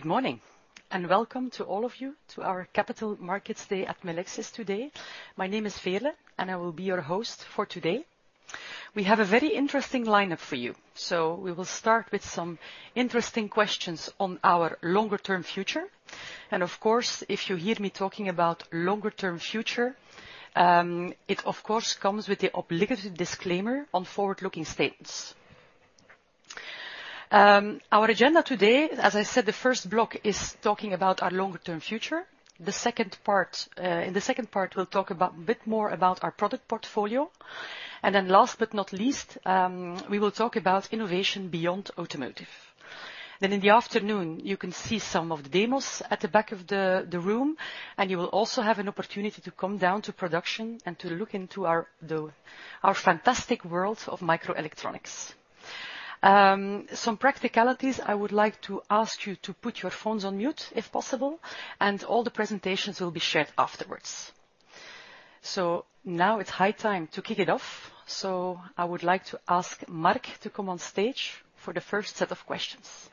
Good morning, and welcome to all of you to our Capital Markets Day at Melexis today. My name is Veerle, and I will be your host for today. We have a very interesting lineup for you. So we will start with some interesting questions on our longer-term future. And, of course, if you hear me talking about longer-term future, it, of course, comes with the obligatory disclaimer on forward-looking statements. Our agenda today, as I said, the first block is talking about our longer-term future. The second part, in the second part, we'll talk about a bit more about our product portfolio. And then last but not least, we will talk about innovation beyond automotive. Then in the afternoon, you can see some of the demos at the back of the room, and you will also have an opportunity to come down to production and to look into our fantastic world of microelectronics. Some practicalities, I would like to ask you to put your phones on mute, if possible, and all the presentations will be shared afterwards. So now it's high time to kick it off, so I would like to ask Marc to come on stage for the first set of questions.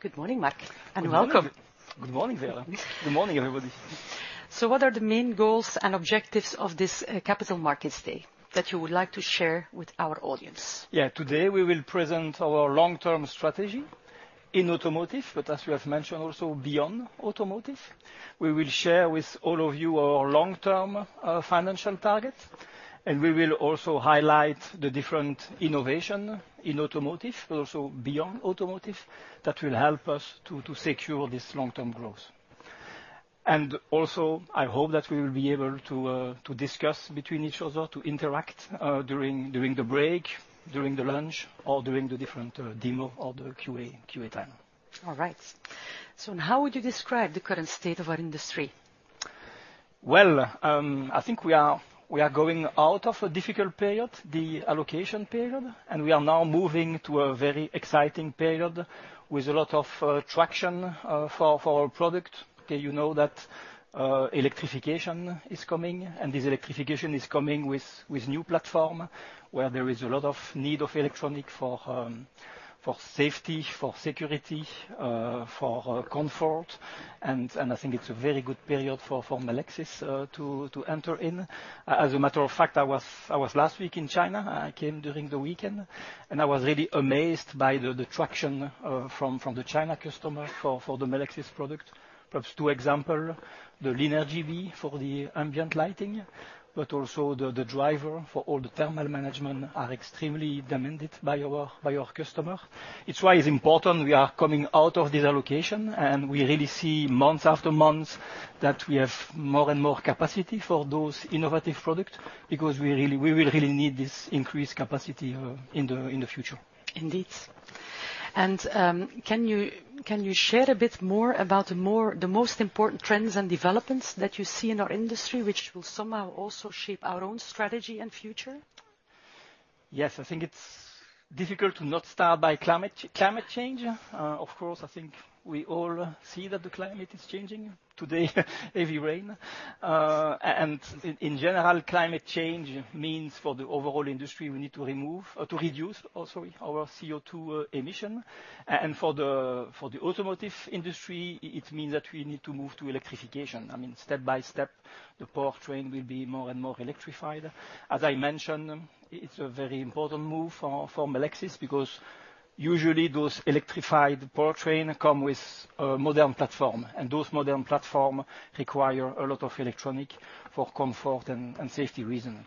Good morning, Marc, and welcome. Good morning, Veerle. Good morning, everybody. What are the main goals and objectives of this Capital Markets Day that you would like to share with our audience? Yeah, today, we will present our long-term strategy in automotive, but as you have mentioned, also beyond automotive. We will share with all of you our long-term financial targets, and we will also highlight the different innovation in automotive, but also beyond automotive, that will help us to secure this long-term growth. And also, I hope that we will be able to discuss between each other, to interact during the break, during the lunch, or during the different demo or the Q&A time. All right. So how would you describe the current state of our industry? Well, I think we are going out of a difficult period, the allocation period, and we are now moving to a very exciting period with a lot of traction for our product. Okay, you know that electrification is coming, and this electrification is coming with new platform, where there is a lot of need of electronic for safety, for security, for comfort. And I think it's a very good period for Melexis to enter in. As a matter of fact, I was last week in China. I came during the weekend, and I was really amazed by the traction from the China customer for the Melexis product. Perhaps two examples, the LIN RGB for the ambient lighting, but also the driver for all the thermal management are extremely demanded by our customer. It's why it's important we are coming out of this allocation, and we really see month after month that we have more and more capacity for those innovative product, because we really will really need this increased capacity in the future. Indeed. And, can you share a bit more about the most important trends and developments that you see in our industry, which will somehow also shape our own strategy and future? Yes, I think it's difficult to not start by climate, climate change. Of course, I think we all see that the climate is changing. Today, heavy rain. And in general, climate change means for the overall industry, we need to reduce our CO2 emission. And for the automotive industry, it means that we need to move to electrification. I mean, step by step, the powertrain will be more and more electrified. As I mentioned, it's a very important move for Melexis, because usually those electrified powertrain come with a modern platform, and those modern platform require a lot of electronic for comfort and safety reason.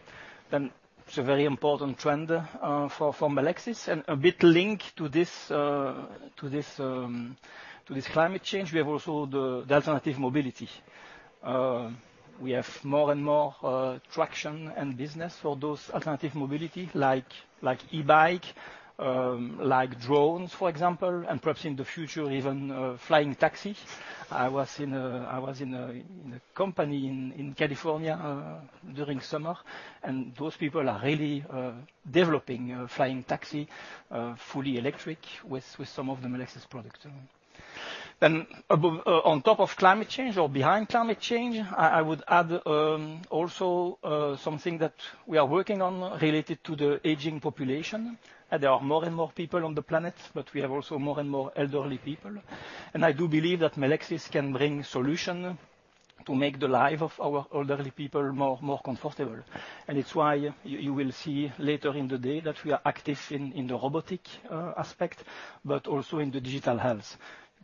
Then it's a very important trend for Melexis, and a bit linked to this climate change, we have also the alternative mobility. We have more and more traction and business for those alternative mobility, like, like e-bike, like drones, for example, and perhaps in the future, even flying taxi. I was in a company in California during summer, and those people are really developing a flying taxi, fully electric with some of the Melexis products. Then on top of climate change or behind climate change, I would add also something that we are working on related to the aging population. There are more and more people on the planet, but we have also more and more elderly people. And I do believe that Melexis can bring solution to make the life of our elderly people more comfortable. It's why you will see later in the day that we are active in the robotic aspect, but also in the digital health.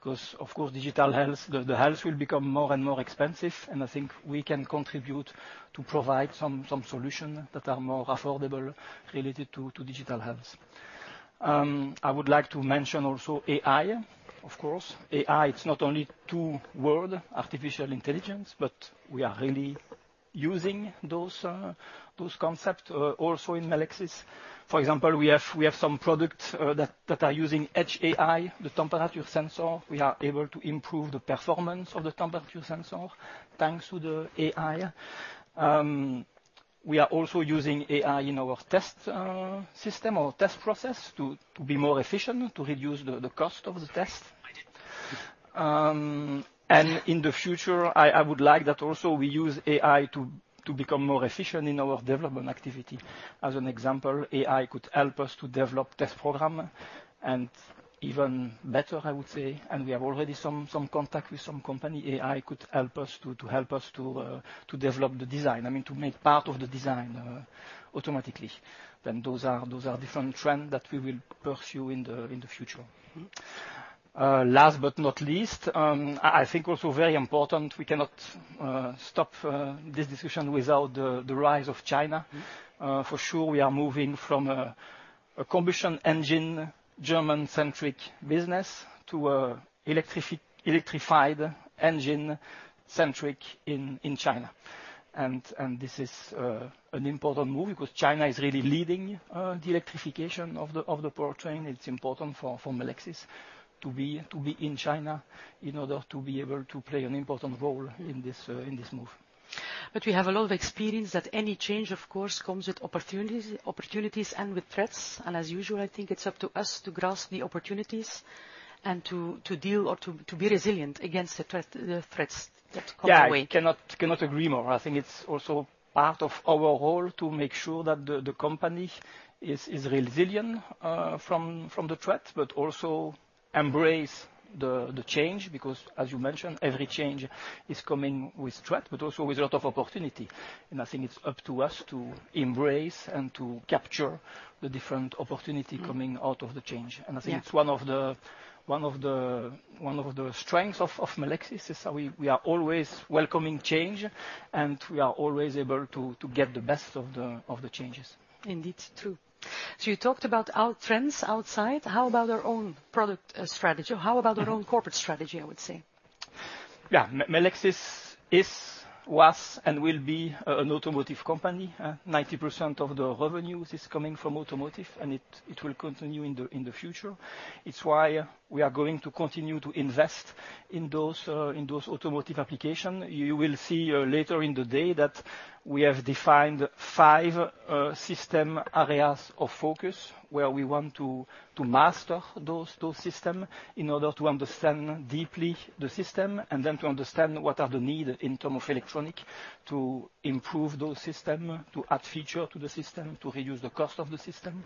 Because, of course, digital health, the health will become more and more expensive, and I think we can contribute to provide some solutions that are more affordable related to digital health. I would like to mention also AI, of course. AI, it's not only two word, artificial intelligence, but we are really using those concepts also in Melexis. For example, we have some products that are using Edge AI, the temperature sensor. We are able to improve the performance of the temperature sensor, thanks to the AI. We are also using AI in our test system or test process to be more efficient, to reduce the cost of the test. And in the future, I would like that also we use AI to become more efficient in our development activity. As an example, AI could help us to develop test program, and even better, I would say, and we have already some contact with some company. AI could help us to develop the design. I mean, to make part of the design automatically. Then those are different trend that we will pursue in the future. Last but not least, I think also very important, we cannot stop this discussion without the rise of China. For sure, we are moving from a combustion engine, German-centric business to a electrified engine-centric in China. And this is an important move because China is really leading the electrification of the powertrain. It's important for Melexis to be in China in order to be able to play an important role in this move. We have a lot of experience that any change, of course, comes with opportunities, opportunities and with threats. As usual, I think it's up to us to grasp the opportunities and to deal or to be resilient against the threat, the threats that comes our way. Yeah, I cannot agree more. I think it's also part of our role to make sure that the company is resilient from the threat, but also embrace the change, because as you mentioned, every change is coming with threat, but also with a lot of opportunity. I think it's up to us to embrace and to capture the different opportunity coming out of the change. Yeah. I think it's one of the strengths of Melexis, is how we are always welcoming change, and we are always able to get the best of the changes. Indeed, true. So you talked about our trends outside. How about our own product strategy? Or how about our own corporate strategy, I would say? Yeah. Melexis is, was, and will be an automotive company. 90% of the revenues is coming from automotive, and it will continue in the future. It's why we are going to continue to invest in those automotive application. You will see later in the day that we have defined five system areas of focus, where we want to master those system, in order to understand deeply the system, and then to understand what are the need in term of electronic, to improve those system, to add feature to the system, to reduce the cost of the system.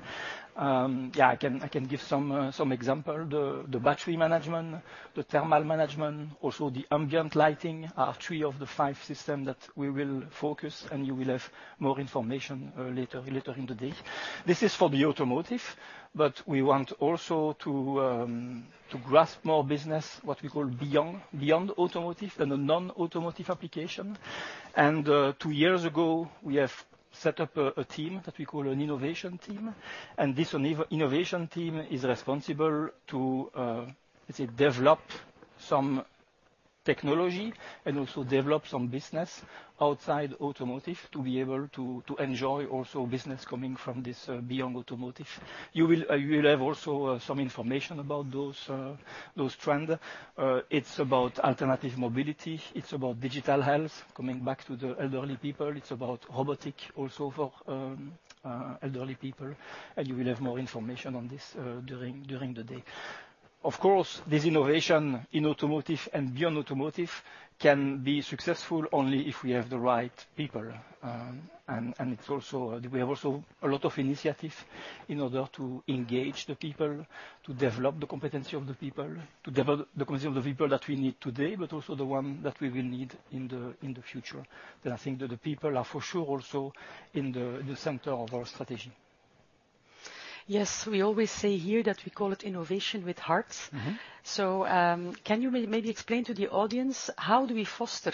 Yeah, I can give some example. The battery management, the thermal management, also the ambient lighting, are three of the five system that we will focus, and you will have more information later, later in the day. This is for the automotive, but we want also to grasp more business, what we call beyond, beyond automotive and the non-automotive application. Two years ago, we have set up a team that we call an innovation team. And this innovation team is responsible to, let's say, develop some technology and also develop some business outside automotive to be able to enjoy also business coming from this beyond automotive. You will have also some information about those those trend. It's about alternative mobility, it's about digital health, coming back to the elderly people, it's about robotic also for elderly people, and you will have more information on this during the day. Of course, this innovation in automotive and beyond automotive can be successful only if we have the right people. And it's also we have also a lot of initiative in order to engage the people, to develop the competency of the people, to develop the competency of the people that we need today, but also the one that we will need in the future. Then I think that the people are, for sure, also in the center of our strategy. Yes, we always say here that we call it innovation with hearts. So, can you maybe explain to the audience how do we foster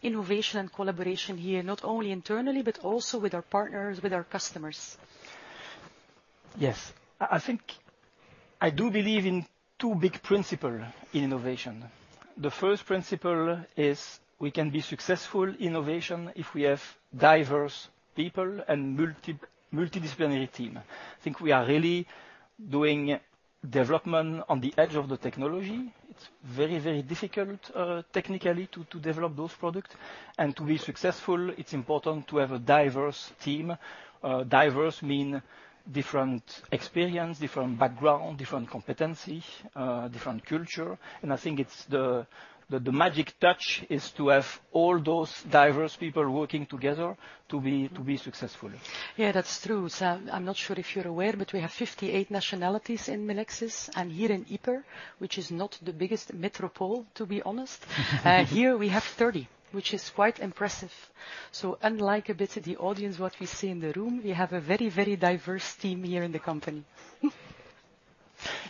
innovation and collaboration here, not only internally, but also with our partners, with our customers? Yes. I think I do believe in two big principle in innovation. The first principle is we can be successful innovation if we have diverse people and multidisciplinary team. I think we are really doing development on the edge of the technology. It's very, very difficult, technically, to develop those products. And to be successful, it's important to have a diverse team. Diverse mean different experience, different background, different competency, different culture. And I think it's the magic touch is to have all those diverse people working together to be successful. Yeah, that's true. So I'm not sure if you're aware, but we have 58 nationalities in Melexis, and here in Ieper, which is not the biggest metropolis, to be honest. Here we have 30, which is quite impressive. So unlike a bit of the audience, what we see in the room, we have a very, very diverse team here in the company.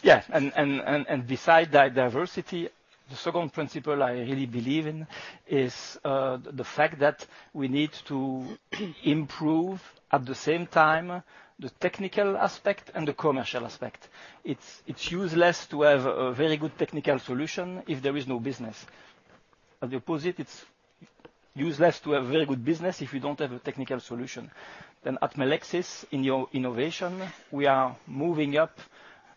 Yeah, and besides that diversity, the second principle I really believe in is the fact that we need to improve, at the same time, the technical aspect and the commercial aspect. It's useless to have a very good technical solution if there is no business. At the opposite, it's useless to have very good business if you don't have a technical solution. Then at Melexis, in your innovation, we are moving up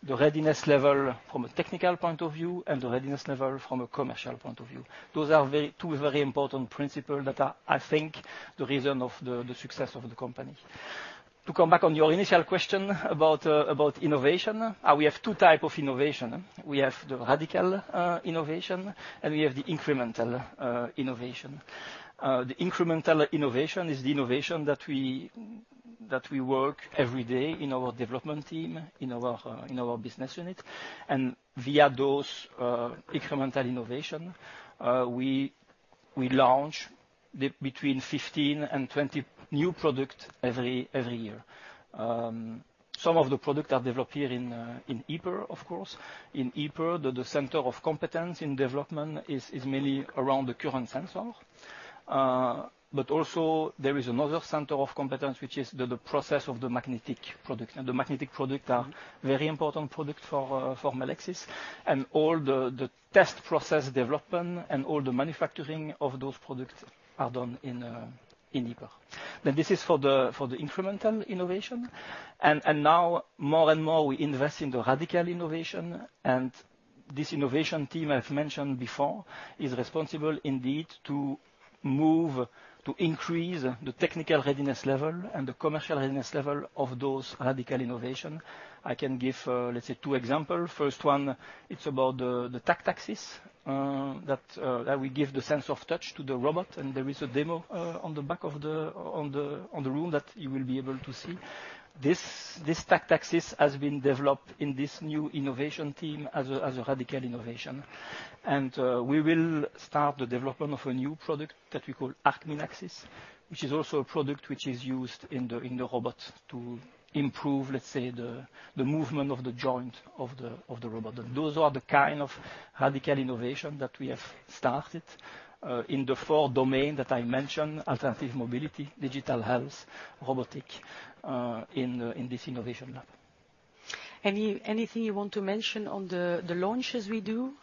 the readiness level from a technical point of view and the readiness level from a commercial point of view. Those are two very important principle that are, I think, the reason of the success of the company. To come back on your initial question about innovation, we have two type of innovation. We have the radical innovation, and we have the incremental innovation. The incremental innovation is the innovation that we work every day in our development team, in our business unit. And via those, incremental innovation, we launch between 15 and 20 new product every year. Some of the product are developed here in Ypres, of course. In Ypres, the center of competence in development is mainly around the current sensor. But also there is another center of competence, which is the process of the magnetic product. And the magnetic product are very important product for Melexis. And all the test process development and all the manufacturing of those products are done in Ypres. Now, this is for the incremental innovation. Now, more and more, we invest in the radical innovation, and this innovation team, I've mentioned before, is responsible indeed to move, to increase the technical readiness level and the commercial readiness level of those radical innovation. I can give, let's say, two example. First one, it's about the Tactaxis that will give the sense of touch to the robot, and there is a demo on the back of the room that you will be able to see. This Tactaxis has been developed in this new innovation team as a radical innovation. We will start the development of a new product that we call ArcMinAxis, which is also a product which is used in the robot to improve, let's say, the movement of the joint of the robot. Those are the kind of radical innovation that we have started in the four domains that I mentioned: alternative mobility, digital health, robotics, in this innovation lab. Anything you want to mention on the launches we do?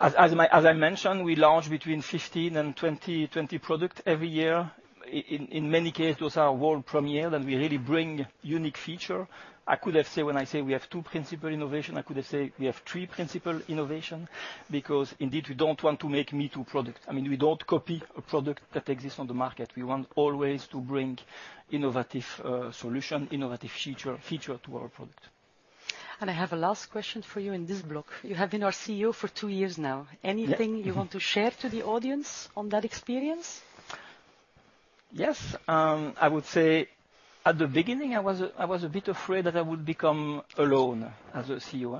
As I mentioned, we launch between 15 and 20 products every year. In many cases, those are world premieres, and we really bring unique features. I could have said, when I say we have two principal innovations, I could have said we have three principal innovations, because indeed, we don't want to make me-too products. I mean, we don't copy a product that exists on the Market. We want always to bring innovative solutions, innovative features to our products. I have a last question for you in this block. You have been our CEO for two years now. Yeah. Anything you want to share to the audience on that experience? Yes. I would say at the beginning, I was a bit afraid that I would become alone as a CEO.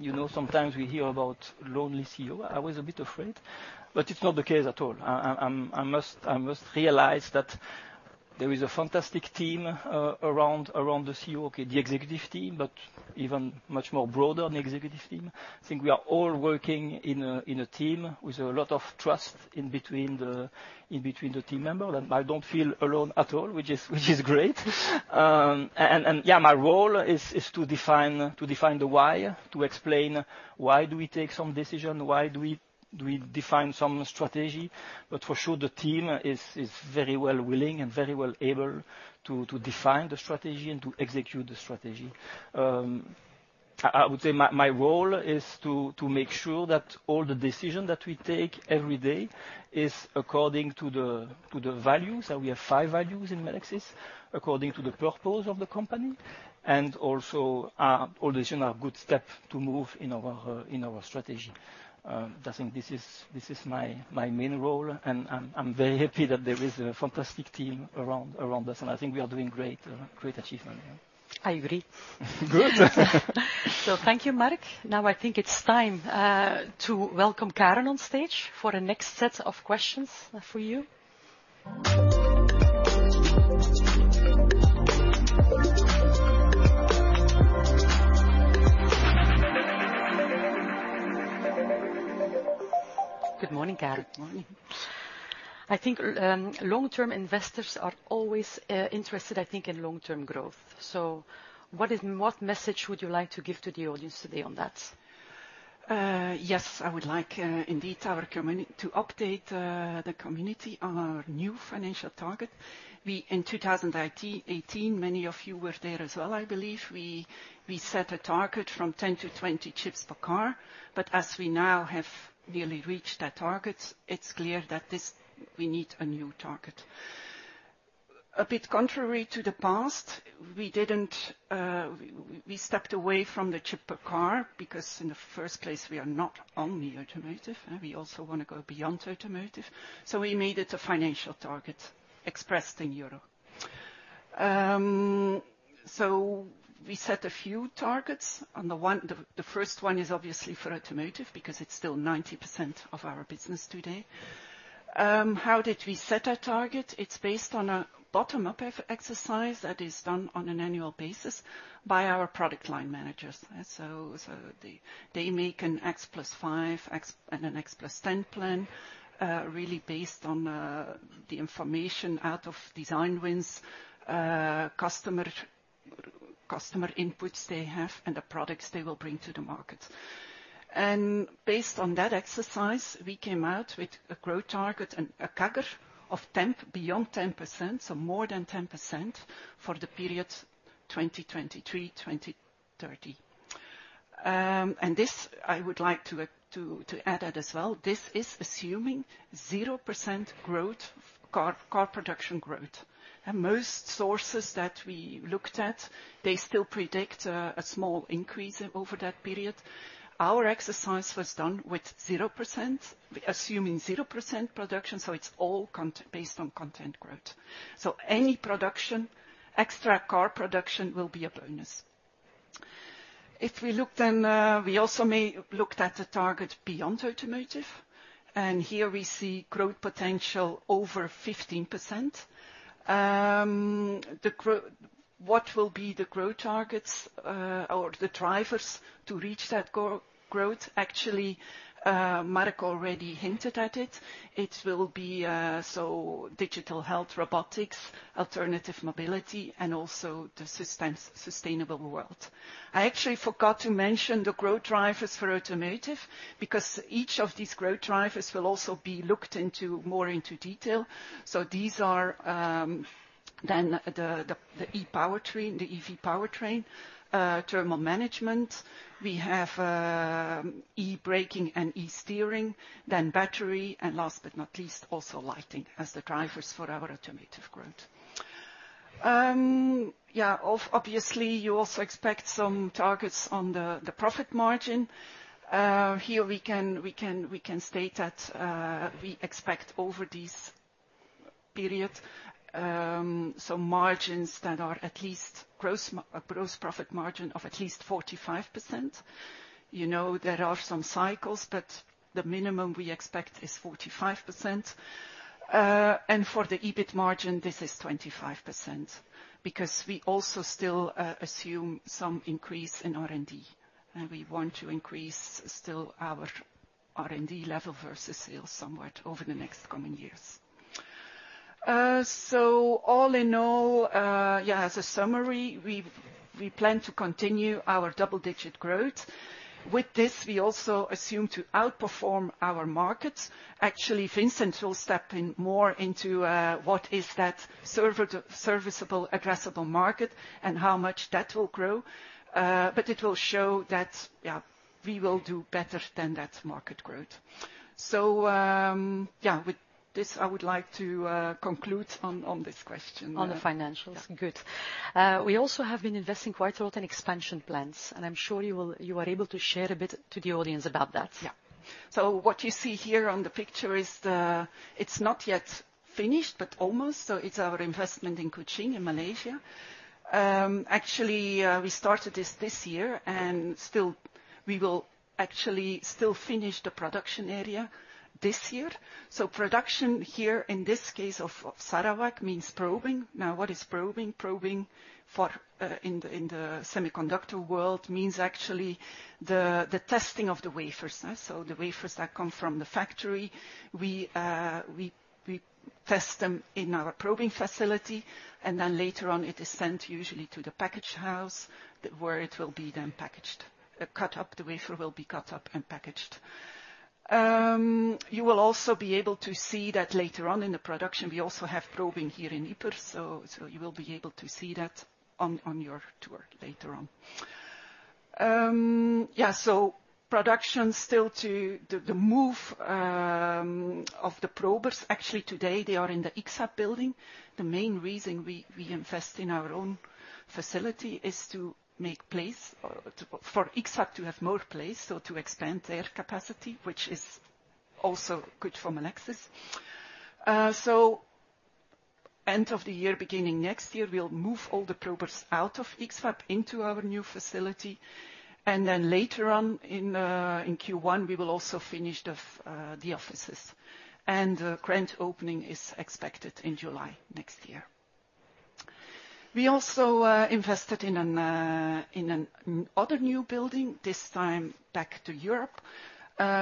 You know, sometimes we hear about lonely CEO. I was a bit afraid, but it's not the case at all. I must realize that there is a fantastic team around the CEO, okay, the executive team, but even much more broader than the executive team. I think we are all working in a team with a lot of trust in between the team member, and I don't feel alone at all, which is great. And yeah, my role is to define the why, to explain why do we take some decision, why do we define some strategy. But for sure, the team is very well-willing and very well able to define the strategy and to execute the strategy. I would say my role is to make sure that all the decision that we take every day is according to the values, and we have five values in Melexis, according to the purpose of the company, and also, all these are good step to move in our strategy. I think this is my main role, and I'm very happy that there is a fantastic team around us, and I think we are doing great achievement. Yeah. I agree. Good. Thank you, Marc. Now, I think it's time to welcome Karen on stage for the next set of questions for you. Good morning, Karen. Good morning. I think, long-term investors are always interested, I think, in long-term growth. So what is. What message would you like to give to the audience today on that? Yes, I would like indeed our community to update the community on our new financial target. We, in 2018, many of you were there as well, I believe, we, we set a target from 10-20 chips per car, but as we now have nearly reached that target, it's clear that this, we need a new target. A bit contrary to the past, we didn't, we, we stepped away from the chip per car because in the first place, we are not only automotive, we also want to go beyond automotive, so we made it a financial target expressed in euro. So we set a few targets, and the one, the, the first one is obviously for automotive, because it's still 90% of our business today. How did we set our target? It's based on a bottom-up exercise that is done on an annual basis by our product line managers. So they make an X plus five, X, and an X plus ten plan, really based on the information out of design wins, customer inputs they have, and the products they will bring to the Market. And based on that exercise, we came out with a growth target and a CAGR of 10, beyond 10%, so more than 10% for the period 2023-2030. And this, I would like to add it as well. This is assuming 0% growth, car production growth. And most sources that we looked at, they still predict a small increase over that period. Our exercise was done with 0%, assuming 0% production, so it's all content-based on content growth. So any production, extra car production will be a bonus. If we look then, we also looked at the target beyond automotive, and here we see growth potential over 15%. The growth what will be the growth targets, or the drivers to reach that growth? Actually, Marc already hinted at it. It will be, so digital health, robotics, alternative mobility, and also the sustainable world. I actually forgot to mention the growth drivers for automotive, because each of these growth drivers will also be looked into more into detail. So these are, then the, the, the e-powertrain, the EV powertrain, thermal management. We have e-braking and e-steering, then battery, and last but not least, also lighting as the drivers for our automotive growth. Yeah, obviously, you also expect some targets on the profit margin. Here we can state that we expect over this period, so margins that are at least a gross profit margin of at least 45%. You know, there are some cycles, but the minimum we expect is 45%. And for the EBIT margin, this is 25%, because we also still assume some increase in R&D, and we want to increase still our R&D level versus sales somewhat over the next coming years. So all in all, yeah, as a summary, we plan to continue our double-digit growth. With this, we also assume to outperform our Markets. Actually, Vincent will step in more into what is that serviceable addressable Market and how much that will grow. But it will show that, yeah, we will do better than that Market growth. So, yeah, with this, I would like to conclude on this question. On the financials. Yeah. Good. We also have been investing quite a lot in expansion plans, and I'm sure you will you are able to share a bit to the audience about that. Yeah. So what you see here on the picture is the... It's not yet finished, but almost. So it's our investment in Kuching, in Malaysia. Actually, we started this this year, and still, we will actually still finish the production area this year. So production here, in this case of Sarawak, means probing. Now, what is probing? Probing in the semiconductor world means actually the testing of the wafers. So the wafers that come from the factory, we test them in our probing facility, and then later on, it is sent usually to the package house, where it will be then packaged. Cut up, the wafer will be cut up and packaged. You will also be able to see that later on in the production. We also have probing here in Ieper, so you will be able to see that on your tour later on. Yeah, so production still to the move of the probers; actually today, they are in the X-FAB building. The main reason we invest in our own facility is to make place, or for X-FAB to have more place, so to expand their capacity, which is also good for Melexis. So end of the year, beginning next year, we'll move all the probers out of X-FAB into our new facility, and then later on in Q1, we will also finish the offices. And the grand opening is expected in July next year. We also invested in an other new building, this time back to Europe.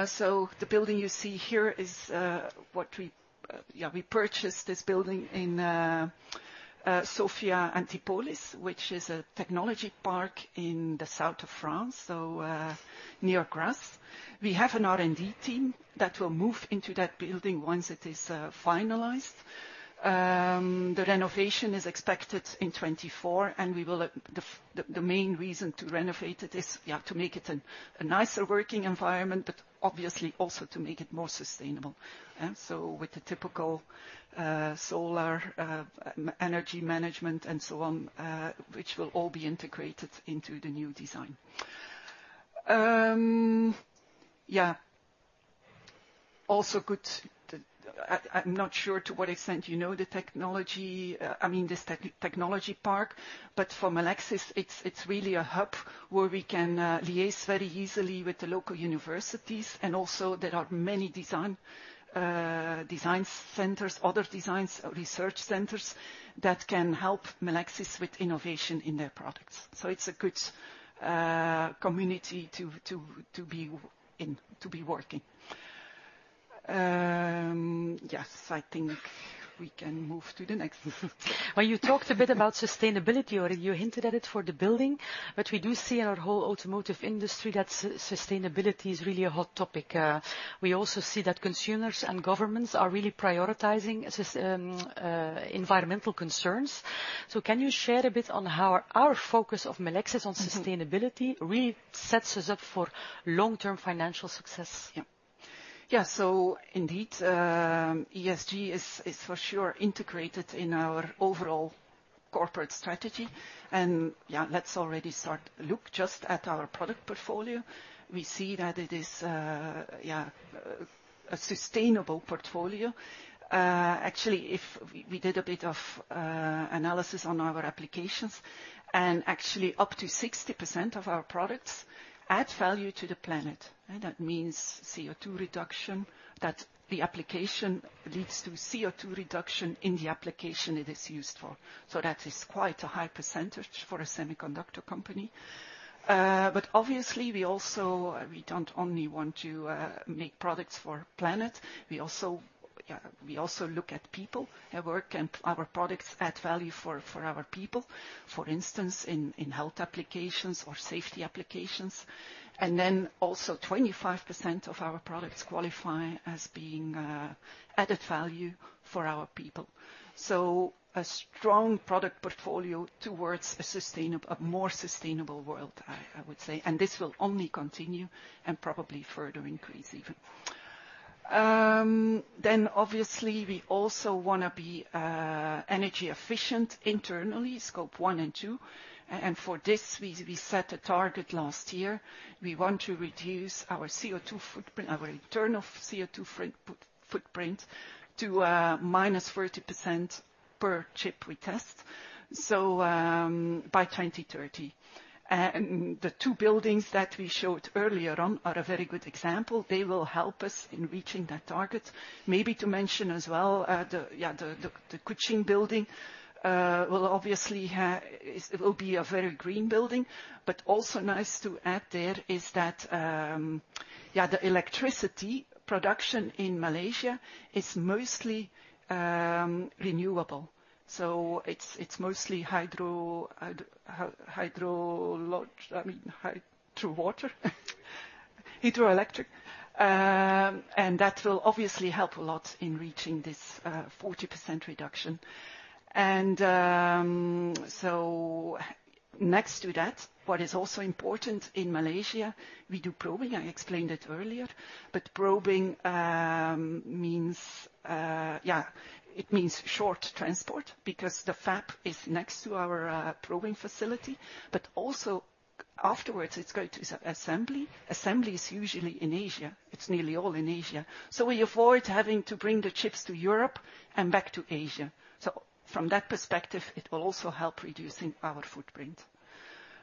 So the building you see here is what we yeah we purchased this building in Sophia Antipolis, which is a technology park in the south of France, so near Grasse. We have an R&D team that will move into that building once it is finalized. The renovation is expected in 2024, and we will. The main reason to renovate it is yeah to make it a nicer working environment, but obviously also to make it more sustainable. So with the typical solar energy management and so on, which will all be integrated into the new design. Yeah, also good, the I'm not sure to what extent you know the technology, I mean, this technology park, but for Melexis, it's really a hub where we can liaise very easily with the local universities, and also there are many design design centers, other designs, research centers that can help Melexis with innovation in their products. So it's a good community to be in, to be working. Yes, I think we can move to the next. Well, you talked a bit about sustainability, or you hinted at it for the building, but we do see in our whole automotive industry that sustainability is really a hot topic. We also see that consumers and governments are really prioritizing environmental concerns. So can you share a bit on how our focus of Melexis on sustainability really sets us up for long-term financial success? Yeah. Yeah, so indeed, ESG is for sure integrated in our overall corporate strategy. And, yeah, let's already start. Look just at our product portfolio, we see that it is, yeah, a sustainable portfolio. Actually, if we did a bit of analysis on our applications, and actually up to 60% of our products add value to the planet, right? That means CO2 reduction, that the application leads to CO2 reduction in the application it is used for. So that is quite a high percentage for a semiconductor company. But obviously, we also we don't only want to make products for planet, we also we also look at people at work, and our products add value for our people, for instance, in health applications or safety applications. Then also, 25% of our products qualify as being added value for our people. So a strong product portfolio towards a sustainable, more sustainable world, I would say, and this will only continue and probably further increase even. Then obviously, we also wanna be energy efficient internally, Scope 1 and 2, and for this, we set a target last year. We want to reduce our CO2 footprint, our internal CO2 footprint, to -40% per chip we test, so by 2030. And the two buildings that we showed earlier on are a very good example. They will help us in reaching that target. Maybe to mention as well, the Kuching building will obviously have, it will be a very green building, but also nice to add there is that, the electricity production in Malaysia is mostly renewable. So it's mostly hydro, I mean, hydroelectric. And that will obviously help a lot in reaching this 40% reduction. And so next to that, what is also important in Malaysia, we do probing. I explained it earlier, but probing means, it means short transport because the fab is next to our probing facility, but also afterwards, it's going to assembly. Assembly is usually in Asia. It's nearly all in Asia. So we avoid having to bring the chips to Europe and back to Asia. So from that perspective, it will also help reducing our footprint.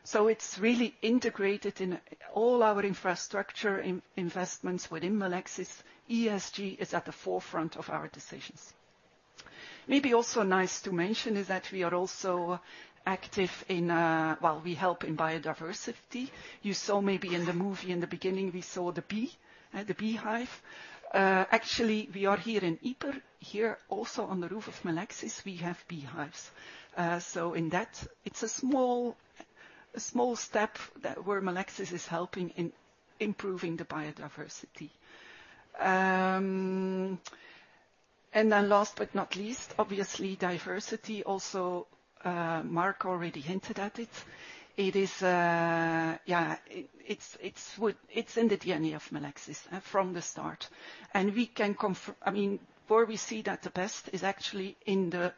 So it's really integrated in all our infrastructure in investments within Melexis. ESG is at the forefront of our decisions. Maybe also nice to mention is that we are also active in, well, we help in biodiversity. You saw maybe in the movie in the beginning, we saw the bee, the beehive. Actually, we are here in Ieper. Here, also on the roof of Melexis, we have beehives. So in that, it's a small, a small step that where Melexis is helping in improving the biodiversity. And then last but not least, obviously, diversity. Also, Marc already hinted at it. It is, yeah, it's in the DNA of Melexis, from the start. And we can confir... I mean, where we see that the best is actually in the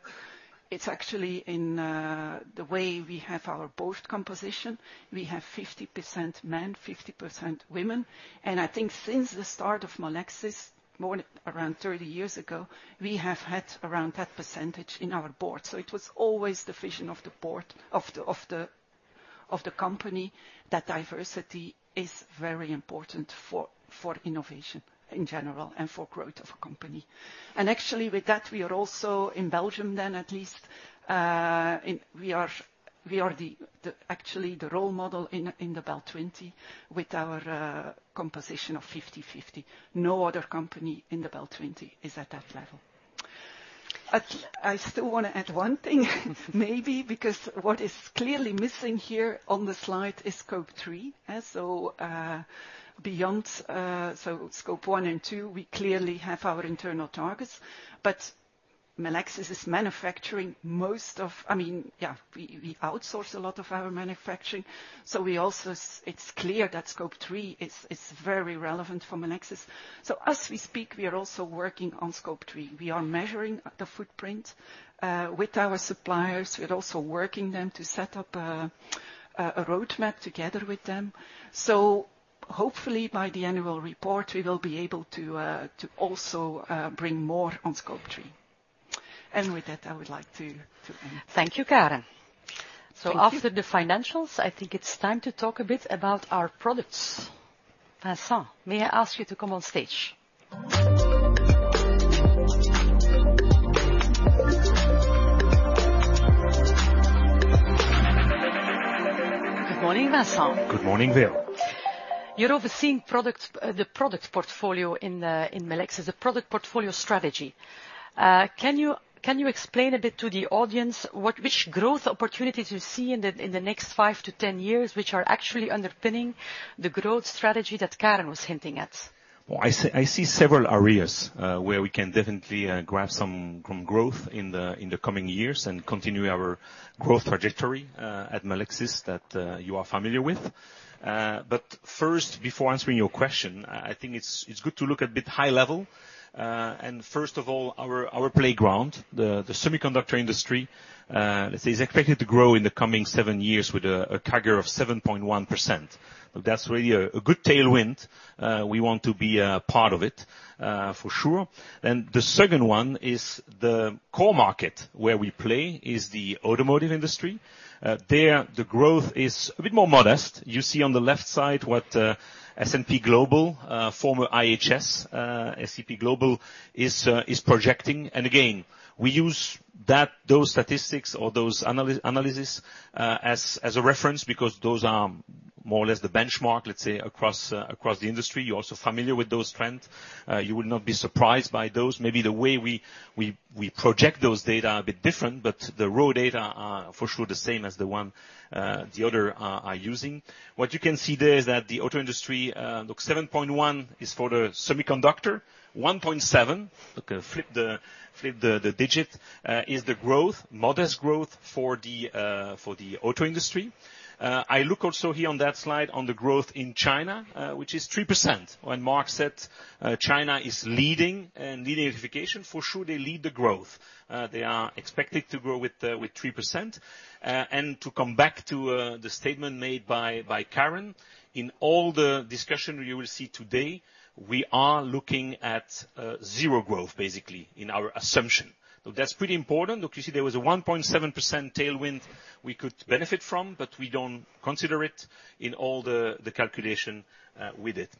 way we have our board composition. We have 50% men, 50% women, and I think since the start of Melexis, more around 30 years ago, we have had around that percentage in our board. So it was always the vision of the board of the company that diversity is very important for innovation in general and for growth of a company. And actually, with that, we are also in Belgium then, at least, in we are the actually the role model in the BEL 20, with our composition of 50/50. No other company in the BEL 20 is at that level. I still want to add one thing, maybe because what is clearly missing here on the slide is Scope 3. So, beyond so Scope 1 and 2, we clearly have our internal targets, but Melexis is manufacturing most of... I mean, yeah, we outsource a lot of our manufacturing, so we also, it's clear that Scope 3 is very relevant for Melexis. So as we speak, we are also working on Scope 3. We are measuring the footprint with our suppliers. We're also working them to set up a roadmap together with them. So hopefully, by the annual report, we will be able to also bring more on Scope 3. And with that, I would like to end. Thank you, Karen. Thank you. After the financials, I think it's time to talk a bit about our products. Vincent, may I ask you to come on stage? Good morning, Vincent. Good morning, Veerle. You're overseeing products, the product portfolio in Melexis, the product portfolio strategy. Can you explain a bit to the audience which growth opportunities you see in the next five to 10 years, which are actually underpinning the growth strategy that Karen was hinting at? Well, I see several areas where we can definitely grab some growth in the coming years and continue our growth trajectory at Melexis that you are familiar with. But first, before answering your question, I think it's good to look a bit high level. And first of all, our playground, the semiconductor industry, let's say, is expected to grow in the coming seven years with a CAGR of 7.1%. That's really a good tailwind. We want to be a part of it, for sure. And the second one is the core Market, where we play, is the automotive industry. There, the growth is a bit more modest. You see on the left side what S&P Global, former IHS, S&P Global is projecting. Again, we use those statistics or those analysis as a reference, because those are more or less the benchmark, let's say, across the industry. You're also familiar with those trends. You will not be surprised by those. Maybe the way we project those data are a bit different, but the raw data are, for sure, the same as the ones the others are using. What you can see there is that the auto industry, look, 7.1 is for the semiconductor, 1.7, okay, flip the digit, is the growth, modest growth for the auto industry. I look also here on that slide on the growth in China, which is 3%. When Marc said, China is leading, leading electrification, for sure, they lead the growth. They are expected to grow with 3%. To come back to the statement made by Karen, in all the discussion you will see today, we are looking at zero growth, basically, in our assumption. So that's pretty important. Look, you see there was a 1.7% tailwind we could benefit from, but we don't consider it in all the calculation with it.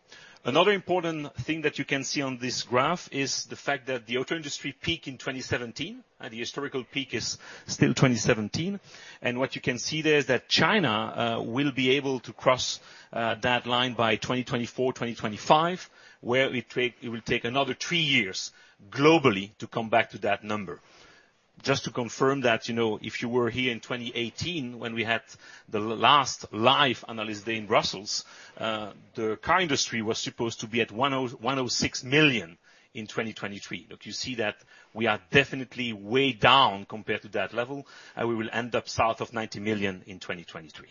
Another important thing that you can see on this graph is the fact that the auto industry peak in 2017, and the historical peak is still 2017. What you can see there is that China will be able to cross that line by 2024-2025, where it will take another three years globally to come back to that number. Just to confirm that, you know, if you were here in 2018, when we had the last live analyst day in Brussels, the car industry was supposed to be at 106 million in 2023. Look, you see that we are definitely way down compared to that level, and we will end up south of 90 million in 2023.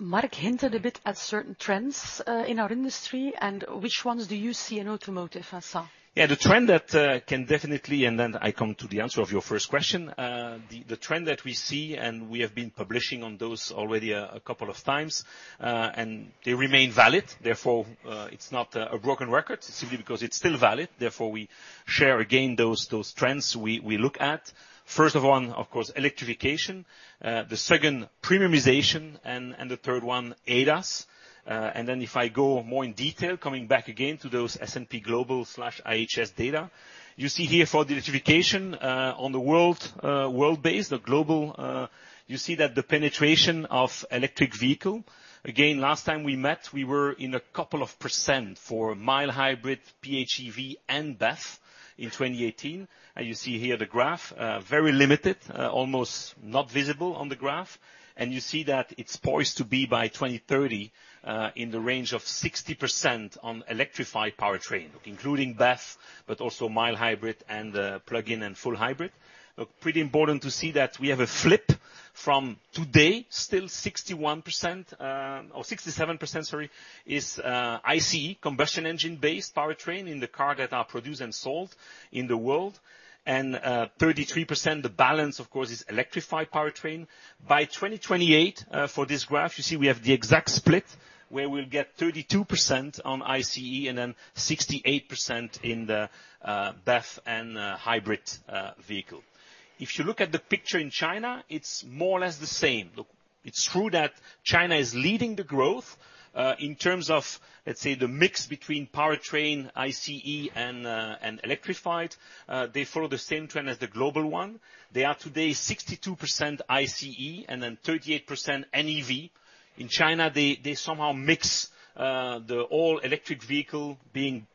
Marc hinted a bit at certain trends, in our industry, and which ones do you see in automotive, Vincent? Yeah, the trend that can definitely, and then I come to the answer of your first question. The trend that we see, and we have been publishing on those already a couple of times, and they remain valid. Therefore, it's not a broken record, simply because it's still valid. Therefore, we share again those trends we look at. First of all, of course, electrification. The second, premiumization, and the third one, ADAS. And then if I go more in detail, coming back again to those S&P Global/IHS data, you see here for the electrification, on the world base, the global, you see that the penetration of electric vehicle. Again, last time we met, we were in a couple of percent for mild hybrid, PHEV, and BEV in 2018. You see here the graph, very limited, almost not visible on the graph. You see that it's poised to be, by 2030, in the range of 60% on electrified powertrain, including BEV, but also mild hybrid and plug-in and full hybrid. Look, pretty important to see that we have a flip from today, still 61%, or 67%, sorry, is ICE, combustion engine-based powertrain in the car that are produced and sold in the world. 33%, the balance, of course, is electrified powertrain. By 2028, for this graph, you see we have the exact split, where we'll get 32% on ICE and then 68% in the BEV and hybrid vehicle. If you look at the picture in China, it's more or less the same. Look, it's true that China is leading the growth in terms of, let's say, the mix between powertrain, ICE, and electrified. They follow the same trend as the global one. They are today 62% ICE and then 38% NEV. In China, they somehow mix the all-electric vehicle being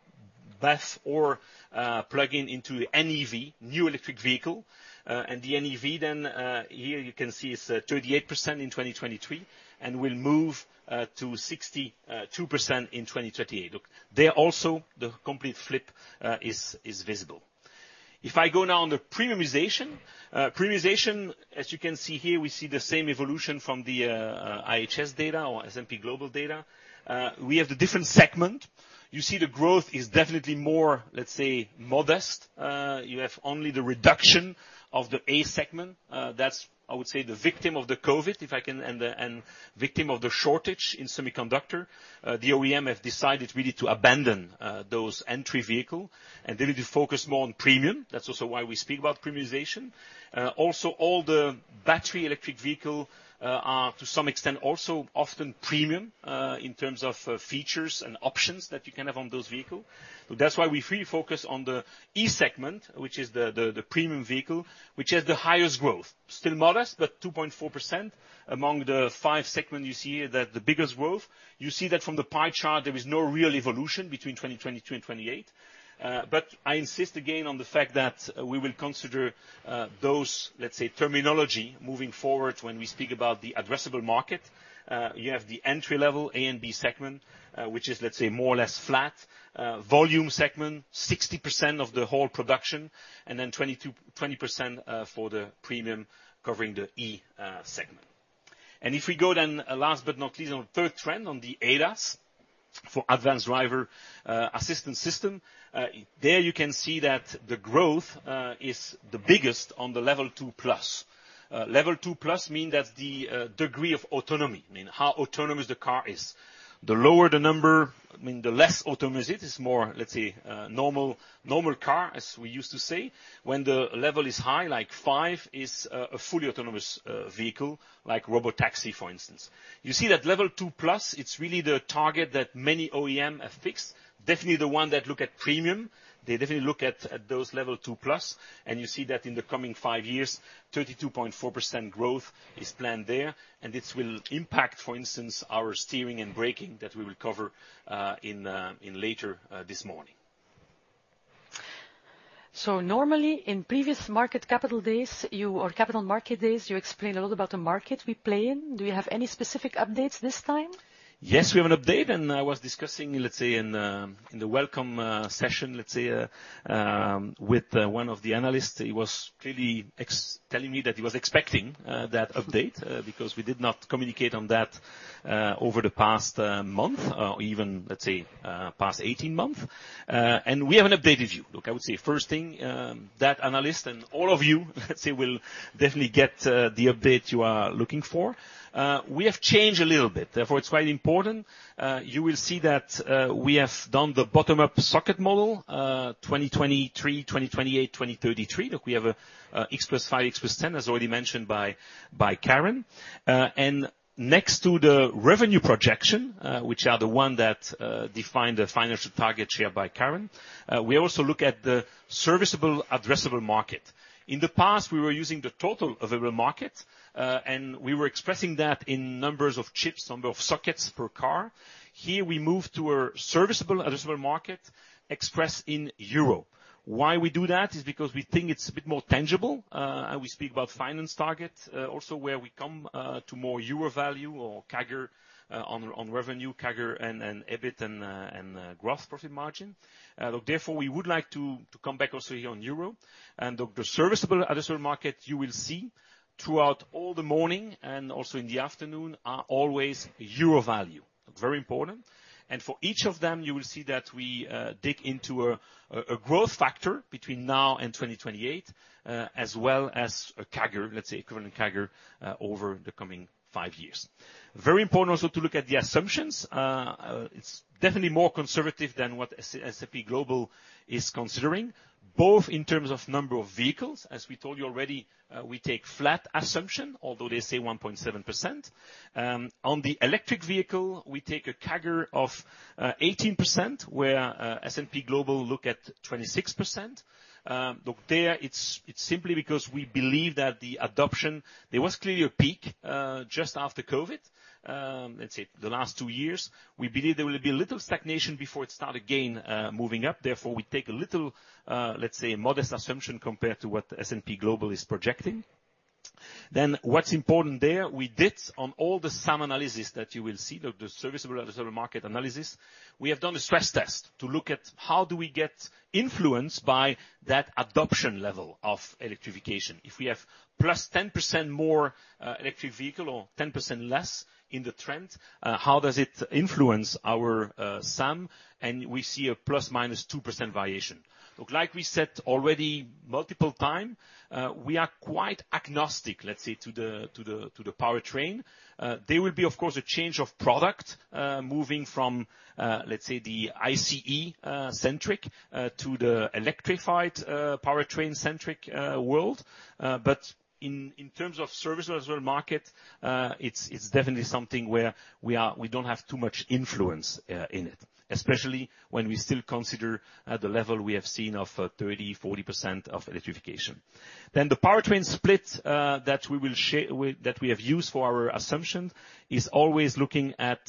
BEV or plug-in into NEV, new electric vehicle. And the NEV then here you can see is 38% in 2023 and will move to 62% in 2028. Look, there also the complete flip is visible. If I go now on the premiumization. Premiumization, as you can see here, we see the same evolution from the IHS data or S&P Global data. We have the different segment. You see the growth is definitely more, let's say, modest. You have only the reduction of the A segment. That's, I would say, the victim of the COVID, if I can, and the, and victim of the shortage in semiconductor. The OEM have decided really to abandon those entry vehicle, and they really focus more on premium. That's also why we speak about premiumization. Also, all the battery electric vehicle are, to some extent, also often premium in terms of features and options that you can have on those vehicle. So that's why we really focus on the E segment, which is the premium vehicle, which has the highest growth. Still modest, but 2.4%. Among the five segment, you see that the biggest growth, you see that from the pie chart, there is no real evolution between 2022 and 2028. But I insist again on the fact that, we will consider, those, let's say, terminology moving forward when we speak about the addressable Market. You have the entry-level A and B segment, which is, let's say, more or less flat. Volume segment, 60% of the whole production, and then 22-20% for the premium, covering the E segment. And if we go then, last but not least, on third trend on the ADAS, for Advanced Driver Assistance Systems, there you can see that the growth is the biggest on the level 2+. Level 2+ mean that the degree of autonomy, mean how autonomous the car is. The lower the number, I mean, the less autonomous it is more, let's say, normal car, as we used to say. When the level is high, like 5, is a fully autonomous vehicle, like robotaxi, for instance. You see that level 2+, it's really the target that many OEM have fixed. Definitely, the one that look at premium, they definitely look at those level 2+, and you see that in the coming 5 years, 32.4% growth is planned there, and this will impact, for instance, our steering and braking that we will cover in later this morning. Normally, in previous capital Market days, you explain a lot about the Market we play in. Do you have any specific updates this time? Yes, we have an update, and I was discussing, let's say, in the welcome session, let's say, with one of the analysts. He was clearly telling me that he was expecting that update because we did not communicate on that over the past month, or even, let's say, past 18 months. And we have an updated view. Look, I would say, first thing, that analyst and all of you, let's say, will definitely get the update you are looking for. We have changed a little bit, therefore it's quite important. You will see that we have done the bottom-up socket model, 2023, 2028, 2033. Look, we have a express file, express ten, as already mentioned by Karen. And next to the revenue projection, which are the one that define the financial targets here by Karen, we also look at the serviceable addressable Market. In the past, we were using the total addressable Market, and we were expressing that in numbers of chips, number of sockets per car. Here, we move to a serviceable addressable Market expressed in EUR. Why we do that is because we think it's a bit more tangible, and we speak about finance target, also where we come to more EUR value or CAGR on revenue, CAGR and EBIT and gross profit margin. Therefore, we would like to come back also here on EUR, and the serviceable addressable Market you will see throughout all the morning and also in the afternoon are always EUR value. Very important. For each of them, you will see that we dig into a growth factor between now and 2028, as well as a CAGR, let's say, equivalent CAGR, over the coming five years. Very important also to look at the assumptions. It's definitely more conservative than what S&P Global is considering, both in terms of number of vehicles. As we told you already, we take flat assumption, although they say 1.7%. On the electric vehicle, we take a CAGR of 18%, where S&P Global look at 26%. Look, there, it's simply because we believe that the adoption, there was clearly a peak just after COVID, let's say the last two years. We believe there will be a little stagnation before it start again, moving up. Therefore, we take a little, let's say, modest assumption compared to what S&P Global is projecting. Then what's important there, we did on all the SAM analysis that you will see, the serviceable addressable Market analysis, we have done a stress test to look at how do we get influenced by that adoption level of electrification. If we have +10% more electric vehicle or 10% less in the trend, how does it influence our SAM? And we see a ±2% variation. Look, like we said already multiple time, we are quite agnostic, let's say, to the powertrain. There will be, of course, a change of product moving from, let's say, the ICE centric to the electrified powertrain-centric world. But in terms of serviceable addressable Market, it's definitely something where we are—we don't have too much influence in it, especially when we still consider at the level we have seen of 30%-40% of electrification. Then the powertrain split that we will share that we have used for our assumption is always looking at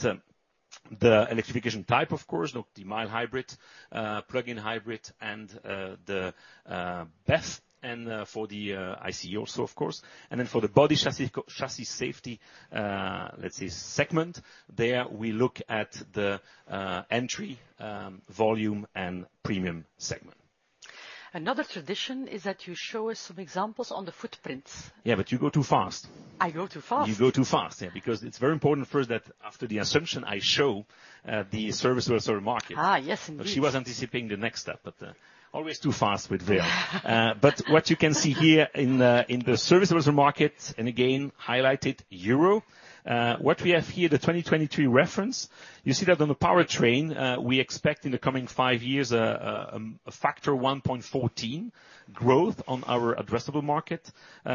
the electrification type, of course, the mild hybrid, plug-in hybrid, and the BEV, and for the ICE also, of course. And then for the body chassis, chassis safety, let's say segment, there we look at the entry volume and premium segment. Another tradition is that you show us some examples on the footprints. Yeah, but you go too fast. I go too fast? You go too fast. Yeah, because it's very important first, that after the assumption, I show the serviceable addressable Market. Ah, yes, indeed. She was anticipating the next step, but always too fast with Virve. But what you can see here in the serviceable addressable Market, and again, highlighted euro, what we have here, the 2023 reference, you see that on the powertrain, we expect in the coming five years, a factor 1.14 growth on our addressable Market,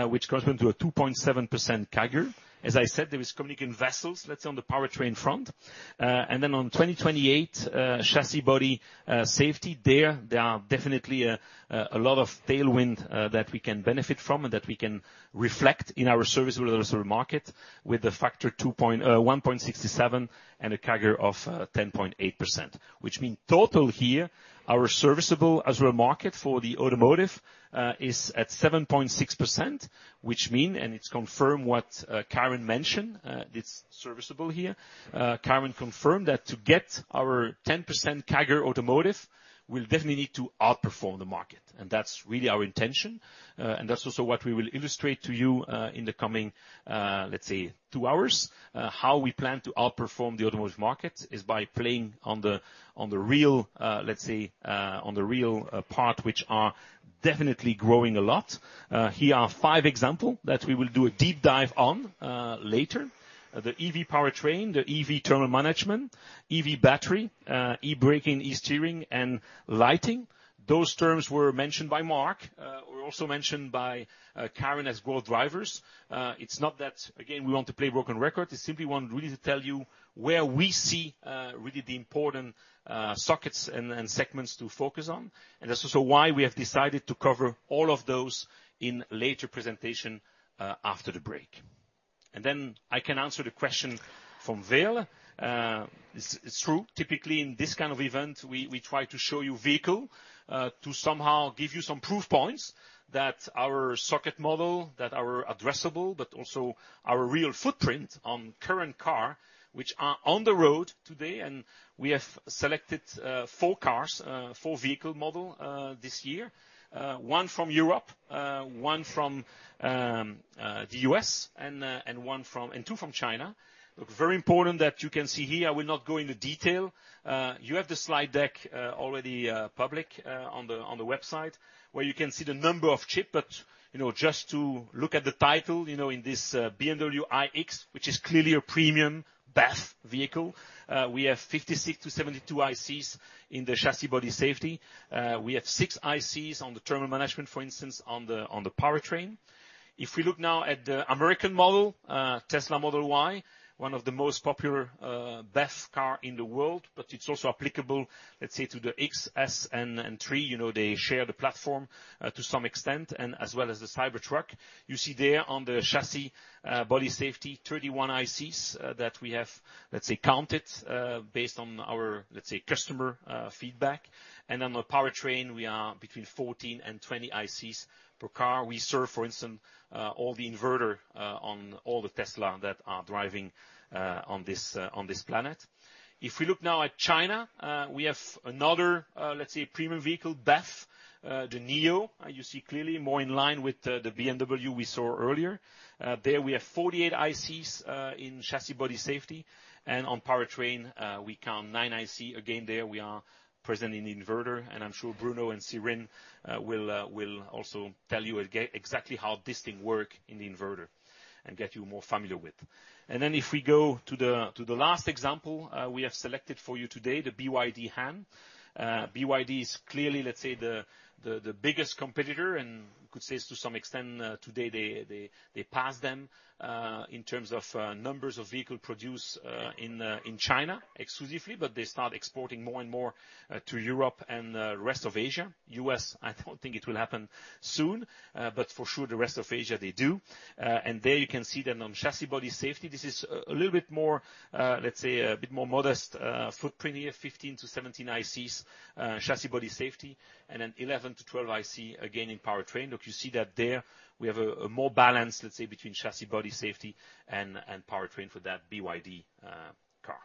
which corresponds to a 2.7% CAGR. As I said, there is communication vessels, let's say, on the powertrain front. And then on 2028, chassis body, safety there, there are definitely a lot of tailwind that we can benefit from and that we can reflect in our service results or Market, with a factor 1.67 and a CAGR of 10.8%. Which means total here, our serviceable addressable Market for the automotive is at 7.6%, which means, and it's confirmed what Karen mentioned, it's serviceable here. Karen confirmed that to get our 10% CAGR automotive, we'll definitely need to outperform the Market, and that's really our intention. And that's also what we will illustrate to you in the coming, let's say two hours. How we plan to outperform the automotive Market is by playing on the, on the real, let's say, on the real part, which are definitely growing a lot. Here are five examples that we will do a deep dive on later. The EV powertrain, the EV thermal management, EV battery, e-braking, e-steering and lighting. Those terms were mentioned by Marc, were also mentioned by Karen as growth drivers. It's not that, again, we want to play broken record, it's simply want really to tell you where we see really the important sockets and segments to focus on. And that's also why we have decided to cover all of those in later presentation after the break. And then I can answer the question from Veerle. It's true, typically, in this kind of event, we try to show you vehicle to somehow give you some proof points that our socket model that are addressable, but also our real footprint on current car, which are on the road today. And we have selected four cars, four vehicle model this year. One from Europe, one from the U.S., and one from... and two from China. But very important that you can see here, I will not go into detail. You have the slide deck already public on the website, where you can see the number of chip. But, you know, just to look at the title, you know, in this BMW iX, which is clearly a premium BEV vehicle, we have 56-72 ICs in the chassis body safety. We have 6 ICs on the terminal management, for instance, on the powertrain. If we look now at the American model, Tesla Model Y, one of the most popular BEV car in the world, but it's also applicable, let's say, to the X, S, and three, you know, they share the platform to some extent, and as well as the Cybertruck. You see there on the chassis, body safety, 31 ICs that we have, let's say, counted based on our, let's say, customer feedback. On the powertrain, we are between 14 and 20 ICs per car. We serve, for instance, all the inverter on all the Tesla that are driving on this planet. If we look now at China, we have another, let's say, premium vehicle, BEV, the NIO. You see clearly more in line with the BMW we saw earlier. There we have 48 ICs in chassis body safety, and on powertrain, we count nine IC. Again, there we are present in the inverter, and I'm sure Bruno and Sirine will also tell you exactly how this thing work in the inverter and get you more familiar with. Then if we go to the last example we have selected for you today, the BYD Han. BYD is clearly, let's say, the biggest competitor, and you could say, to some extent, today, they pass them in terms of numbers of vehicle produced in China exclusively, but they start exporting more and more to Europe and rest of Asia. US, I don't think it will happen soon, but for sure, the rest of Asia, they do. And there you can see that on chassis body safety, this is a little bit more, let's say, a bit more modest footprint here, 15-17 ICs, chassis body safety, and then 11-12 IC again, in powertrain. Look, you see that there, we have a more balanced, let's say, between chassis body safety and powertrain for that BYD car.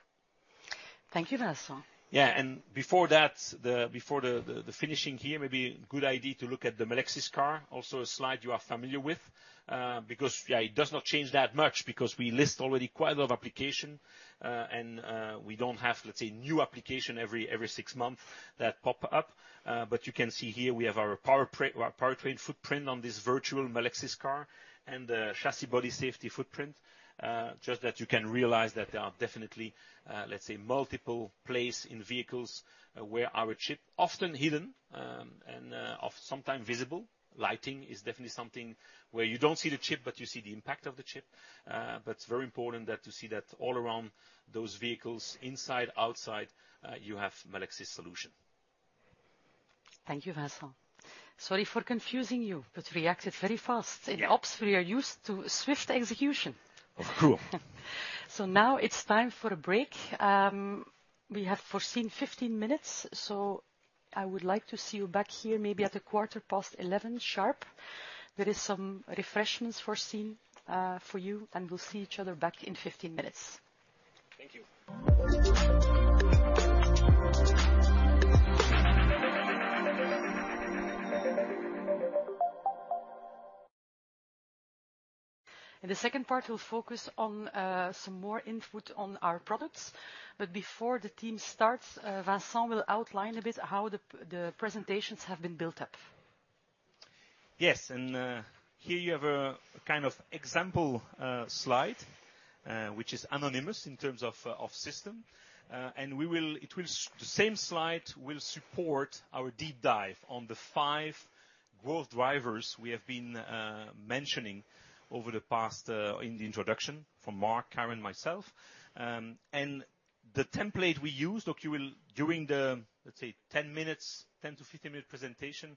Thank you, Vincent. Yeah, and before that, before the finishing here, maybe good idea to look at the Melexis car, also a slide you are familiar with, because, yeah, it does not change that much because we list already quite a lot of applications, and we don't have, let's say, new applications every six months that pop up. But you can see here we have our powertrain footprint on this virtual Melexis car and the chassis body safety footprint. Just that you can realize that there are definitely, let's say, multiple places in vehicles where our chips, often hidden, or sometimes visible. Lighting is definitely something where you don't see the chip, but you see the impact of the chip. It's very important that you see that all around those vehicles, inside, outside, you have Melexis solution. Thank you, Vincent. Sorry for confusing you, but you reacted very fast. Yeah. In ops, we are used to swift execution. Of course. Now it's time for a break. We have foreseen 15 minutes, so I would like to see you back here, maybe at 11:15 sharp. There is some refreshments foreseen for you, and we'll see each other back in 15 minutes. Thank you. In the second part, we'll focus on some more input on our products, but before the team starts, Vincent will outline a bit how the presentations have been built up. Yes, and here you have a kind of example slide which is anonymous in terms of of system. The same slide will support our deep dive on the 5 growth drivers we have been mentioning over the past in the introduction from Marc, Karen, and myself. The template we use, look, you will during the, let's say, 10 minutes, 10- to 15-minute presentation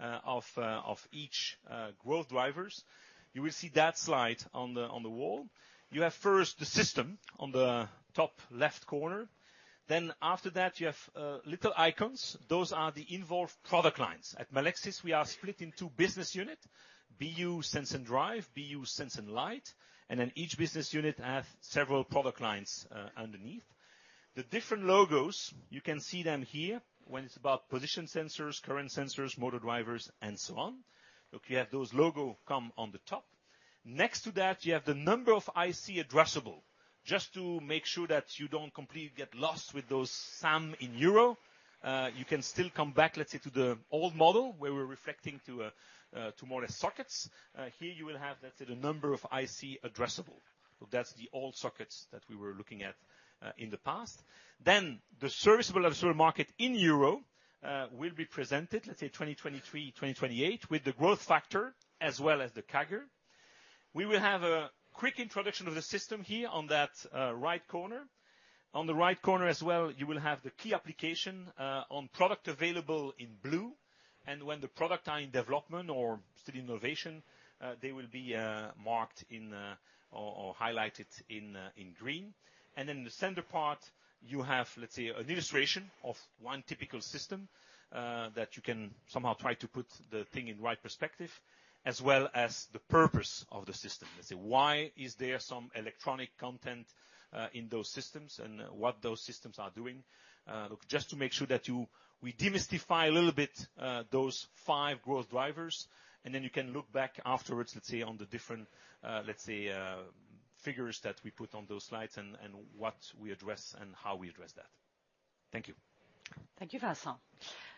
of each growth drivers, you will see that slide on the wall. You have first the system on the top left corner. Then after that, you have little icons. Those are the involved product lines. At Melexis, we are split into business unit, BU Sense and Drive, BU Sense and Light, and then each business unit have several product lines underneath. The different logos, you can see them here, when it's about position sensors, current sensors, motor drivers, and so on. Look, you have those logos come on the top. Next to that, you have the number of IC addressable, just to make sure that you don't completely get lost with those sums in EUR. You can still come back, let's say, to the old model, where we're reflecting to, to more sockets. Here you will have, let's say, the number of IC addressable. So that's the old sockets that we were looking at in the past. Then the serviceable addressable Market in EUR will be presented, let's say, 2023, 2028, with the growth factor as well as the CAGR. We will have a quick introduction of the system here on that right corner. On the right corner as well, you will have the key application on product available in blue, and when the product are in development or still innovation, they will be Marked in or highlighted in green. And then in the center part, you have, let's say, an illustration of one typical system that you can somehow try to put the thing in right perspective, as well as the purpose of the system. Let's say, why is there some electronic content in those systems and what those systems are doing? Look, just to make sure that we demystify a little bit those five growth drivers, and then you can look back afterwards, let's say, on the different figures that we put on those slides and what we address and how we address that. Thank you. Thank you, Vincent.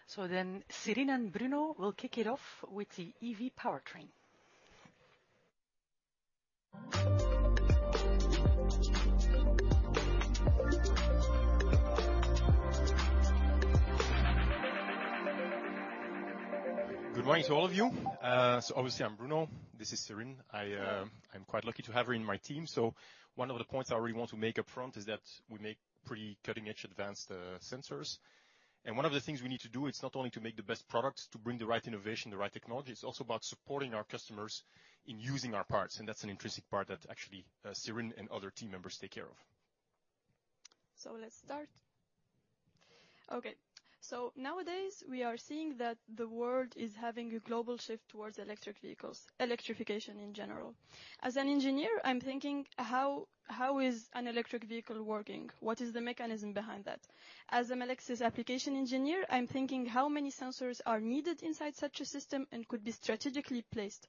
So then Sirine and Bruno will kick it off with the EV powertrain. Good morning to all of you. So obviously, I'm Bruno. This is Sirine. I, I'm quite lucky to have her in my team. So one of the points I really want to make up front is that we make pretty cutting-edge advanced, sensors. And one of the things we need to do, it's not only to make the best products, to bring the right innovation, the right technology, it's also about supporting our customers in using our parts, and that's an intrinsic part that actually, Sirine and other team members take care of. So let's start. Okay, so nowadays, we are seeing that the world is having a global shift towards electric vehicles, electrification in general. As an engineer, I'm thinking: how, how is an electric vehicle working? What is the mechanism behind that? As a Melexis application engineer, I'm thinking, how many sensors are needed inside such a system and could be strategically placed?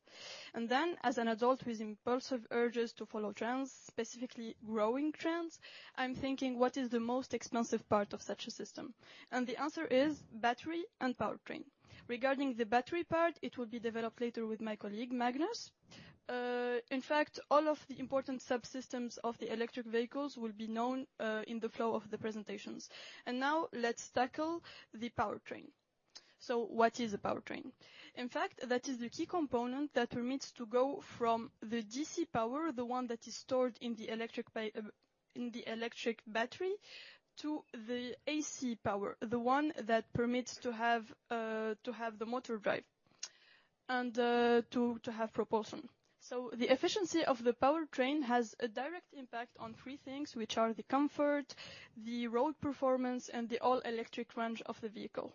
And then, as an adult with impulsive urges to follow trends, specifically growing trends, I'm thinking: What is the most expensive part of such a system? And the answer is battery and powertrain. Regarding the battery part, it will be developed later with my colleague, Magnus. In fact, all of the important subsystems of the electric vehicles will be known in the flow of the presentations. And now let's tackle the powertrain. So what is a powertrain? In fact, that is the key component that permits to go from the DC power, the one that is stored in the electric battery, to the AC power, the one that permits to have the motor drive and to have propulsion. So the efficiency of the powertrain has a direct impact on three things, which are the comfort, the road performance, and the all-electric range of the vehicle.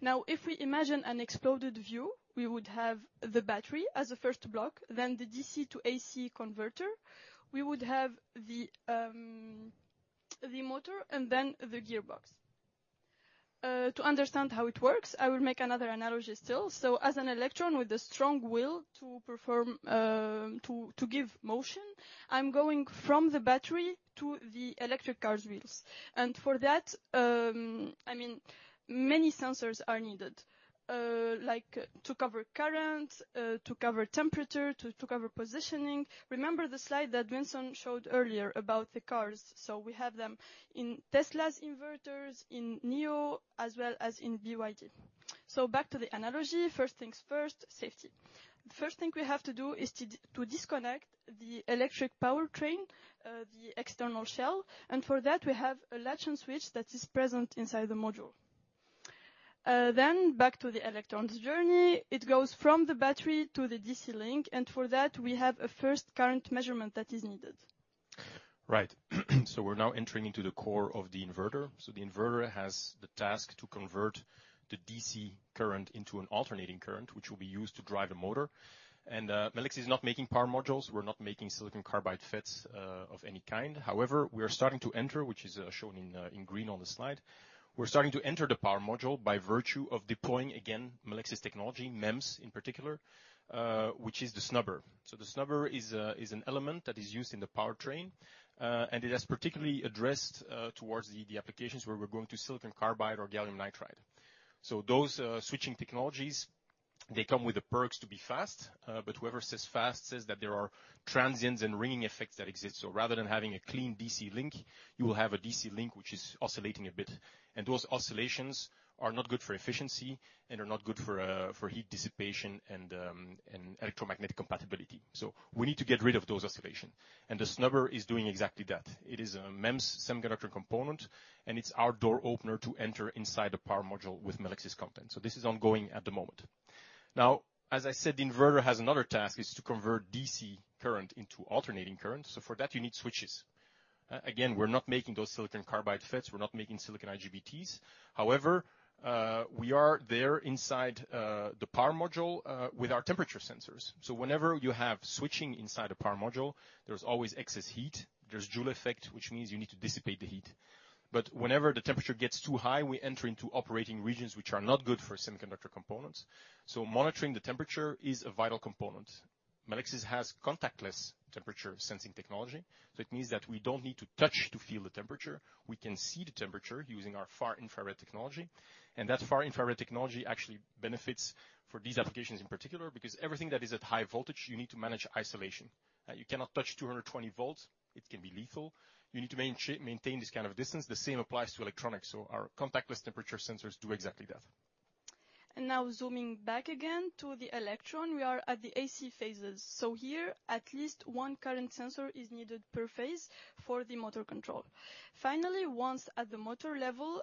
Now, if we imagine an exploded view, we would have the battery as a first block, then the DC to AC converter. We would have the motor and then the gearbox. To understand how it works, I will make another analogy still. So as an electron with a strong will to perform to give motion, I'm going from the battery to the electric car's wheels. And for that, I mean, many sensors are needed, like to cover current, to cover temperature, to cover positioning. Remember the slide that Vincent showed earlier about the cars? So we have them in Tesla's inverters, in NIO, as well as in BYD. So back to the analogy. First things first, safety. The first thing we have to do is to disconnect the electric powertrain, the external shell, and for that, we have a latch and switch that is present inside the module. Then back to the electron's journey. It goes from the battery to the DC link, and for that, we have a first current measurement that is needed. Right. So we're now entering into the core of the inverter. So the inverter has the task to convert the DC current into an alternating current, which will be used to drive the motor. And, Melexis is not making power modules. We're not making silicon carbide FETs, of any kind. However, we are starting to enter, which is, shown in, in green on the slide. We're starting to enter the power module by virtue of deploying, again, Melexis technology, MEMS in particular, which is the snubber. So the snubber is a, is an element that is used in the powertrain, and it has particularly addressed, towards the, the applications where we're going to silicon carbide or gallium nitride. So those, switching technologies They come with the perks to be fast, but whoever says fast says that there are transients and ringing effects that exist. So rather than having a clean DC link, you will have a DC link, which is oscillating a bit. And those oscillations are not good for efficiency and are not good for, for heat dissipation and, and electromagnetic compatibility. So we need to get rid of those oscillation, and the snubber is doing exactly that. It is a MEMS semiconductor component, and it's our door opener to enter inside the power module with Melexis content. So this is ongoing at the moment. Now, as I said, the inverter has another task, is to convert DC current into alternating current. So for that, you need switches. Again, we're not making those silicon carbide FETs. We're not making silicon IGBTs. However, we are there inside the power module with our temperature sensors. So whenever you have switching inside a power module, there's always excess heat. There's Joule effect, which means you need to dissipate the heat. But whenever the temperature gets too high, we enter into operating regions, which are not good for semiconductor components, so monitoring the temperature is a vital component. Melexis has contactless temperature sensing technology, so it means that we don't need to touch to feel the temperature. We can see the temperature using our far infrared technology, and that far infrared technology actually benefits for these applications in particular, because everything that is at high voltage, you need to manage isolation. You cannot touch 220 volts, it can be lethal. You need to maintain this kind of distance. The same applies to electronics, so our contactless temperature sensors do exactly that. Now zooming back again to the electron, we are at the AC phases. Here, at least one current sensor is needed per phase for the motor control. Finally, once at the motor level,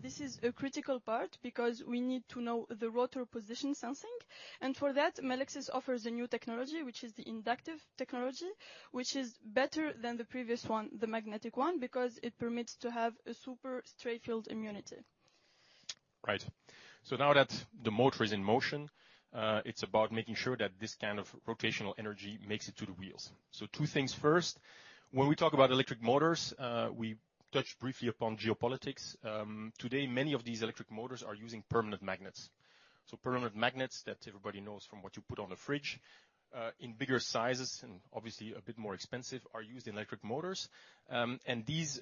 this is a critical part because we need to know the rotor position sensing, and for that, Melexis offers a new technology, which is the inductive technology, which is better than the previous one, the magnetic one, because it permits to have a super stray field immunity. Right. So now that the motor is in motion, it's about making sure that this kind of rotational energy makes it to the wheels. So two things. First, when we talk about electric motors, we touched briefly upon geopolitics. Today, many of these electric motors are using permanent magnets. So permanent magnets that everybody knows from what you put on the fridge, in bigger sizes, and obviously a bit more expensive, are used in electric motors. And these,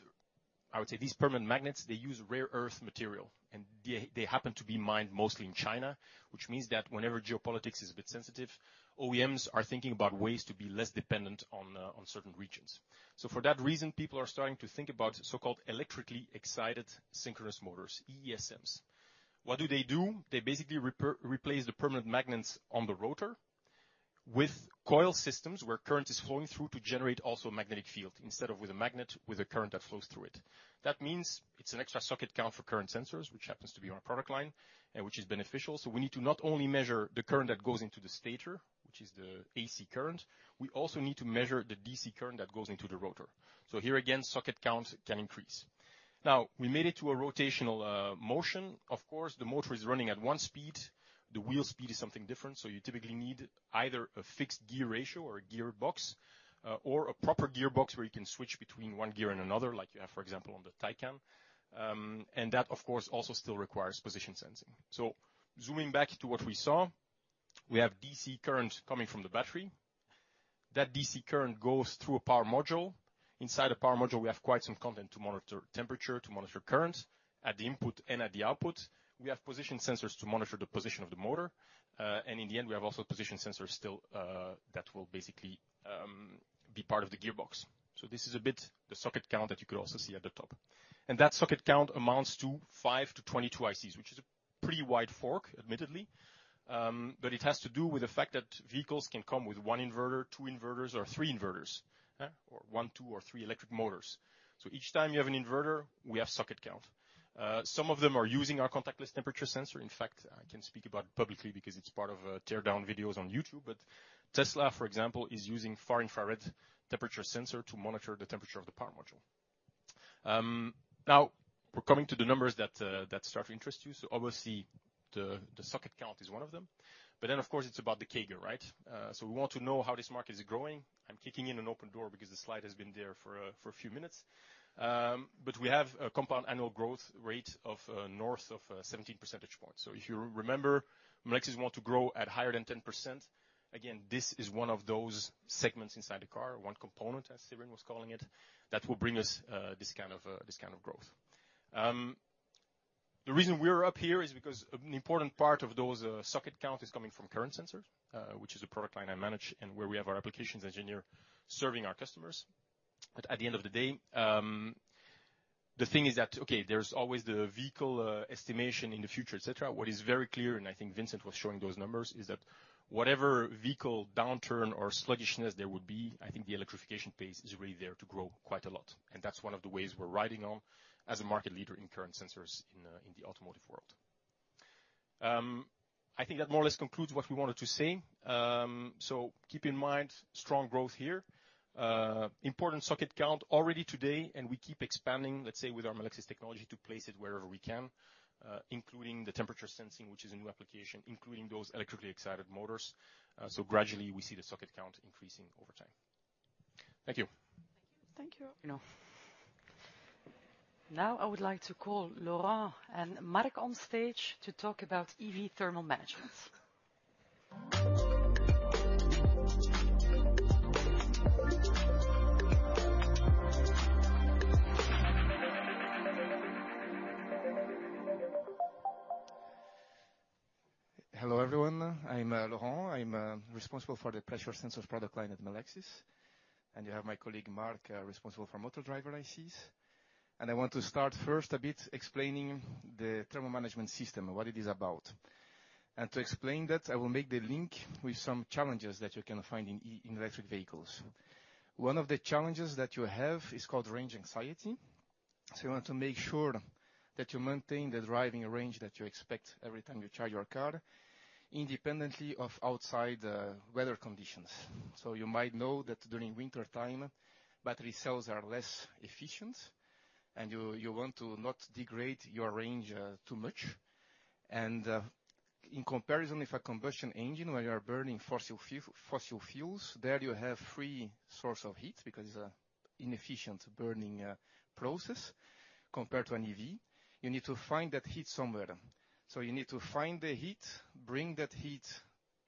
I would say, these permanent magnets, they use rare earth material, and they happen to be mined mostly in China, which means that whenever geopolitics is a bit sensitive, OEMs are thinking about ways to be less dependent on certain regions. So for that reason, people are starting to think about so-called electrically excited synchronous motors, EESMs. What do they do? They basically replace the permanent magnets on the rotor with coil systems, where current is flowing through to generate also a magnetic field, instead of with a magnet, with a current that flows through it. That means it's an extra circuit count for current sensors, which happens to be our product line and which is beneficial. So we need to not only measure the current that goes into the stator, which is the AC current, we also need to measure the DC current that goes into the rotor. So here again, circuit counts can increase. Now, we made it to a rotational motion. Of course, the motor is running at one speed. The wheel speed is something different, so you typically need either a fixed gear ratio or a gearbox, or a proper gearbox, where you can switch between one gear and another, like you have, for example, on the Taycan. And that, of course, also still requires position sensing. So zooming back to what we saw, we have DC current coming from the battery. That DC current goes through a power module. Inside a power module, we have quite some content to monitor temperature, to monitor current. At the input and at the output, we have position sensors to monitor the position of the motor, and in the end, we have also position sensors still, that will basically, be part of the gearbox. So this is a bit the circuit count that you could also see at the top. That circuit count amounts to 5-22 ICs, which is a pretty wide fork, admittedly, but it has to do with the fact that vehicles can come with one inverter, two inverters, or three inverters, huh? Or one, two, or three electric motors. So each time you have an inverter, we have circuit count. Some of them are using our contactless temperature sensor. In fact, I can speak about it publicly because it's part of teardown videos on YouTube, but Tesla, for example, is using far infrared temperature sensor to monitor the temperature of the power module. Now we're coming to the numbers that start to interest you. So obviously, the circuit count is one of them. But then, of course, it's about the CAGR, right? So we want to know how this Market is growing. I'm kicking in an open door because the slide has been there for a few minutes. But we have a compound annual growth rate of north of 17 percentage points. So if you remember, Melexis want to grow at higher than 10%. Again, this is one of those segments inside the car, one component, as Sirine was calling it, that will bring us this kind of growth. The reason we're up here is because an important part of those circuit count is coming from current sensors, which is a product line I manage and where we have our applications engineer serving our customers. But at the end of the day, the thing is that, okay, there's always the vehicle estimation in the future, et cetera. What is very clear, and I think Vincent was showing those numbers, is that whatever vehicle downturn or sluggishness there would be, I think the electrification pace is really there to grow quite a lot, and that's one of the ways we're riding on as a Market leader in current sensors in the automotive world. I think that more or less concludes what we wanted to say. So keep in mind, strong growth here. Important circuit count already today, and we keep expanding, let's say, with our Melexis technology, to place it wherever we can, including the temperature sensing, which is a new application, including those electrically excited motors. So gradually, we see the circuit count increasing over time. Thank you. Thank you. Now, I would like to call Laurent and Marc on stage to talk about EV thermal management. Hello, everyone. I'm Laurent. I'm responsible for the pressure sensors product line at Melexis, and you have my colleague, Marc, responsible for motor driver ICs. And I want to start first a bit explaining the thermal management system and what it is about. And to explain that, I will make the link with some challenges that you can find in electric vehicles. One of the challenges that you have is called range anxiety. So you want to make sure that you maintain the driving range that you expect every time you charge your car, independently of outside weather conditions. So you might know that during wintertime, battery cells are less efficient, and you want to not degrade your range too much. In comparison with a combustion engine, where you are burning fossil fuels, there you have free source of heat because it's a inefficient burning process compared to an EV. You need to find that heat somewhere. So you need to find the heat, bring that heat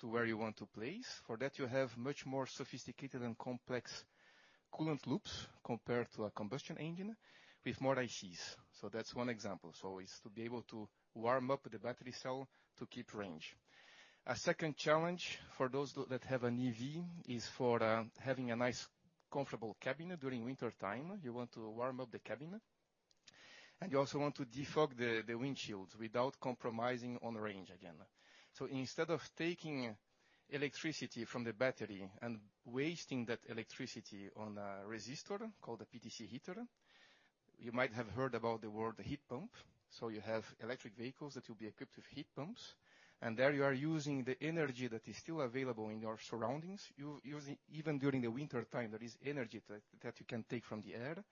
to where you want to place. For that, you have much more sophisticated and complex coolant loops compared to a combustion engine with more ICs. So that's one example, so is to be able to warm up the battery cell to keep range. A second challenge for those that have an EV is for having a nice, comfortable cabin during wintertime. You want to warm up the cabin, and you also want to defog the windshields without compromising on range again. So instead of taking electricity from the battery and wasting that electricity on a resistor, called a PTC heater, you might have heard about the word heat pump. So you have electric vehicles that will be equipped with heat pumps, and there you are using the energy that is still available in your surroundings. You're using. Even during the wintertime, there is energy that you can take from the air,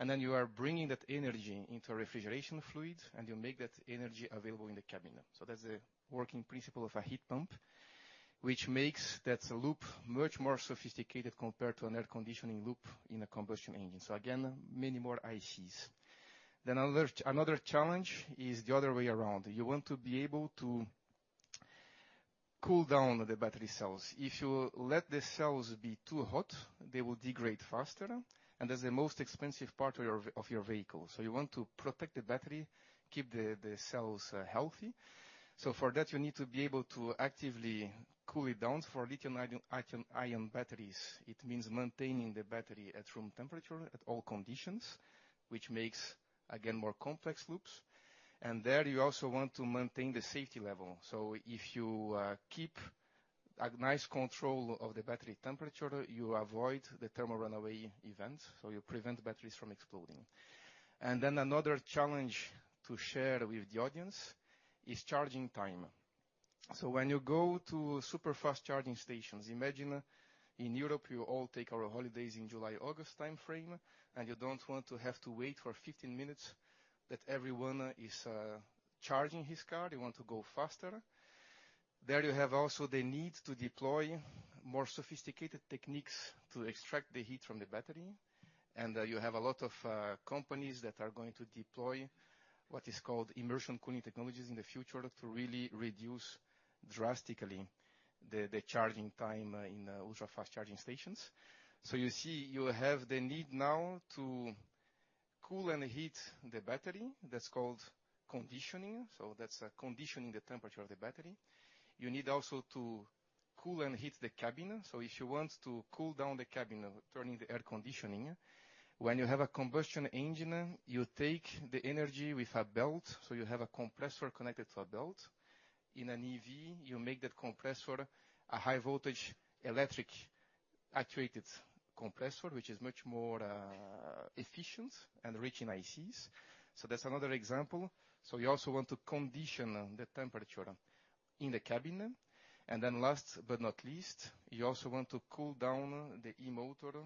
and then you are bringing that energy into a refrigeration fluid, and you make that energy available in the cabin. So that's the working principle of a heat pump, which makes that loop much more sophisticated compared to an air conditioning loop in a combustion engine. So again, many more ICs. Then another challenge is the other way around. You want to be able to cool down the battery cells. If you let the cells be too hot, they will degrade faster, and that's the most expensive part of your vehicle. So you want to protect the battery, keep the cells healthy. So for that, you need to be able to actively cool it down. For lithium-ion batteries, it means maintaining the battery at room temperature at all conditions, which makes, again, more complex loops. And there, you also want to maintain the safety level. So if you keep a nice control of the battery temperature, you avoid the thermal runaway event, so you prevent batteries from exploding. And then another challenge to share with the audience is charging time. So when you go to super-fast charging stations, imagine in Europe, we all take our holidays in July-August time frame, and you don't want to have to wait for 15 minutes, that everyone is charging his car. They want to go faster. There, you have also the need to deploy more sophisticated techniques to extract the heat from the battery, and you have a lot of companies that are going to deploy what is called immersion cooling technologies in the future to really reduce drastically the charging time in ultra-fast charging stations. So you see, you have the need now to cool and heat the battery. That's called conditioning, so that's conditioning the temperature of the battery. You need also to cool and heat the cabin. So if you want to cool down the cabin, turning the air conditioning, when you have a combustion engine, you take the energy with a belt, so you have a compressor connected to a belt. In an EV, you make that compressor a high-voltage, electric, actuated compressor, which is much more efficient and rich in ICs. So that's another example. So you also want to condition the temperature in the cabin. And then last but not least, you also want to cool down the e-motor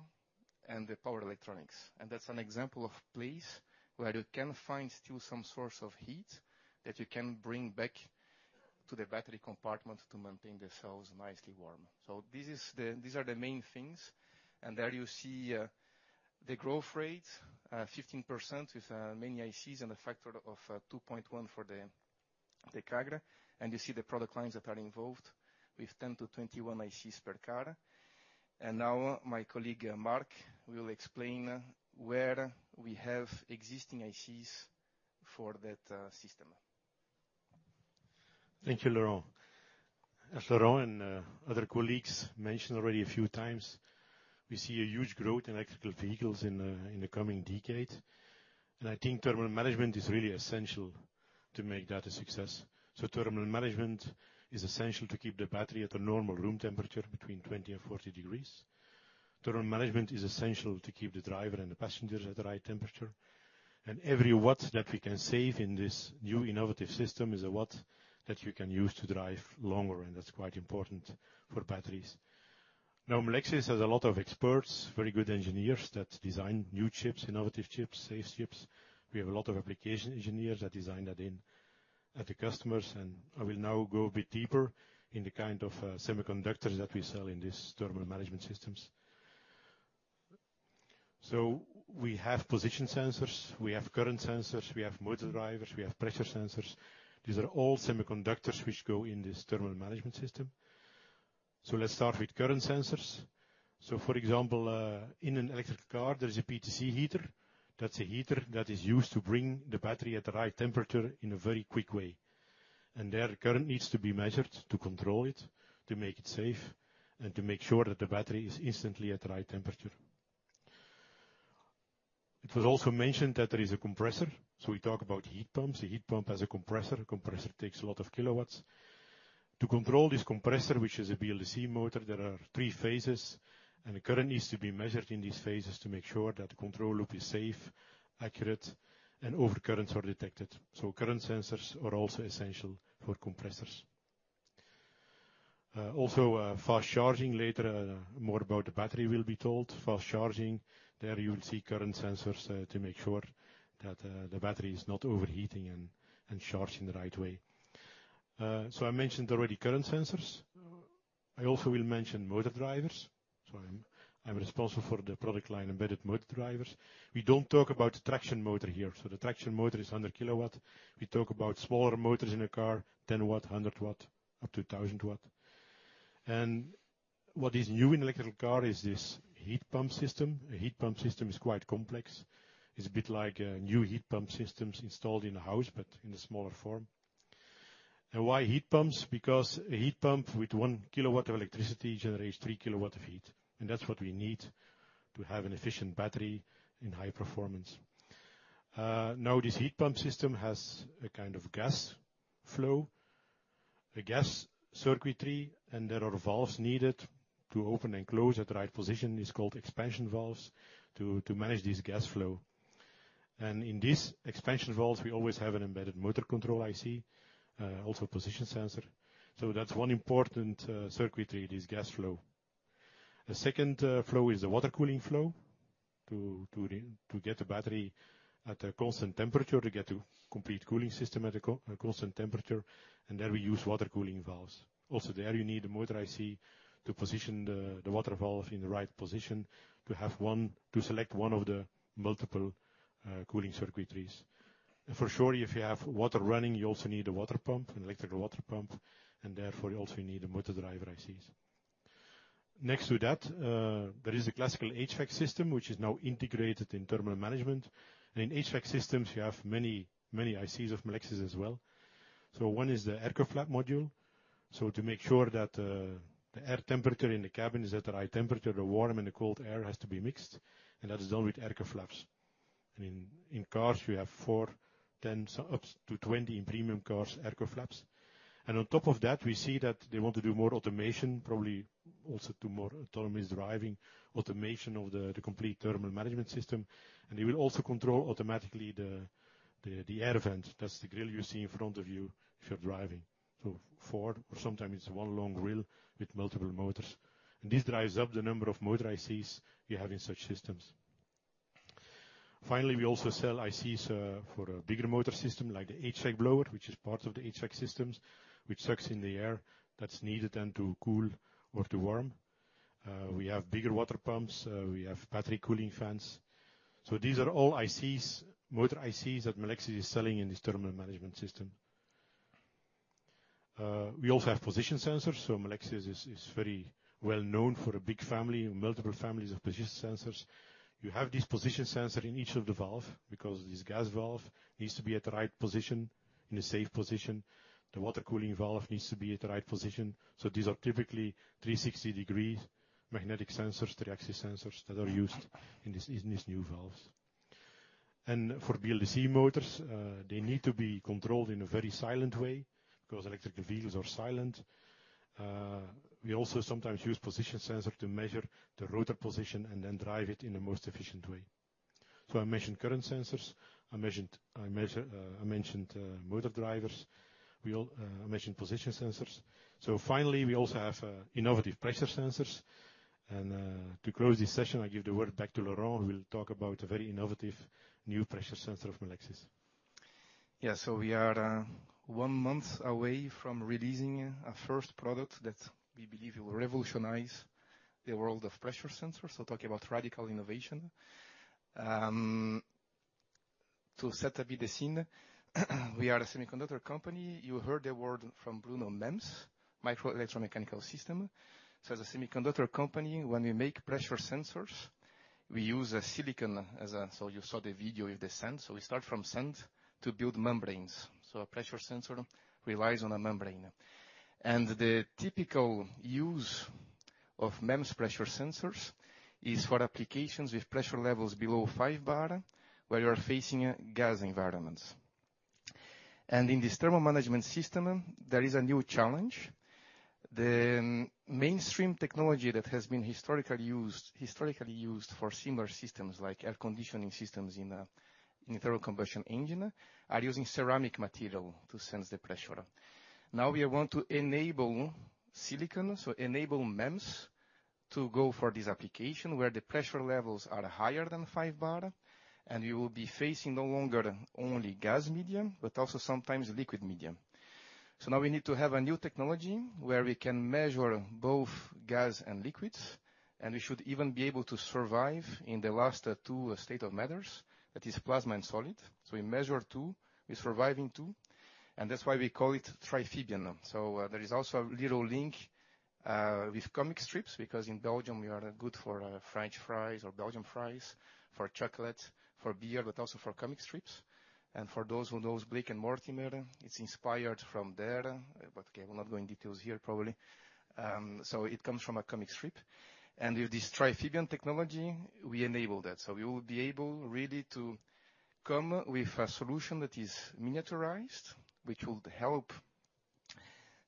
and the power electronics. And that's an example of place where you can find still some source of heat that you can bring back to the battery compartment to maintain the cells nicely warm. So this is the. These are the main things, and there you see, the growth rate, 15% with, many ICs and a factor of, 2.1 for the, the CAGR. And you see the product lines that are involved with 10-21 ICs per car. And now my colleague, Marc, will explain, where we have existing ICs for that, system. Thank you, Laurent. As Laurent and other colleagues mentioned already a few times, we see a huge growth in electric vehicles in the coming decade, and I think thermal management is really essential to make that a success. So thermal management is essential to keep the battery at a normal room temperature between 20 and 40 degrees. Thermal management is essential to keep the driver and the passengers at the right temperature, and every watt that we can save in this new innovative system is a watt that you can use to drive longer, and that's quite important for batteries. Now, Melexis has a lot of experts, very good engineers, that design new chips, innovative chips, safe chips. We have a lot of application engineers that design that in at the customers, and I will now go a bit deeper in the kind of semiconductors that we sell in these thermal management systems. So we have position sensors, we have current sensors, we have motor drivers, we have pressure sensors. These are all semiconductors which go in this thermal management system. So let's start with current sensors. So, for example, in an electric car, there is a PTC heater. That's a heater that is used to bring the battery at the right temperature in a very quick way, and their current needs to be measured to control it, to make it safe, and to make sure that the battery is instantly at the right temperature. It was also mentioned that there is a compressor, so we talk about heat pumps. A heat pump has a compressor. A compressor takes a lot of kilowatts. To control this compressor, which is a BLDC motor, there are three phases, and the current needs to be measured in these phases to make sure that the control loop is safe, accurate, and overcurrents are detected. So current sensors are also essential for compressors. Also, fast charging. Later, more about the battery will be told. Fast charging, there you would see current sensors, to make sure that the battery is not overheating and charging the right way. So I mentioned already current sensors. I also will mention motor drivers. So I'm responsible for the product line, embedded motor drivers. We don't talk about traction motor here. So the traction motor is 100 kW. We talk about smaller motors in a car, 10 W, 100 W, up to 1,000 W. What is new in electric car is this heat pump system. A heat pump system is quite complex. It's a bit like a new heat pump systems installed in a house, but in a smaller form. Why heat pumps? Because a heat pump with 1 kilowatt of electricity generates 3 kilowatt of heat, and that's what we need to have an efficient battery in high performance. Now this heat pump system has a kind of gas flow, a gas circuitry, and there are valves needed to open and close at the right position. It's called expansion valves, to manage this gas flow. In these expansion valves, we always have an embedded motor control IC, also position sensor. So that's one important circuitry, this gas flow. The second flow is the water cooling flow, to get the battery at a constant temperature, to get the complete cooling system at a constant temperature, and there we use water cooling valves. Also there, you need a motor IC to position the water valve in the right position to have one to select one of the multiple cooling circuitries. And for sure, if you have water running, you also need a water pump, an electrical water pump, and therefore, you also need a motor driver ICs. Next to that, there is a classical HVAC system which is now integrated in thermal management, and in HVAC systems, you have many, many ICs of Melexis as well. So one is the airco flap module. So to make sure that the air temperature in the cabin is at the right temperature, the warm and the cold air has to be mixed, and that is done with airco flaps. I mean, in cars, you have four, 10, up to 20 in premium cars, airco flaps. And on top of that, we see that they want to do more automation, probably also to more autonomous driving, automation of the complete thermal management system. And they will also control automatically the air vent. That's the grill you see in front of you if you're driving. So four, or sometimes it's one long grill with multiple motors, and this drives up the number of motor ICs you have in such systems. Finally, we also sell ICs for a bigger motor system like the HVAC blower, which is part of the HVAC systems, which sucks in the air that's needed then to cool or to warm. We have bigger water pumps, we have battery cooling fans. So these are all ICs, motor ICs, that Melexis is selling in this thermal management system. We also have position sensors, so Melexis is very well known for a big family, multiple families of position sensors. You have this position sensor in each of the valve, because this gas valve needs to be at the right position, in a safe position. The water cooling valve needs to be at the right position, so these are typically 360-degree magnetic sensors, three-axis sensors that are used in this, in this new valves. For BLDC motors, they need to be controlled in a very silent way, because electric vehicles are silent. We also sometimes use position sensor to measure the rotor position and then drive it in the most efficient way. I mentioned current sensors, I mentioned motor drivers. I mentioned position sensors. Finally, we also have innovative pressure sensors, and to close this session, I give the word back to Laurent, who will talk about a very innovative new pressure sensor of Melexis. Yeah. So we are one month away from releasing a first product that we believe it will revolutionize the world of pressure sensors. So talk about radical innovation. To set a bit the scene, we are a semiconductor company. You heard the word from Bruno, MEMS, Micro Electro Mechanical System. So as a semiconductor company, when we make pressure sensors, we use a silicon as a... So you saw the video with the sand. So we start from sand to build membranes. So a pressure sensor relies on a membrane. And the typical use of MEMS pressure sensors is for applications with pressure levels below five bar, where you're facing a gas environments. And in this thermal management system, there is a new challenge. The mainstream technology that has been historically used, historically used for similar systems, like air conditioning systems in a, in a internal combustion engine, are using ceramic material to sense the pressure. Now, we want to enable silicon, so enable MEMS, to go for this application, where the pressure levels are higher than 5 bar, and we will be facing no longer only gas medium, but also sometimes liquid medium. So now we need to have a new technology where we can measure both gas and liquids. and it should even be able to survive in the last two states of matter, that is plasma and solid. So we measure two, we survive in two, and that's why we call it Triphibian. So, there is also a little link with comic strips, because in Belgium, we are good for French fries or Belgian fries, for chocolate, for beer, but also for comic strips. And for those who knows Blake and Mortimer, it's inspired from there. But okay, we'll not go in details here, probably. So it comes from a comic strip, and with this Triphibian technology, we enable that. So we will be able really to come with a solution that is miniaturized, which will help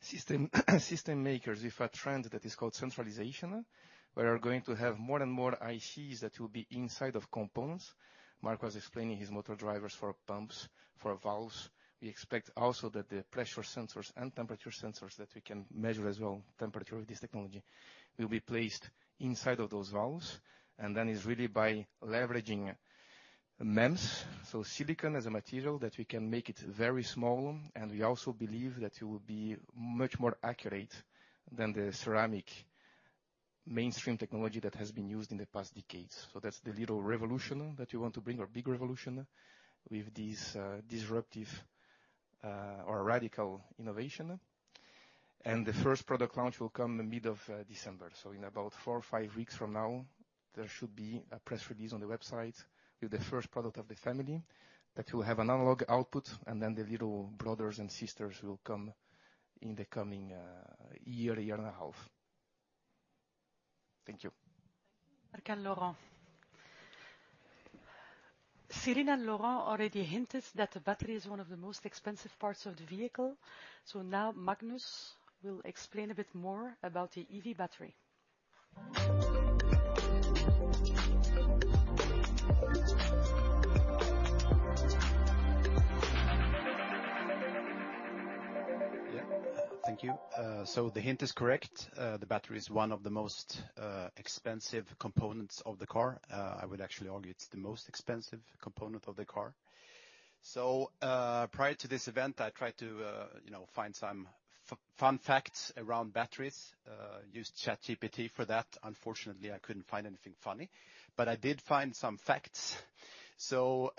system makers with a trend that is called centralization, where are going to have more and more ICs that will be inside of components. Marc was explaining his motor drivers for pumps, for valves. We expect also that the pressure sensors and temperature sensors, that we can measure as well, temperature with this technology, will be placed inside of those valves, and then it's really by leveraging MEMS. So silicon as a material that we can make it very small, and we also believe that it will be much more accurate than the ceramic mainstream technology that has been used in the past decades. So that's the little revolution that we want to bring, or big revolution, with this, disruptive, or radical innovation. And the first product launch will come in the middle of December. So in about four or five weeks from now, there should be a press release on the website with the first product of the family that will have an analog output, and then the little brothers and sisters will come in the coming year, year and a half. Thank you. Thank you, Marc and Laurent. Celine and Laurent already hinted that the battery is one of the most expensive parts of the vehicle. So now Magnus will explain a bit more about the EV battery. Yeah. Thank you. So the hint is correct. The battery is one of the most expensive components of the car. I would actually argue it's the most expensive component of the car. So, prior to this event, I tried to, you know, find some fun facts around batteries, used ChatGPT for that. Unfortunately, I couldn't find anything funny, but I did find some facts. So,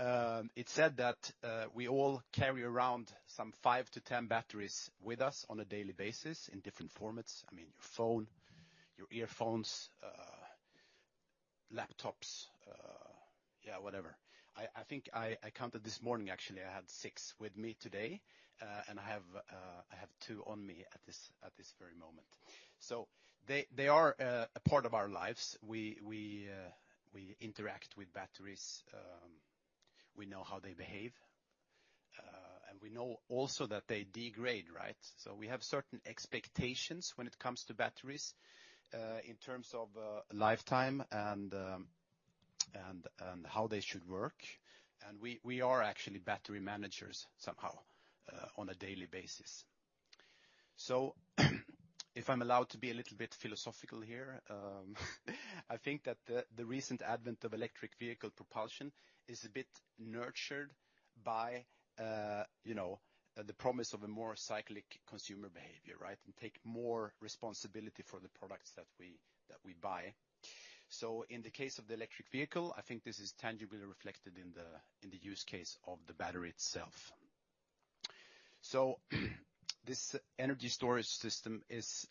it said that, we all carry around some five to 10 batteries with us on a daily basis in different formats. I mean, your phone, your earphones, laptops, yeah, whatever. I think I counted this morning, actually, I had six with me today, and I have two on me at this very moment. So they are a part of our lives. We interact with batteries, we know how they behave, and we know also that they degrade, right? So we have certain expectations when it comes to batteries, in terms of lifetime and how they should work. And we are actually battery managers somehow, on a daily basis. So, if I'm allowed to be a little bit philosophical here, I think that the recent advent of electric vehicle propulsion is a bit nurtured by, you know, the promise of a more cyclic consumer behavior, right? And take more responsibility for the products that we buy. So in the case of the electric vehicle, I think this is tangibly reflected in the use case of the battery itself. So, this energy storage system is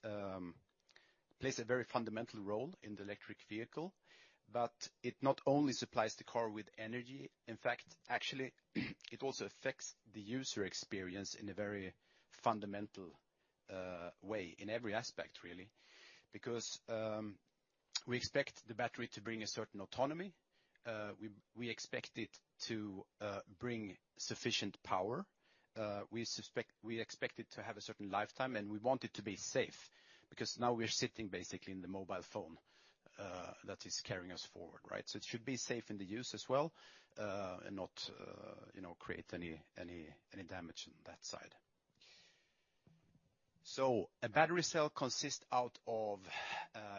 plays a very fundamental role in the electric vehicle, but it not only supplies the car with energy, in fact, actually, it also affects the user experience in a very fundamental way, in every aspect, really. Because, we expect the battery to bring a certain autonomy, we expect it to bring sufficient power, we expect it to have a certain lifetime, and we want it to be safe, because now we're sitting basically in the mobile phone that is carrying us forward, right? So it should be safe in the use as well, and not, you know, create any, any, any damage on that side. So a battery cell consists out of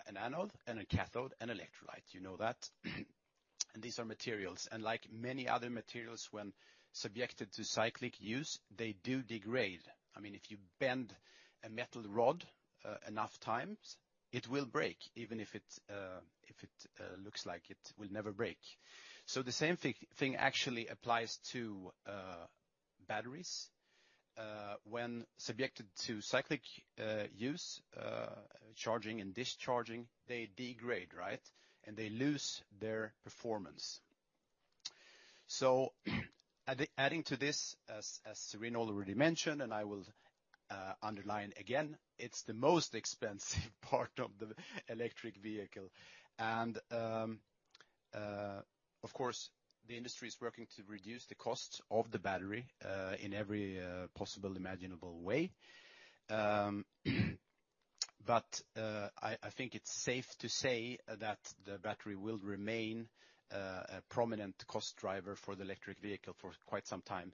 an anode and a cathode, and electrolyte, you know that. These are materials, and like many other materials, when subjected to cyclic use, they do degrade. I mean, if you bend a metal rod enough times, it will break, even if it looks like it will never break. So the same thing actually applies to batteries. When subjected to cyclic use, charging and discharging, they degrade, right? And they lose their performance. So, adding to this, as Sirine already mentioned, and I will underline again, it's the most expensive part of the electric vehicle. And, of course, the industry is working to reduce the cost of the battery in every possible imaginable way. But I think it's safe to say that the battery will remain a prominent cost driver for the electric vehicle for quite some time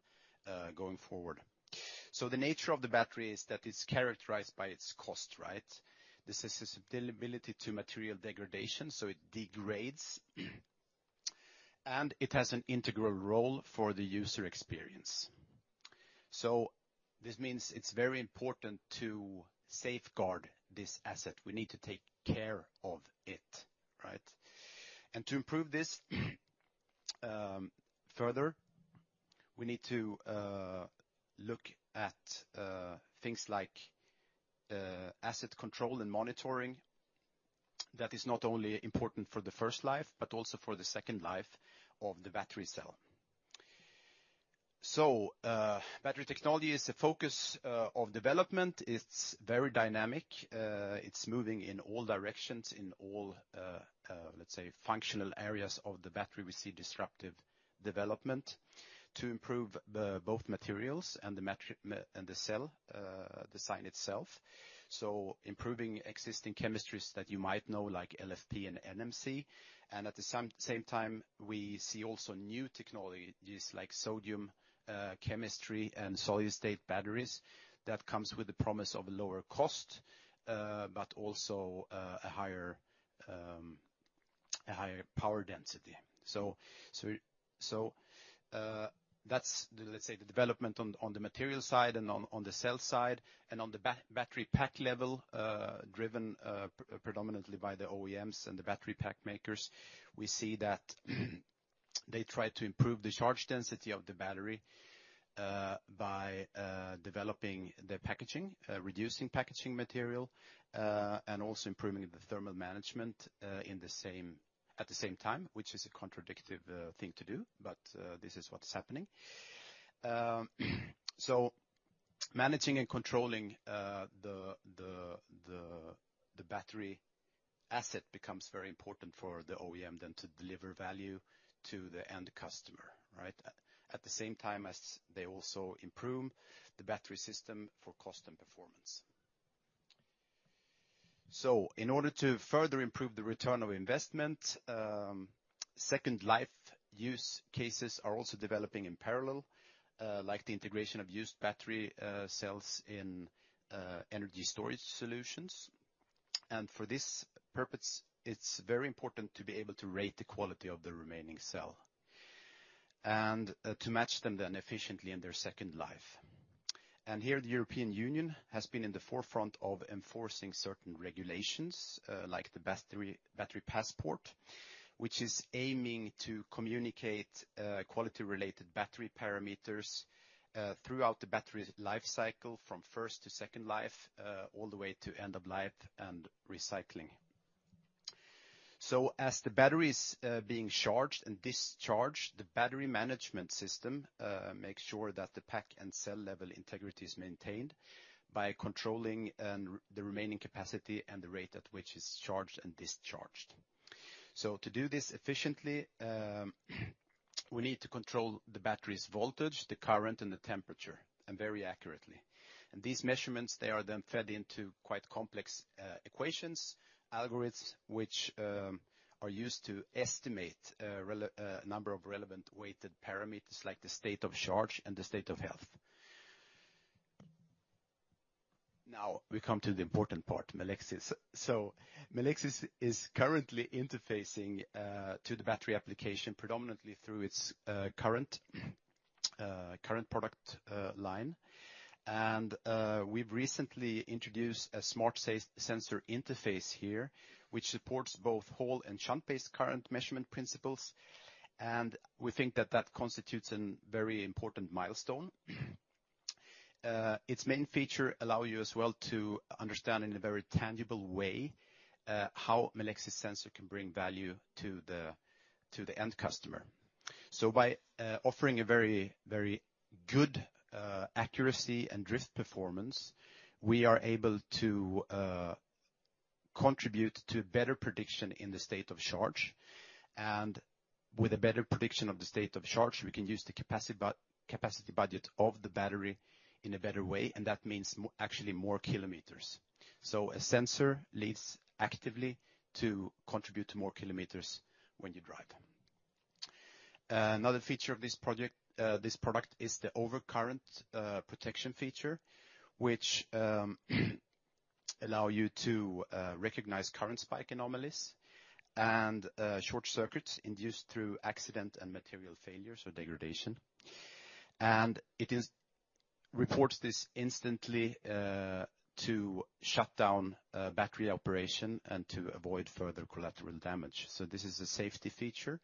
going forward. So the nature of the battery is that it's characterized by its cost, right? This is susceptibility to material degradation, so it degrades. It has an integral role for the user experience. So this means it's very important to safeguard this asset. We need to take care of it, right? To improve this further, we need to look at things like asset control and monitoring. That is not only important for the first life, but also for the second life of the battery cell. So battery technology is a focus of development. It's very dynamic. It's moving in all directions, in all, let's say, functional areas of the battery, we see disruptive development to improve the both materials and the metric and the cell design itself. Improving existing chemistries that you might know, like LFP and NMC, and at the same time, we see also new technologies like sodium chemistry and solid-state batteries that comes with the promise of lower cost, but also a higher power density. That's the, let's say, the development on the material side and on the cell side, and on the battery pack level, driven predominantly by the OEMs and the battery pack makers. We see that they try to improve the charge density of the battery by developing the packaging, reducing packaging material, and also improving the thermal management in the same, at the same time, which is a contradictive thing to do, but this is what is happening. So managing and controlling the battery asset becomes very important for the OEM then to deliver value to the end customer, right? At the same time as they also improve the battery system for cost and performance. So in order to further improve the return of investment, second life use cases are also developing in parallel, like the integration of used battery cells in energy storage solutions. For this purpose, it's very important to be able to rate the quality of the remaining cell, and to match them then efficiently in their second life. Here, the European Union has been in the forefront of enforcing certain regulations, like the battery passport, which is aiming to communicate quality-related battery parameters throughout the battery life cycle, from first to second life, all the way to end of life and recycling. So as the battery is being charged and discharged, the battery management system makes sure that the pack and cell level integrity is maintained by controlling the remaining capacity and the rate at which it's charged and discharged. So to do this efficiently, we need to control the battery's voltage, the current, and the temperature, and very accurately. These measurements, they are then fed into quite complex equations, algorithms, which are used to estimate number of relevant weighted parameters, like the state of charge and the state of health. Now, we come to the important part, Melexis. Melexis is currently interfacing to the battery application, predominantly through its current product line. And we've recently introduced a smart sensor interface here, which supports both Hall and shunt-based current measurement principles, and we think that that constitutes a very important milestone. Its main feature allow you as well to understand, in a very tangible way, how Melexis sensor can bring value to the end customer. So by offering a very, very good accuracy and drift performance, we are able to contribute to a better prediction in the state of charge. And with a better prediction of the state of charge, we can use the capacity budget of the battery in a better way, and that means actually more kilometers. So a sensor leads actively to contribute to more kilometers when you drive. Another feature of this project, this product is the overcurrent protection feature, which allow you to recognize current spike anomalies and short circuits induced through accident and material failure, so degradation. And it reports this instantly to shut down battery operation and to avoid further collateral damage. So this is a safety feature,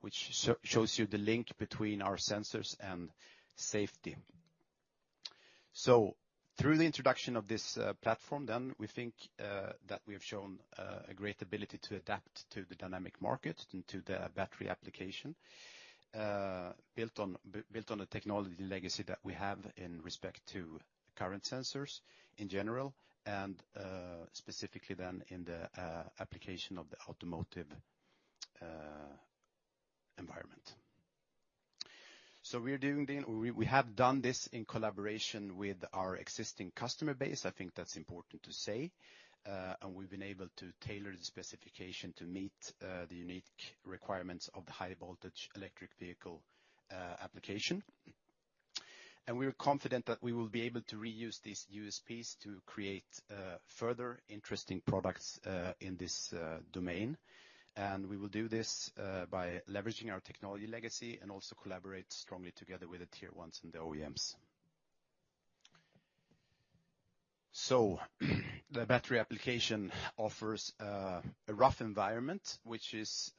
which shows you the link between our sensors and safety. So through the introduction of this platform, then, we think that we have shown a great ability to adapt to the dynamic Market and to the battery application, built on a technology legacy that we have in respect to current sensors in general and specifically then in the application of the automotive environment. So we have done this in collaboration with our existing customer base. I think that's important to say. And we've been able to tailor the specification to meet the unique requirements of the high voltage electric vehicle application. And we are confident that we will be able to reuse these USPs to create further interesting products in this domain. We will do this by leveraging our technology legacy and also collaborate strongly together with the tier ones and the OEMs. So the battery application offers a rough environment, which is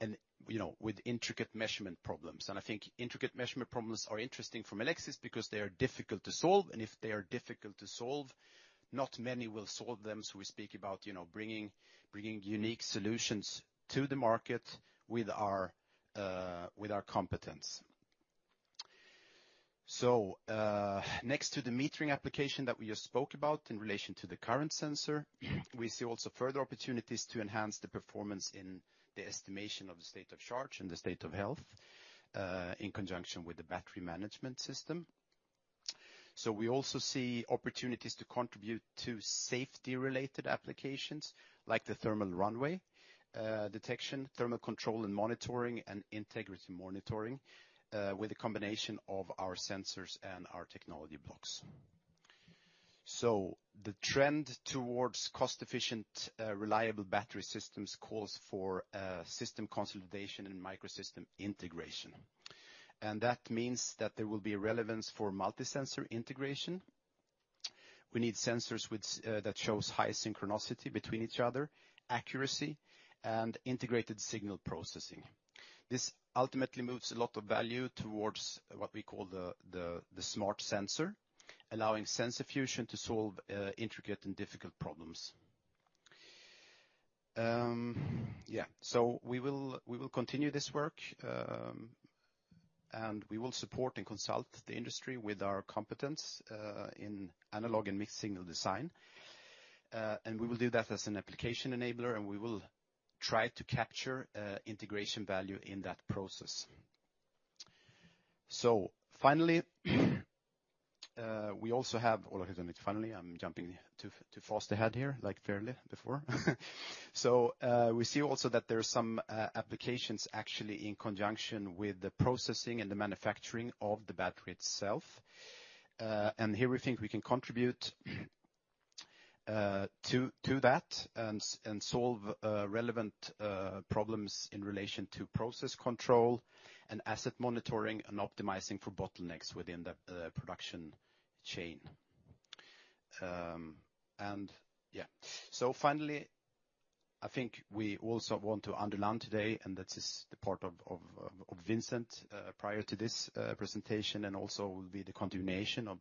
an you know with intricate measurement problems. I think intricate measurement problems are interesting from Melexis because they are difficult to solve, and if they are difficult to solve, not many will solve them. So we speak about you know bringing unique solutions to the Market with our with our competence. So next to the metering application that we just spoke about in relation to the current sensor, we see also further opportunities to enhance the performance in the estimation of the state of charge and the state of health in conjunction with the battery management system. So we also see opportunities to contribute to safety-related applications, like the thermal runaway detection, thermal control and monitoring, and integrity monitoring with a combination of our sensors and our technology blocks. So the trend towards cost-efficient reliable battery systems calls for system consolidation and microsystem integration. And that means that there will be relevance for multi-sensor integration. We need sensors which that shows high synchronicity between each other, accuracy, and integrated signal processing. This ultimately moves a lot of value towards what we call the, the, the smart sensor, allowing sensor fusion to solve intricate and difficult problems. Yeah, so we will, we will continue this work, and we will support and consult the industry with our competence in analog and mixed signal design. And we will do that as an application enabler, and we will try to capture integration value in that process. So finally, we also have... Or I have done it finally, I'm jumping too fast ahead here, like fairly before. So, we see also that there are some applications actually in conjunction with the processing and the manufacturing of the battery itself. And here we think we can contribute to that, and solve relevant problems in relation to process control and asset monitoring, and optimizing for bottlenecks within the production chain. And yeah. So finally, I think we also want to underline today, and that is the part of Vincent prior to this presentation, and also will be the continuation of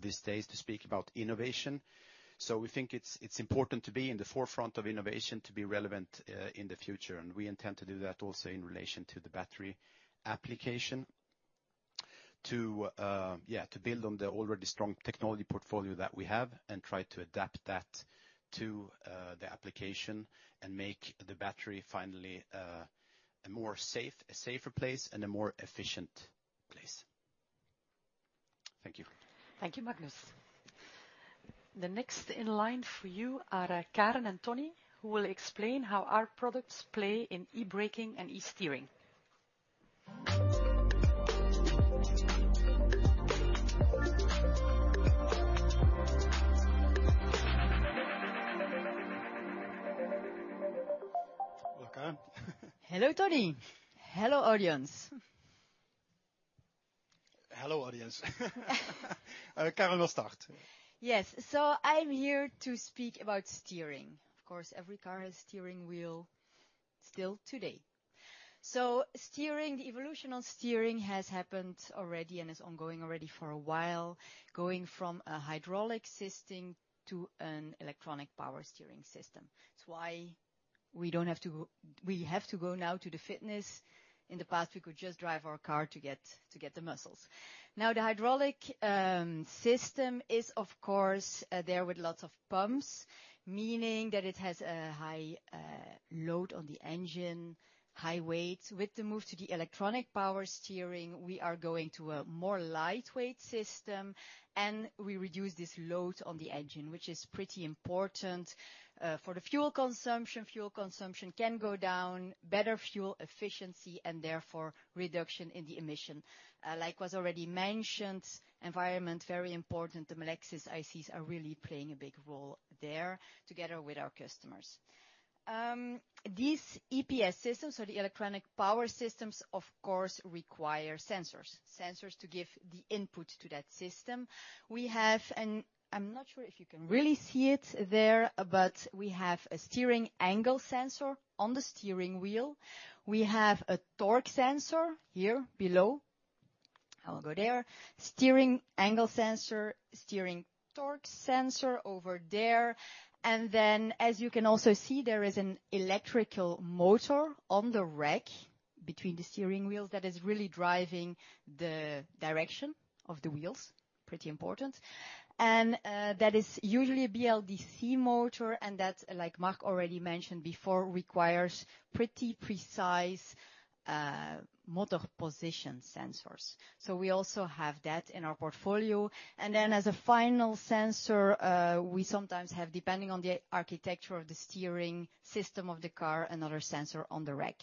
this day to speak about innovation. We think it's important to be in the forefront of innovation to be relevant in the future, and we intend to do that also in relation to the battery application. To yeah, to build on the already strong technology portfolio that we have and try to adapt that to the application and make the battery finally a safer place and a more efficient place. Thank you. Thank you, Magnus. The next in line for you are, Karen and Tony, who will explain how our products play in e-braking and e-steering. Hello, Karen. Hello, Tony. Hello, audience. Hello, audience. Karen will start. Yes. I'm here to speak about steering. Of course, every car has steering wheel still today. Steering, the evolution on steering has happened already and is ongoing already for a while, going from a hydraulic system to an electronic power steering system. We have to go now to the fitness. In the past, we could just drive our car to get the muscles. Now, the hydraulic system is, of course, there with lots of pumps, meaning that it has a high load on the engine, high weight. With the move to the electronic power steering, we are going to a more lightweight system, and we reduce this load on the engine, which is pretty important for the fuel consumption. Fuel consumption can go down, better fuel efficiency and therefore reduction in the emission. Like was already mentioned, environment, very important. The Melexis ICs are really playing a big role there together with our customers. These EPS systems or the electronic power steering systems, of course, require sensors. Sensors to give the input to that system. We have, and I'm not sure if you can really see it there, but we have a steering angle sensor on the steering wheel. We have a torque sensor here below. I will go there. Steering angle sensor, steering torque sensor over there, and then, as you can also see, there is an electric motor on the rack between the steering wheels that is really driving the direction of the wheels. Pretty important. That is usually a BLDC motor, and that, like Marc already mentioned before, requires pretty precise, motor position sensors. So we also have that in our portfolio. And then, as a final sensor, we sometimes have, depending on the architecture of the steering system of the car, another sensor on the rack.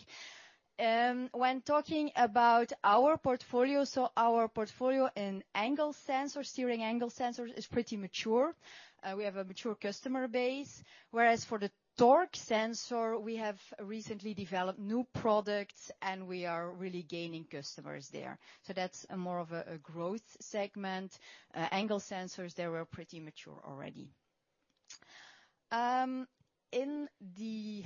When talking about our portfolio, so our portfolio in angle sensor, steering angle sensors is pretty mature. We have a mature customer base, whereas for the torque sensor, we have recently developed new products, and we are really gaining customers there. So that's more of a growth segment. Angle sensors, they were pretty mature already. In the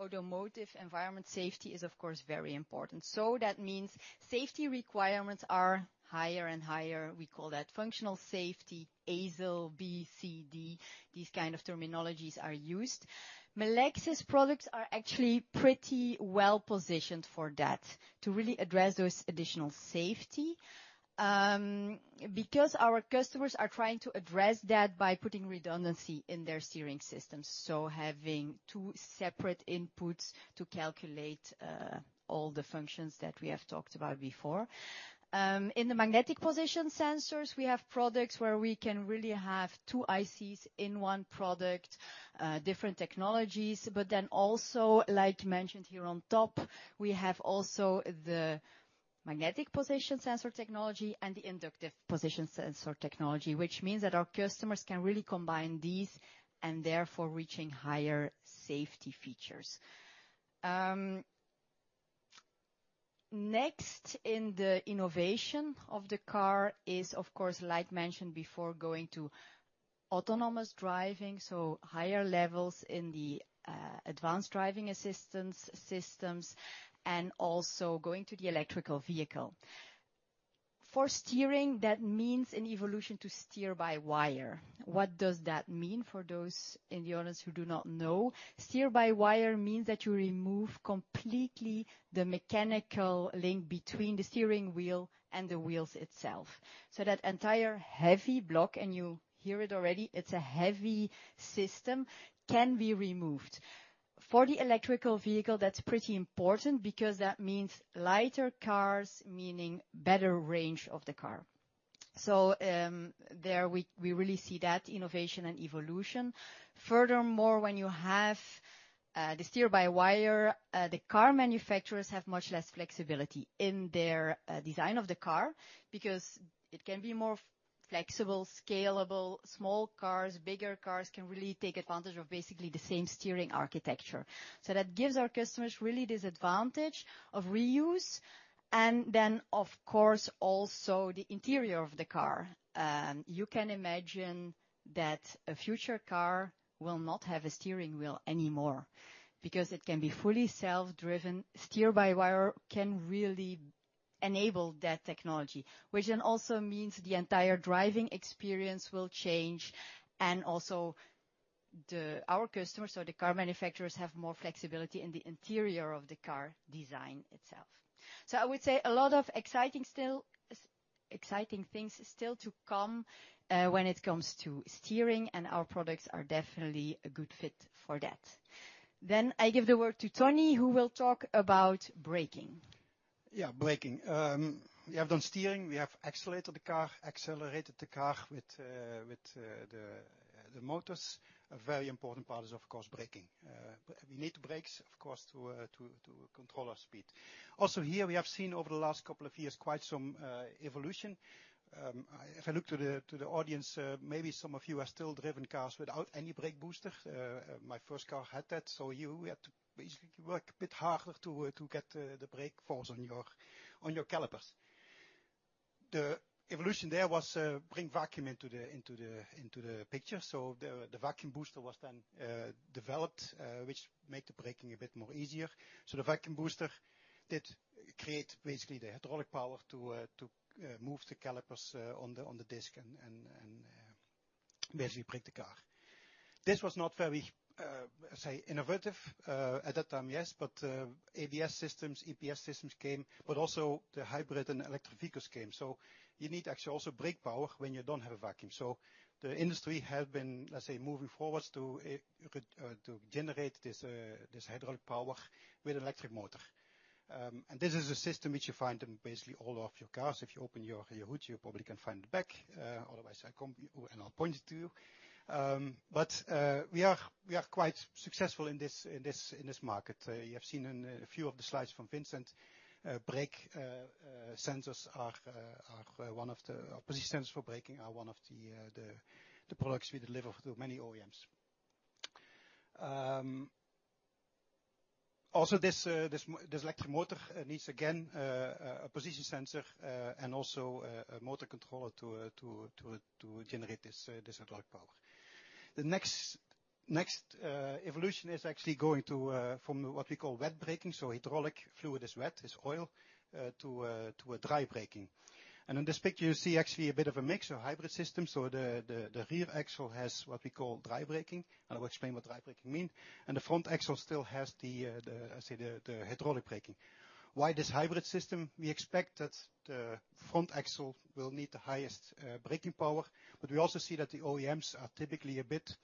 automotive environment, safety is, of course, very important. So that means safety requirements are higher and higher. We call that functional safety, ASIL B, C, D, these kind of terminologies are used. Melexis products are actually pretty well-positioned for that to really address those additional safety. Because our customers are trying to address that by putting redundancy in their steering systems, so having two separate inputs to calculate all the functions that we have talked about before. In the magnetic position sensors, we have products where we can really have two ICs in one product, different technologies, but then also, like mentioned here on top, we have also the magnetic position sensor technology and the inductive position sensor technology, which means that our customers can really combine these and therefore reaching higher safety features. Next in the innovation of the car is, of course, like mentioned before, going to autonomous driving, so higher levels in the advanced driving assistance systems and also going to the electrical vehicle. For steering, that means an evolution to steer-by-wire. What does that mean for those in the audience who do not know? Steer-by-wire means that you remove completely the mechanical link between the steering wheel and the wheels itself. So that entire heavy block, and you hear it already, it's a heavy system, can be removed. For the electric vehicle, that's pretty important because that means lighter cars, meaning better range of the car. So, there we really see that innovation and evolution. Furthermore, when you have the steer-by-wire, the car manufacturers have much less flexibility in their design of the car because it can be more flexible, scalable, small cars, bigger cars can really take advantage of basically the same steering architecture. So that gives our customers really this advantage of reuse, and then, of course, also the interior of the car. You can imagine that a future car will not have a steering wheel anymore because it can be fully self-driven. Steer-by-Wire can really enable that technology, which then also means the entire driving experience will change, and also the... Our customers, so the car manufacturers, have more flexibility in the interior of the car design itself. So I would say a lot of exciting still, exciting things still to come, when it comes to steering, and our products are definitely a good fit for that. Then I give the word to Tony, who will talk about braking. Yeah, braking. We have done steering, we have accelerated the car, accelerated the car with the motors. A very important part is, of course, braking. We need the brakes, of course, to control our speed. Also, here we have seen over the last couple of years, quite some evolution. If I look to the audience, maybe some of you have still driven cars without any brake booster. My first car had that, so you had to basically work a bit harder to get the brake force on your calipers. The evolution there was bring vacuum into the picture. So the vacuum booster was then developed, which made the braking a bit more easier. So the vacuum booster did create basically the hydraulic power to move the calipers on the disk and basically brake the car. This was not very say innovative at that time, yes, but ABS systems, EPS systems came, but also the hybrid and electric vehicles came. So you need actually also brake power when you don't have a vacuum. So the industry has been, let's say, moving forwards to generate this hydraulic power with electric motor. And this is a system which you find in basically all of your cars. If you open your hood, you probably can find the back. Otherwise, I come, and I'll point it to you. But we are quite successful in this Market. You have seen in a few of the slides from Vincent, position sensors for braking are one of the products we deliver to many OEMs. Also, this electric motor needs, again, a position sensor, and also, a motor controller to generate this hydraulic power. The next evolution is actually going to from what we call wet braking, so hydraulic fluid is wet, is oil, to a dry braking. And in this picture, you see actually a bit of a mix of hybrid system. So the rear axle has what we call dry braking, and I will explain what dry braking mean. The front axle still has the hydraulic braking. Why this hybrid system? We expect that the front axle will need the highest braking power, but we also see that the OEMs are typically a bit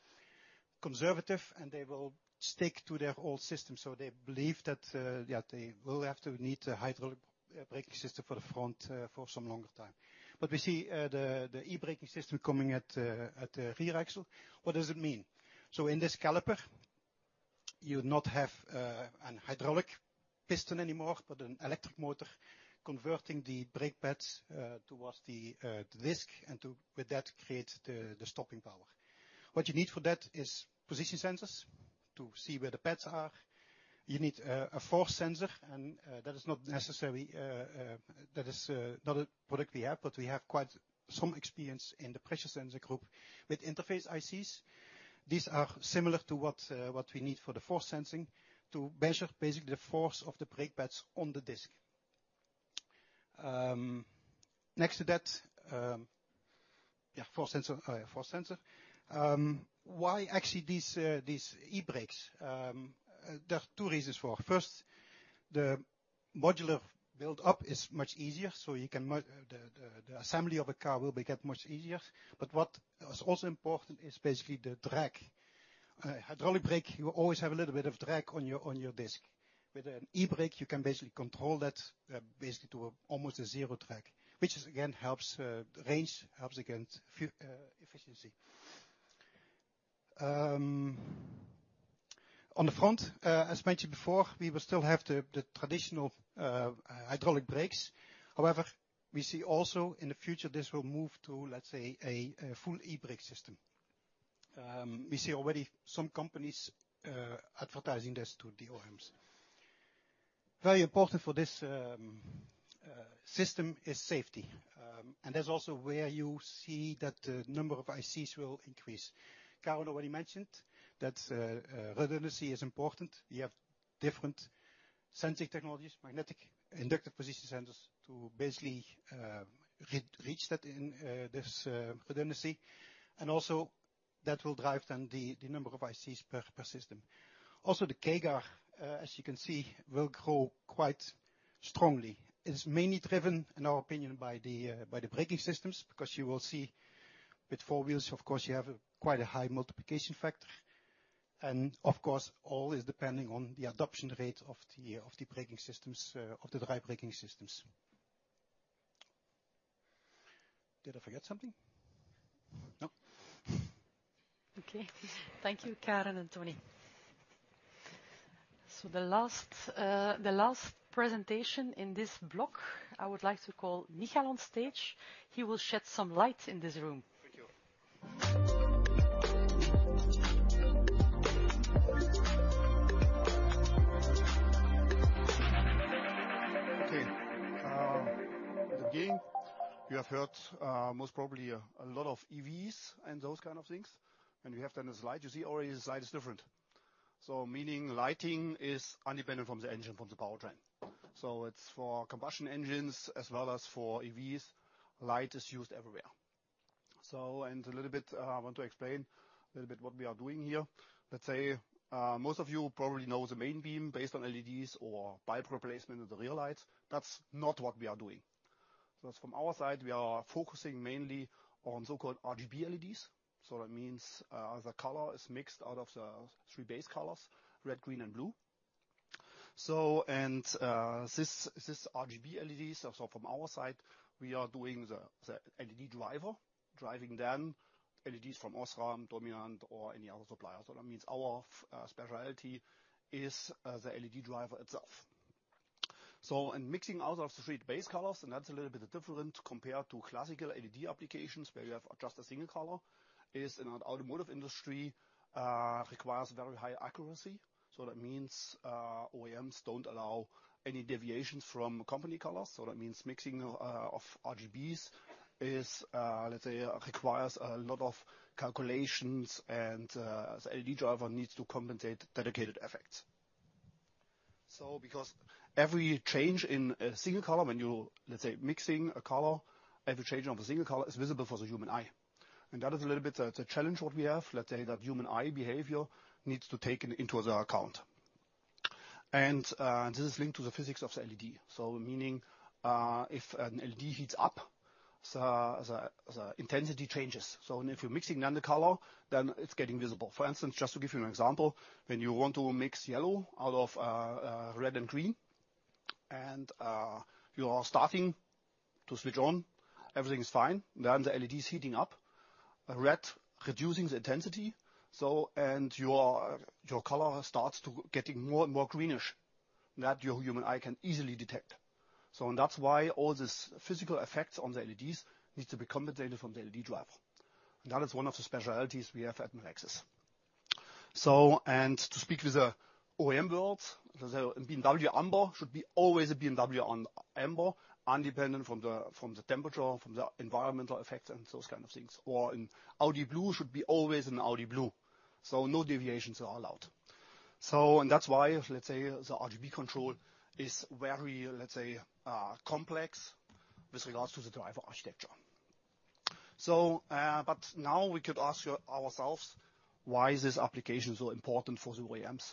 conservative, and they will stick to their old system. So they believe that, yeah, they will have to need the hydraulic braking system for the front for some longer time. But we see the e-braking system coming at the rear axle. What does it mean? So in this caliper you not have an hydraulic piston anymore, but an electric motor converting the brake pads towards the disc, and to, with that, creates the stopping power. What you need for that is position sensors to see where the pads are. You need a force sensor, and that is not necessary. That is not a product we have, but we have quite some experience in the pressure sensor group with interface ICs. These are similar to what we need for the force sensing to measure basically the force of the brake pads on the disc. Next to that, yeah, force sensor, force sensor. Why actually these e-brakes? There are two reasons for. First, the modular build-up is much easier, so you can the assembly of a car will get much easier. But what is also important is basically the drag. Hydraulic brake, you always have a little bit of drag on your disc. With an e-brake, you can basically control that, basically to almost a zero drag, which again helps range, helps against efficiency. On the front, as mentioned before, we will still have the traditional hydraulic brakes. However, we see also in the future, this will move to, let's say, a full e-brake system. We see already some companies advertising this to the OEMs. Very important for this system is safety. And that's also where you see that the number of ICs will increase. Karen already mentioned that redundancy is important. You have different sensing technologies, magnetic inductive position sensors, to basically reach that in this redundancy, and also that will drive down the number of ICs per system. Also, the CAGR, as you can see, will grow quite strongly. It's mainly driven, in our opinion, by the, by the braking systems, because you will see with four wheels, of course, you have quite a high multiplication factor. And of course, all is depending on the adoption rate of the, of the braking systems, of the dry braking systems. Did I forget something? No. Okay. Thank you, Karen and Tony. So the last presentation in this block, I would like to call Michael on stage. He will shed some light in this room. Thank you. Okay, at the beginning, you have heard most probably a lot of EVs and those kind of things, and we have done a slide. You see already the slide is different. Meaning lighting is independent from the engine, from the powertrain. It's for combustion engines as well as for EVs. Light is used everywhere. And a little bit, I want to explain a little bit what we are doing here. Let's say, most of you probably know the main beam based on LEDs or bulb replacement of the rear lights. That's not what we are doing. From our side, we are focusing mainly on so-called RGB LEDs. That means the color is mixed out of the three base colors: red, green, and blue. So, this RGB LEDs, from our side, we are doing the LED driver, driving the LEDs from OSRAM, Dominant, or any other supplier. So that means our specialty is the LED driver itself. So in mixing out of the three base colors, and that's a little bit different compared to classical LED applications, where you have just a single color, is in an automotive industry requires very high accuracy. So that means OEMs don't allow any deviations from company colors. So that means mixing of RGBs is, let's say, requires a lot of calculations, and the LED driver needs to compensate dedicated effects. So because every change in a single color, when you, let's say, mixing a color, every change of a single color is visible for the human eye. That is a little bit. It's a challenge what we have. Let's say that human eye behavior needs to take into the account. This is linked to the physics of the LED. So meaning, if an LED heats up, the intensity changes. So if you're mixing another color, then it's getting visible. For instance, just to give you an example, when you want to mix yellow out of red and green, and you are starting to switch on, everything is fine. Then the LED is heating up, red reducing the intensity, so and your color starts to getting more and more greenish. That your human eye can easily detect. And that's why all these physical effects on the LEDs need to be compensated from the LED driver. And that is one of the specialties we have at Melexis. To speak with the OEM worlds, BMW amber should be always a BMW amber, independent from the temperature, from the environmental effects and those kind of things. Or an Audi blue should be always an Audi blue, so no deviations are allowed. And that's why, let's say, the RGB control is very, let's say, complex with regards to the driver architecture. But now we could ask ourselves, why is this application so important for the OEMs?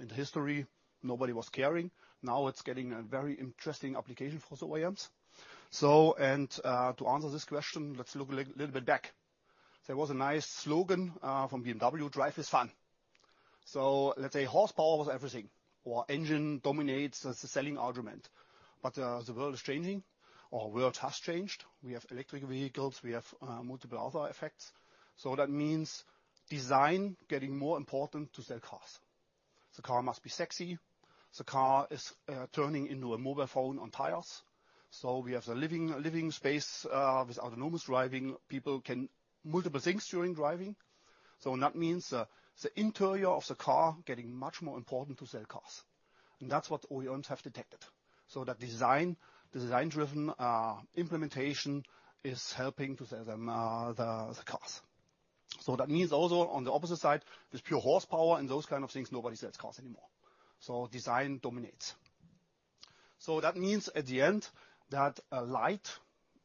In the history, nobody was caring. Now it's getting a very interesting application for the OEMs. And to answer this question, let's look a little bit back. There was a nice slogan from BMW: "Drive is fun." Let's say horsepower was everything, or engine dominates the selling argument. But the world is changing or world has changed. We have electric vehicles, we have multiple other effects. So that means design getting more important to sell cars. The car must be sexy. The car is turning into a mobile phone on tires, so we have the living space with autonomous driving. People can multiple things during driving, so that means the interior of the car getting much more important to sell cars, and that's what OEMs have detected. So that design, the design-driven implementation is helping to sell them, the cars. So that means also on the opposite side, with pure horsepower and those kind of things, nobody sells cars anymore, so design dominates. So that means at the end, that light,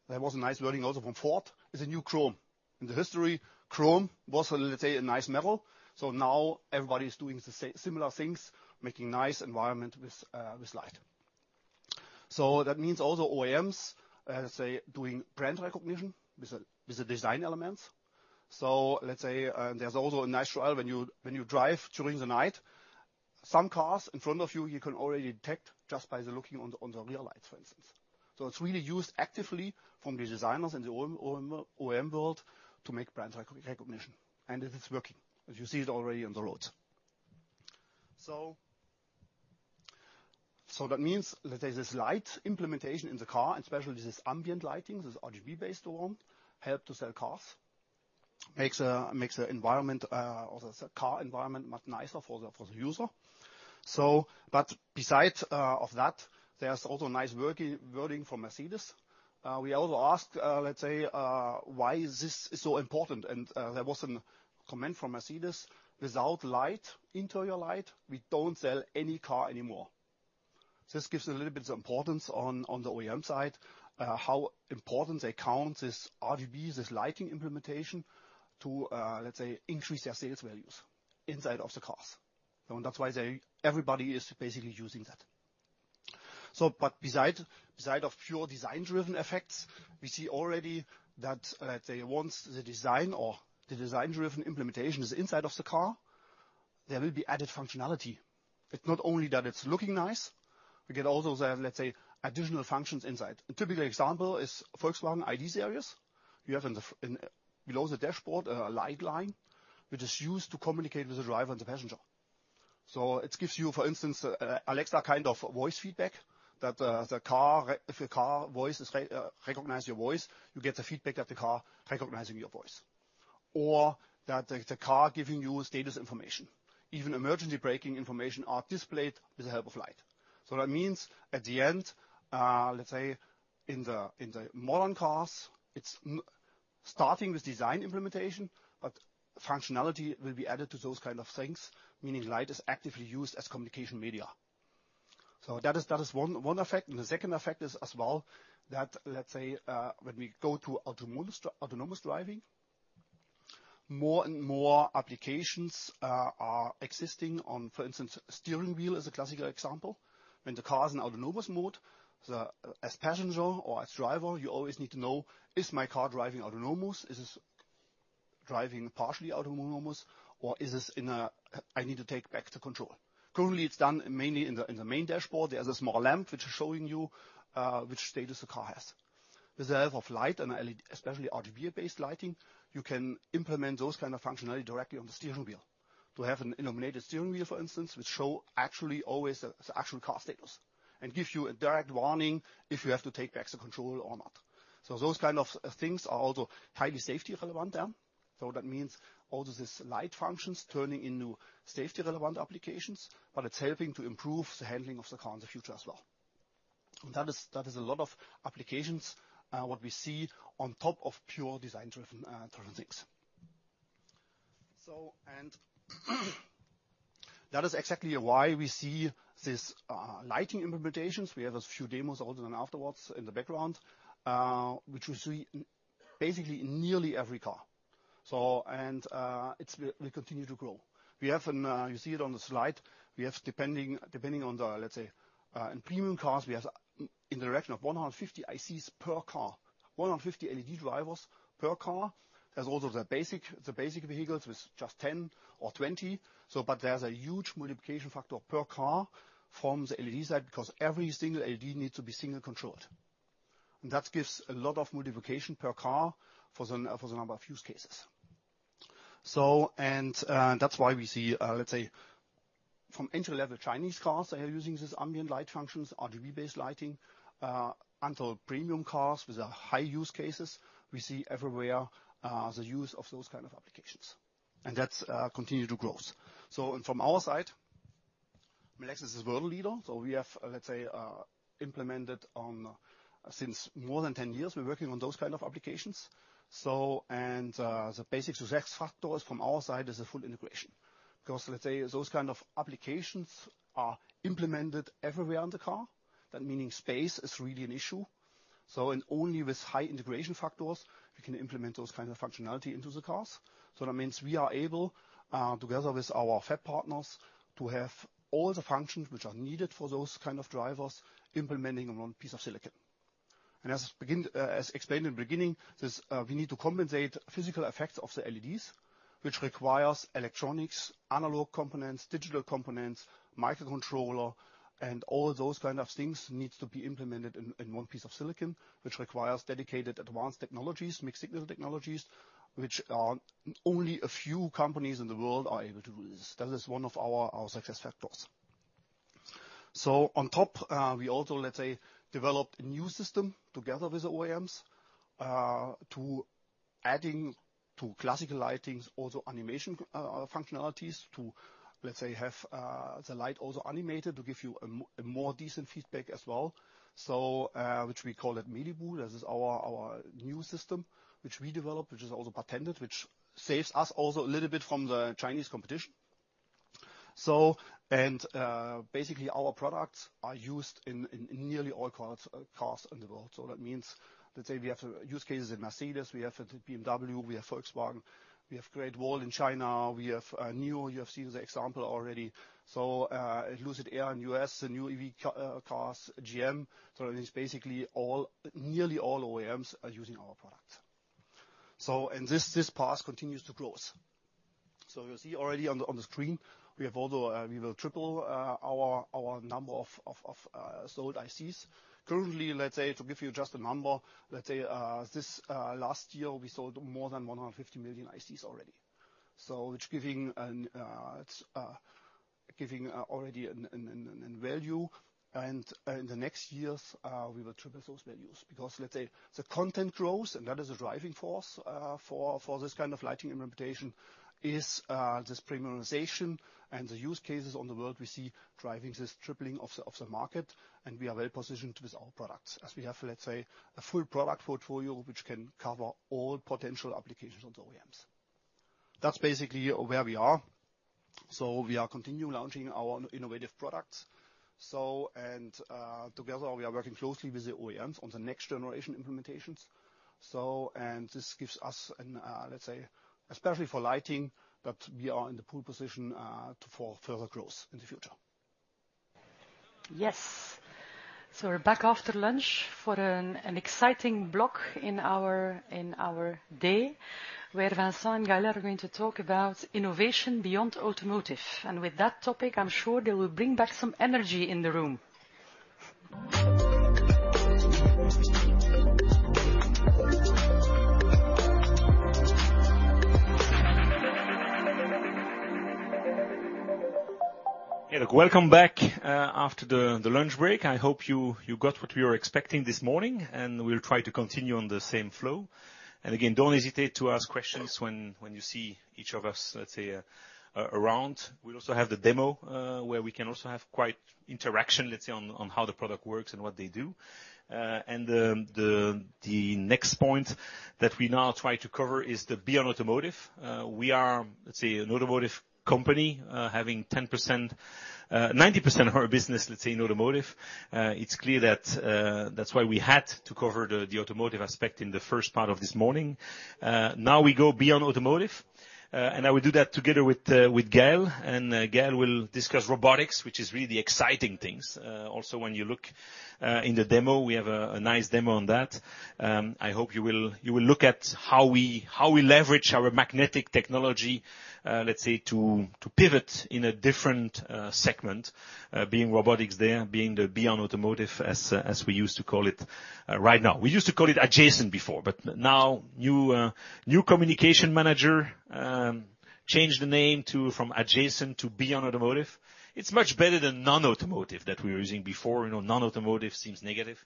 there was a nice wording also from Ford, is the new chrome. In the history, chrome was, let's say, a nice metal, so now everybody is doing similar things, making nice environment with light. So that means also OEMs, let's say, doing brand recognition with the design elements. So let's say, there's also a nice trial when you drive during the night, some cars in front of you, you can already detect just by the looking on the rear lights, for instance. So it's really used actively from the designers and the OEM world to make brand recognition, and it is working, as you see it already on the roads. So that means that there's this light implementation in the car, especially this ambient lighting, this RGB-based one, help to sell cars. Makes an environment or the car environment much nicer for the user. But besides of that, there's also a nice wording from Mercedes. We also ask, let's say, why is this so important? And there was a comment from Mercedes: "Without light, interior light, we don't sell any car anymore." This gives a little bit importance on the OEM side, how important they count this RGB, this lighting implementation, to, let's say, increase their sales values inside of the cars. And that's why everybody is basically using that. But beside of pure design-driven effects, we see already that, let's say, once the design or the design-driven implementation is inside of the car, there will be added functionality. It's not only that it's looking nice, we get also the, let's say, additional functions inside. A typical example is Volkswagen ID series. You have in the front, below the dashboard, a light line, which is used to communicate with the driver and the passenger. So it gives you, for instance, Alexa kind of voice feedback, that, the car, if the car voice is recognize your voice, you get the feedback that the car recognizing your voice, or that the, the car giving you status information. Even emergency braking information are displayed with the help of light. So that means, at the end, let's say, in the modern cars, it's starting with design implementation, but functionality will be added to those kind of things, meaning light is actively used as communication media. So that is, that is one, one effect, and the second effect is as well, that, let's say, when we go to autonomous driving, more and more applications are existing on, for instance, steering wheel is a classical example. When the car is in autonomous mode, the as passenger or as driver, you always need to know, is my car driving autonomous? Is this driving partially autonomous, or is this in a, I need to take back the control? Currently, it's done mainly in the main dashboard. There's a small lamp which is showing you which status the car has. With the help of light and LED, especially RGB-based lighting, you can implement those kind of functionality directly on the steering wheel. To have an illuminated steering wheel, for instance, which show actually always the actual car status, and gives you a direct warning if you have to take back the control or not. So those kind of things are also highly safety relevant then. So that means all of this light functions turning into safety-relevant applications, but it's helping to improve the handling of the car in the future as well. That is a lot of applications what we see on top of pure design-driven things. So that is exactly why we see this lighting implementations. We have a few demos also afterwards in the background, which you see basically in nearly every car. It will continue to grow. We have an, you see it on the slide, we have depending on the, let's say, in premium cars, we have in the region of 150 ICs per car, 150 LED drivers per car. There's also the basic vehicles with just 10 or 20. So, but there's a huge multiplication factor per car from the LED side, because every single LED needs to be single controlled. And that gives a lot of multiplication per car for the number of use cases. So, and, that's why we see, let's say, from entry-level Chinese cars, they are using this ambient light functions, RGB-based lighting, until premium cars with a high use cases, we see everywhere, the use of those kind of applications, and that's continue to growth. From our side, Melexis is world leader, so we have, let's say, implemented on since more than 10 years, we're working on those kind of applications. The basic success factors from our side is a full integration, because, let's say, those kind of applications are implemented everywhere in the car. That meaning space is really an issue. Only with high integration factors, we can implement those kind of functionality into the cars. That means we are able, together with our fab partners, to have all the functions which are needed for those kind of drivers, implementing on one piece of silicon. As explained in the beginning, this we need to compensate physical effects of the LEDs, which requires electronics, analog components, digital components, microcontroller, and all those kind of things needs to be implemented in one piece of silicon. Which requires dedicated, advanced technologies, mixed-signal technologies, which only a few companies in the world are able to do this. That is one of our success factors. So on top, we also, let's say, developed a new system together with the OEMs to adding to classical lightings, also animation functionalities, to, let's say, have the light also animated, to give you a more decent feedback as well. So, which we call it MeLiBu. This is our new system, which we developed, which is also patented, which saves us also a little bit from the Chinese competition. Basically, our products are used in nearly all cars in the world. So that means, let's say we have use cases in Mercedes, we have BMW, we have Volkswagen, we have Great Wall in China, we have NIO. You have seen the example already. So, Lucid Air in U.S., the new EV cars, GM. So it is basically all, nearly all OEMs are using our products. So this part continues to grow. So you see already on the screen, we have also. We will triple our number of sold ICs. Currently, let's say, to give you just a number, let's say, this last year, we sold more than 150 million ICs already. So which giving an, it's giving already an value. And in the next years, we will triple those values, because, let's say, the content grows, and that is a driving force for this kind of lighting implementation, is this premiumization and the use cases on the world we see driving this tripling of the Market. And we are well positioned with our products, as we have, let's say, a full product portfolio, which can cover all potential applications of the OEMs. That's basically where we are. So we are continuing launching our innovative products. So, and together, we are working closely with the OEMs on the next generation implementations. This gives us a, let's say, especially for lighting, that we are in the pole position for further growth in the future. Yes. So we're back after lunch for an exciting block in our day, where Vincent and Gael are going to talk about innovation beyond automotive. And with that topic, I'm sure they will bring back some energy in the room. Hey, look, welcome back after the lunch break. I hope you got what we were expecting this morning, and we'll try to continue on the same flow. Again, don't hesitate to ask questions when you see each of us, let's say, around. We'll also have the demo where we can also have quite interaction, let's say, on how the product works and what they do. And the next point that we now try to cover is the beyond automotive. We are, let's say, an automotive company having 10%, 90% of our business, let's say, in automotive. It's clear that that's why we had to cover the automotive aspect in the first part of this morning. Now we go beyond automotive, and I will do that together with Gael. Gael will discuss robotics, which is really exciting things. Also, when you look in the demo, we have a nice demo on that. I hope you will look at how we leverage our magnetic technology, let's say, to pivot in a different segment, being robotics there, being the beyond automotive, as we used to call it right now. We used to call it adjacent before, but now, new communication manager changed the name to, from adjacent to beyond automotive. It's much better than non-automotive that we were using before. You know, non-automotive seems negative.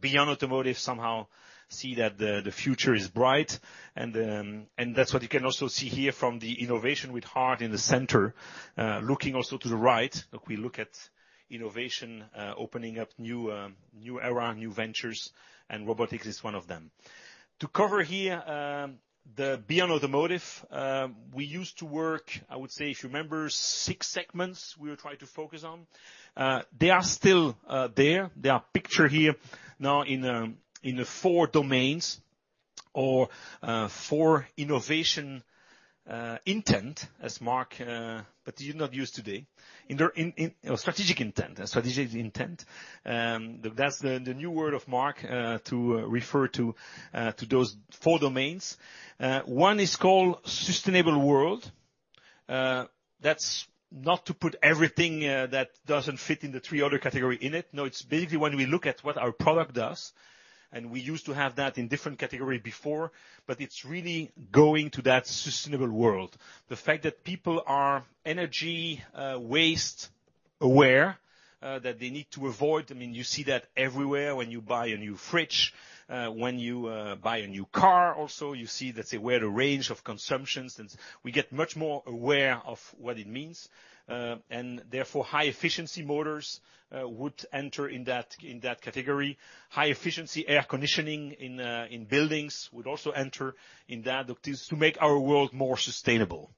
Beyond automotive, somehow see that the future is bright, and that's what you can also see here from the innovation with heart in the center. Looking also to the right, we look at innovation, opening up new era, new ventures, and robotics is one of them. To cover here, the beyond automotive, we used to work, I would say, if you remember, six segments we would try to focus on. They are still there. They are pictured here now in the four domains or four innovation intent, as Marc, but he did not use today. In the strategic intent. Strategic intent. That's the new word of Marc to refer to those four domains. One is called sustainable world. That's not to put everything that doesn't fit in the three other categories in it. No, it's basically when we look at what our product does, and we used to have that in different categories before, but it's really going to that sustainable world. The fact that people are energy waste aware, that they need to avoid. I mean, you see that everywhere when you buy a new fridge, when you buy a new car. Also, you see, let's say, where the range of consumption, since we get much more aware of what it means, and therefore, high-efficiency motors would enter in that, in that category. High-efficiency air conditioning in buildings would also enter in that. Look, this to make our world more sustainable.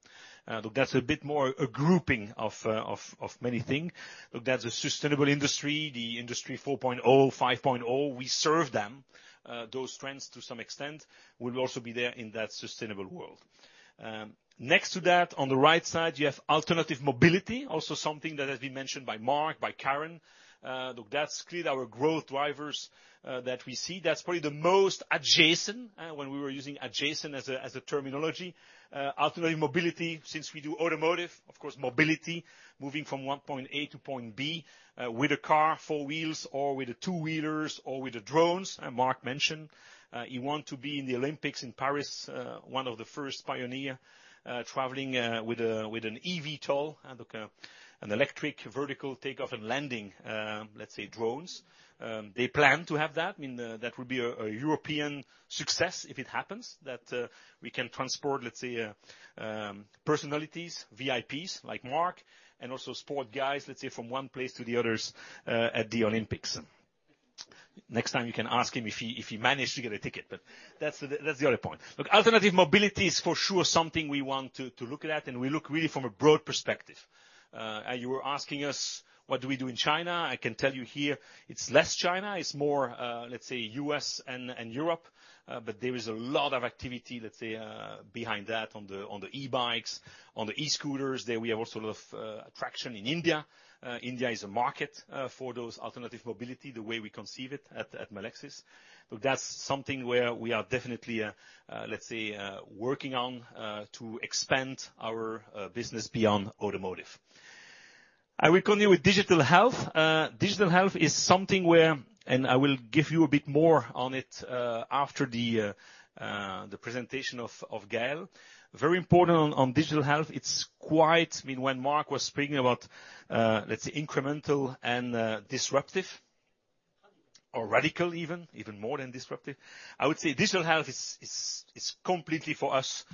Look, that's a bit more a grouping of many things. Look, that's a sustainable industry, the industry 4.0, 5.0, we serve them. Those trends, to some extent, will also be there in that sustainable world. Next to that, on the right side, you have alternative mobility. Also, something that has been mentioned by Marc, by Karen. Look, that's clearly our growth drivers, that we see. That's probably the most adjacent, when we were using adjacent as a, as a terminology. Alternative mobility, since we do automotive, of course, mobility, moving from one point A to point B, with a car, four wheels, or with two-wheelers, or with the drones. And Marc mentioned, he want to be in the Olympics in Paris, one of the first pioneer, traveling, with an eVTOL. Look, an electric vertical take-off and landing, let's say, drones. They plan to have that. I mean, that would be a European success if it happens, that we can transport, let's say, personalities, VIPs, like Marc, and also sport guys, let's say, from one place to the others, at the Olympics. Next time, you can ask him if he managed to get a ticket, but that's the other point. Look, alternative mobility is, for sure, something we want to look at, and we look really from a broad perspective. You were asking us, what do we do in China? I can tell you here, it's less China. It's more, let's say, U.S. and Europe, but there is a lot of activity, let's say, behind that, on the e-bikes, on the e-scooters. There we have also a lot of traction in India. India is a Market for those alternative mobility, the way we conceive it at Melexis. So that's something where we are definitely, let's say, working on to expand our business beyond automotive. I will continue with digital health. Digital health is something where... And I will give you a bit more on it after the presentation of Gael. Very important on digital health, it's quite- I mean, when Marc was speaking about, let's say, incremental and disruptive or radical even, even more than disruptive. I would say digital health is completely, for us,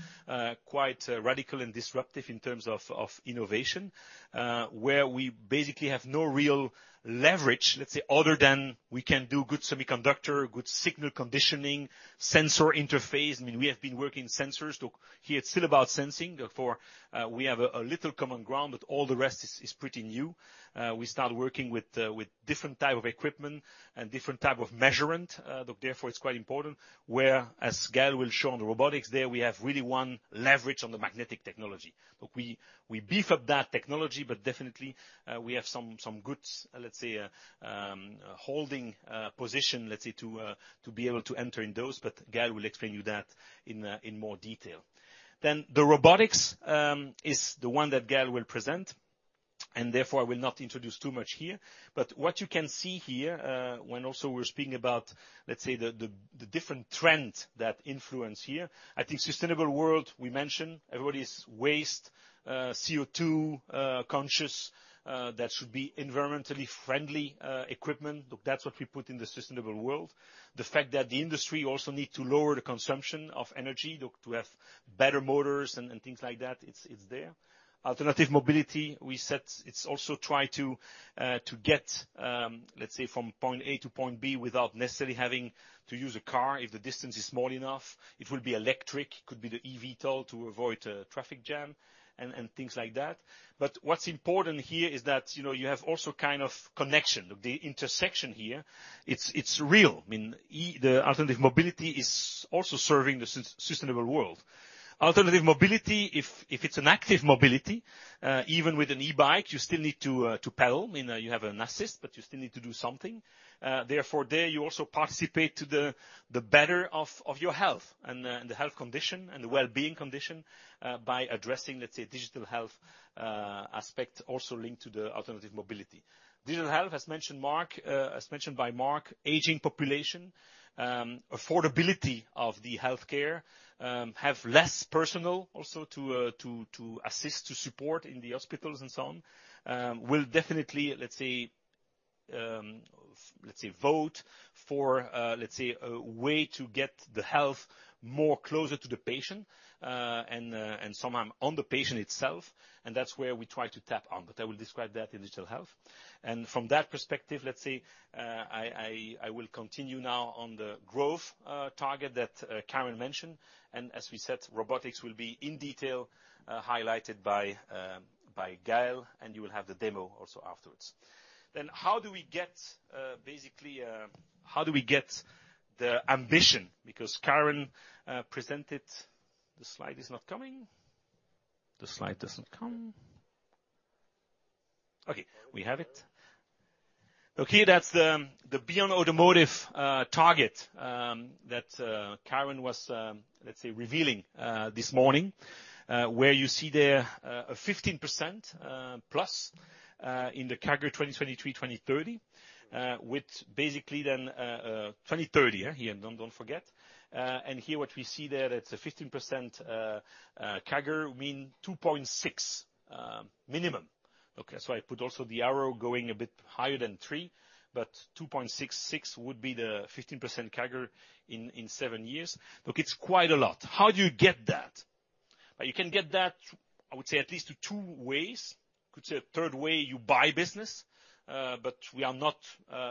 quite radical and disruptive in terms of innovation, where we basically have no real leverage, let's say, other than we can do good semiconductor, good signal conditioning, sensor interface. I mean, we have been working sensors, so here, it's still about sensing. For, we have a little common ground, but all the rest is pretty new. We start working with different type of equipment and different type of measurement. Therefore, it's quite important, where, as Gael will show on the robotics there, we have really one leverage on the magnetic technology. But we beef up that technology, but definitely, we have some good, let's say, holding position, let's say, to be able to enter in those, but Gael will explain you that in more detail. Then the robotics is the one that Gael will present, and therefore, I will not introduce too much here. But what you can see here, when also we're speaking about, let's say, the different trends that influence here, I think sustainable world, we mentioned, everybody's waste, CO2 conscious, that should be environmentally friendly equipment. So that's what we put in the sustainable world. The fact that the industry also need to lower the consumption of energy, look to have better motors and things like that, it's there. Alternative mobility, we said, it's also try to get, let's say, from point A to point B, without necessarily having to use a car if the distance is small enough. It will be electric, it could be the eVTOL to avoid a traffic jam and things like that. But what's important here is that, you know, you have also kind of connection. The intersection here, it's real. I mean, the alternative mobility is also serving the sustainable world. Alternative mobility, if it's an active mobility, even with an e-bike, you still need to pedal. I mean, you have an assist, but you still need to do something. Therefore, there, you also participate to the better of your health and the health condition, and the well-being condition, by addressing, let's say, digital health aspect also linked to the alternative mobility. Digital health, as mentioned by Marc, aging population, affordability of the healthcare, have less personnel also to assist, to support in the hospitals and so on, will definitely, let's say, let's say, vote for, let's say, a way to get the health more closer to the patient, and sometime on the patient itself, and that's where we try to tap on, but I will describe that in digital health. From that perspective, let's say, I will continue now on the growth target that Karen mentioned, and as we said, robotics will be in detail highlighted by Gael, and you will have the demo also afterwards. Then how do we get basically the ambition? Because Karen presented... The slide is not coming. The slide doesn't come. Okay, we have it. Okay, that's the, the beyond automotive, target, that, Karen was, let's say, revealing, this morning. Where you see there, a 15%+, in the CAGR 2023, 2030, with basically then, 2030, here, don't, don't forget. And here, what we see there, that's a 15% CAGR, mean 2.6, minimum. Okay, so I put also the arrow going a bit higher than three, but 2.66 would be the 15% CAGR in, in seven years. Look, it's quite a lot. How do you get that? You can get that, I would say, at least to two ways. Could say a third way, you buy business, but we are not,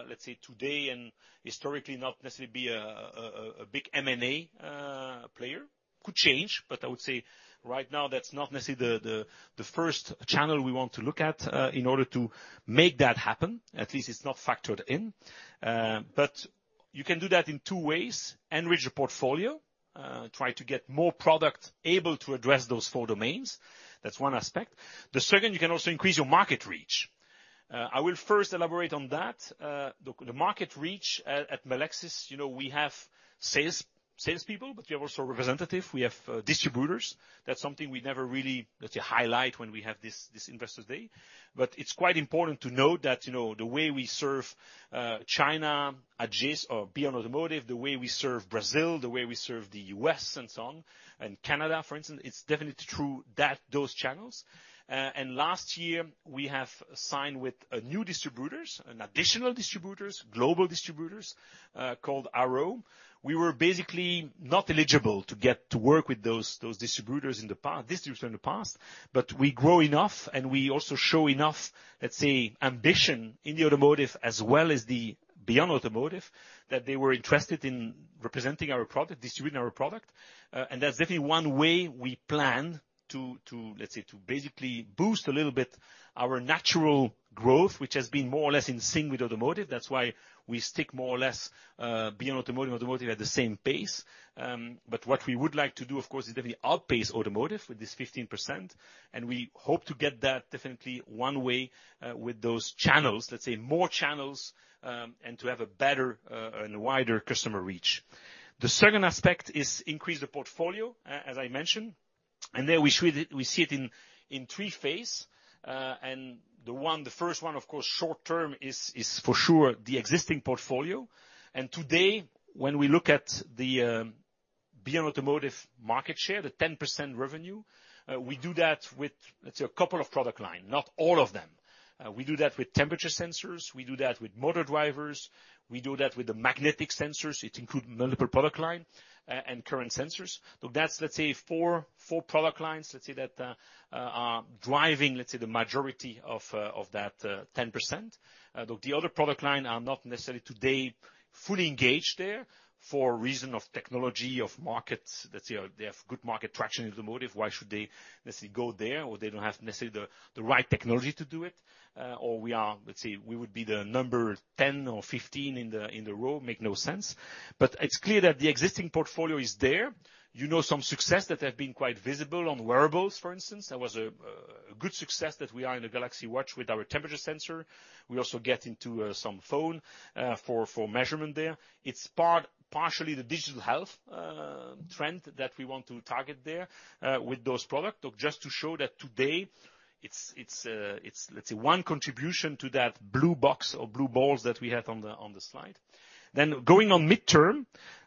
let's say, today and historically, not necessarily a big M&A player. Could change, but I would say right now, that's not necessarily the first channel we want to look at, in order to make that happen. At least it's not factored in. But you can do that in two ways: enrich your portfolio, try to get more product able to address those four domains. That's one aspect. The second, you can also increase your Market reach. I will first elaborate on that. The Market reach at Melexis, you know, we have sales, salespeople, but we have also representative, we have distributors. That's something we never really, let's say, highlight when we have this Investors Day. But it's quite important to note that, you know, the way we serve China, adjacent or beyond automotive, the way we serve Brazil, the way we serve the U.S., and so on, and Canada, for instance, it's definitely through those channels. And last year, we have signed with a new distributors, an additional distributors, global distributors called Arrow. We were basically not eligible to get to work with those distributors in the past, but we grow enough, and we also show enough, let's say, ambition in the automotive as well as the beyond automotive, that they were interested in representing our product, distributing our product. And that's definitely one way we plan to, let's say, to basically boost a little bit our natural growth, which has been more or less in sync with automotive. That's why we stick more or less beyond automotive, automotive at the same pace. But what we would like to do, of course, is definitely outpace automotive with this 15%, and we hope to get that definitely one way with those channels, let's say, more channels, and to have a better and wider customer reach. The second aspect is increase the portfolio, as I mentioned, and there we see it in three phase. And the first one, of course, short term is for sure the existing portfolio. And today, when we look at the beyond automotive Market share, the 10% revenue, we do that with, let's say, a couple of product line, not all of them. We do that with temperature sensors, we do that with motor drivers, we do that with the magnetic sensors. It include multiple product line, and current sensors. So that's, let's say, four, four product lines, let's say that, are driving, let's say, the majority of, of that, 10%. The other product line are not necessarily today fully engaged there for reason of technology, of Markets. Let's say they have good Market traction in the automotive, why should they necessarily go there, or they don't have necessarily the, the right technology to do it? Or we are, let's say, we would be the number 10 or 15 in the, in the row, make no sense. But it's clear that the existing portfolio is there. You know, some success that have been quite visible on wearables, for instance. There was a good success that we are in the Galaxy Watch with our temperature sensor. We also get into some phone for measurement there. It's part, partially the digital health trend that we want to target there with those product. Just to show that today it's, it's, let's say, one contribution to that blue box or blue balls that we have on the slide. Then going on midterm,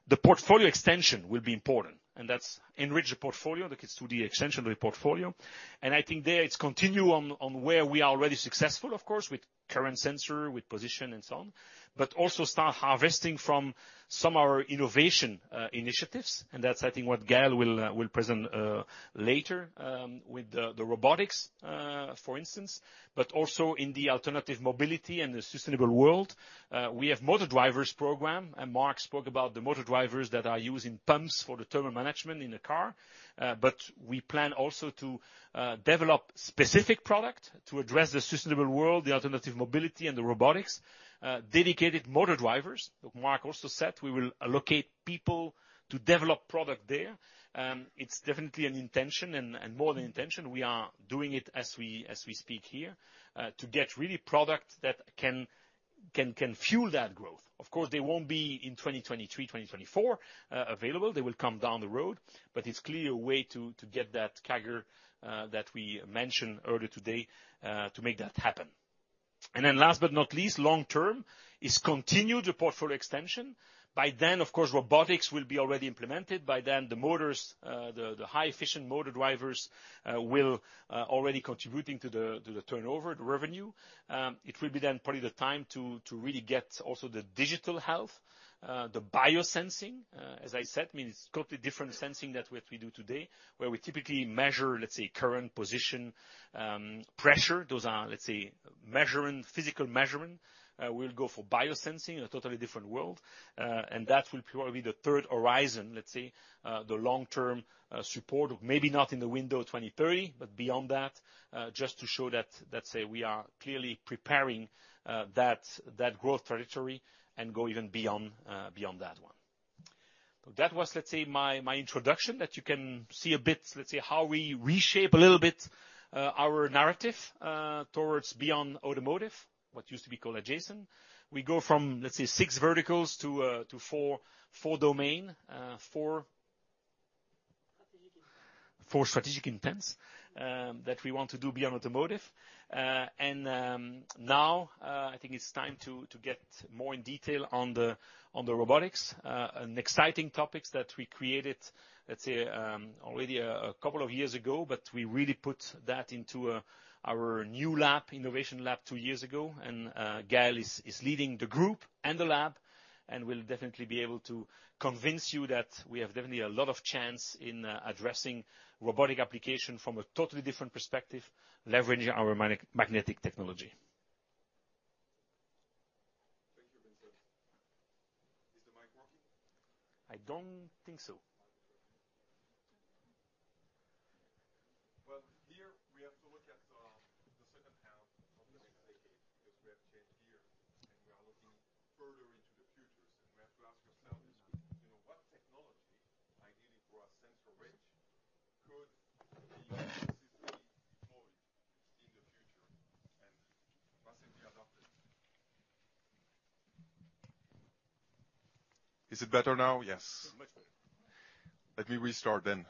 the portfolio extension will be important, and that's enrich the portfolio, that is to the extension of the portfolio. And I think there it's continue on where we are already successful, of course, with current sensor, with position, and so on. But also start harvesting from some of our innovation initiatives, and that's, I think, what Gael will present later, with the robotics, for instance, but also in the alternative mobility and the sustainable world. We have motor drivers program, and Marc spoke about the motor drivers that are used in pumps for the thermal management in a car. But we plan also to develop specific product to address the sustainable world, the alternative mobility, and the robotics. Dedicated motor drivers, Marc also said we will allocate people to develop product there. It's definitely an intention, and more than intention, we are doing it as we speak here, to get really products that can fuel that growth. Of course, they won't be in 2023, 2024 available. They will come down the road, but it's clearly a way to, to get that CAGR, that we mentioned earlier today, to make that happen. And then last but not least, long term is continue the portfolio extension. By then, of course, robotics will be already implemented. By then, the motors, the, the high efficient motor drivers, will, already contributing to the, to the turnover, the revenue. It will be then probably the time to, to really get also the digital health, the biosensing, as I said, means totally different sensing that what we do today, where we typically measure, let's say, current position, pressure. Those are, let's say, measurement, physical measurement. We'll go for biosensing, a totally different world, and that will probably be the third horizon, let's say, the long-term, support. Maybe not in the window 2030, but beyond that, just to show that, let's say, we are clearly preparing, that growth trajectory and go even beyond, beyond that one. So that was, let's say, my introduction, that you can see a bit, let's say, how we reshape a little bit, our narrative, towards beyond automotive, what used to be called adjacent. We go from, let's say, six verticals to to four, four domain, four- Strategic intent. Four strategic intents that we want to do beyond automotive. Now, I think it's time to get more in detail on the robotics, a exciting topic that we created, let's say, already a couple of years ago, but we really put that into our new lab, innovation lab 2 years ago. Gael is leading the group and the lab, and will definitely be able to convince you that we have definitely a lot of chance in addressing robotic application from a totally different perspective, leveraging our magnetic technology. Thank you, Vincent. Is the mic working? I don't think so. Well, here we have to look at the second half of the decade, because we have changed year, and we are looking further into the future. So we have to ask ourselves, you know, what- Is it better now? Yes. Much better. Let me restart then.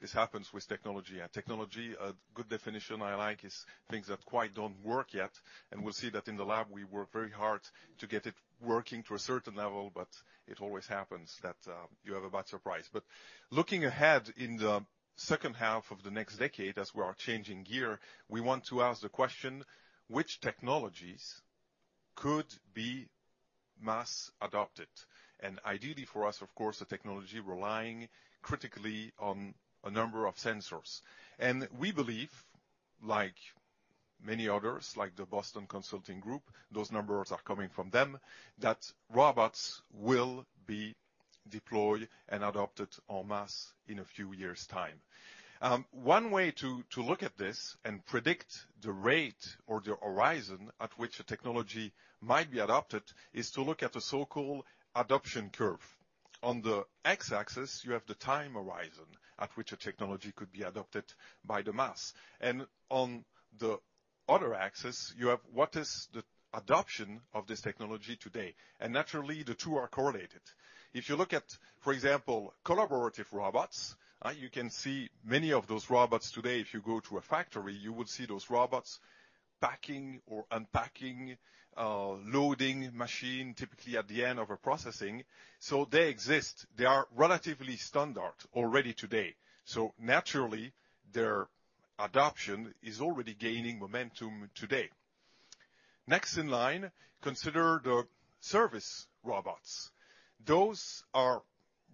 This happens with technology. And technology, a good definition I like is things that quite don't work yet, and we'll see that in the lab we work very hard to get it working to a certain level, but it always happens that you have a bad surprise. But looking ahead in the second half of the next decade, as we are changing gear, we want to ask the question: which technologies could be mass adopted? And ideally, for us, of course, a technology relying critically on a number of sensors. And we believe, like many others, like the Boston Consulting Group, those numbers are coming from them, that robots will be deployed and adopted en masse in a few years' time. One way to look at this and predict the rate or the horizon at which a technology might be adopted is to look at the so-called adoption curve. On the X-axis, you have the time horizon at which a technology could be adopted by the mass, and on the other axis, you have, what is the adoption of this technology today? And naturally, the two are correlated. If you look at, for example, collaborative robots, you can see many of those robots today, if you go to a factory, you will see those robots packing or unpacking, loading machine, typically at the end of a processing. So they exist. They are relatively standard already today, so naturally, their adoption is already gaining momentum today. Next in line, consider the service robots. Those are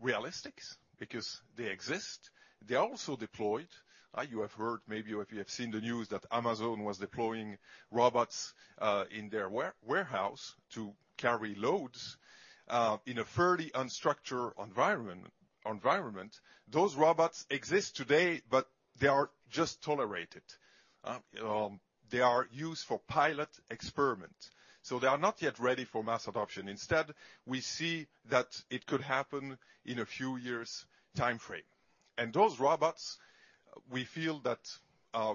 realistic because they exist. They are also deployed. You have heard, maybe, or if you have seen the news, that Amazon was deploying robots in their warehouse to carry loads in a fairly unstructured environment. Those robots exist today, but they are just tolerated. They are used for pilot experiment, so they are not yet ready for mass adoption. Instead, we see that it could happen in a few years' time frame. And those robots, we feel that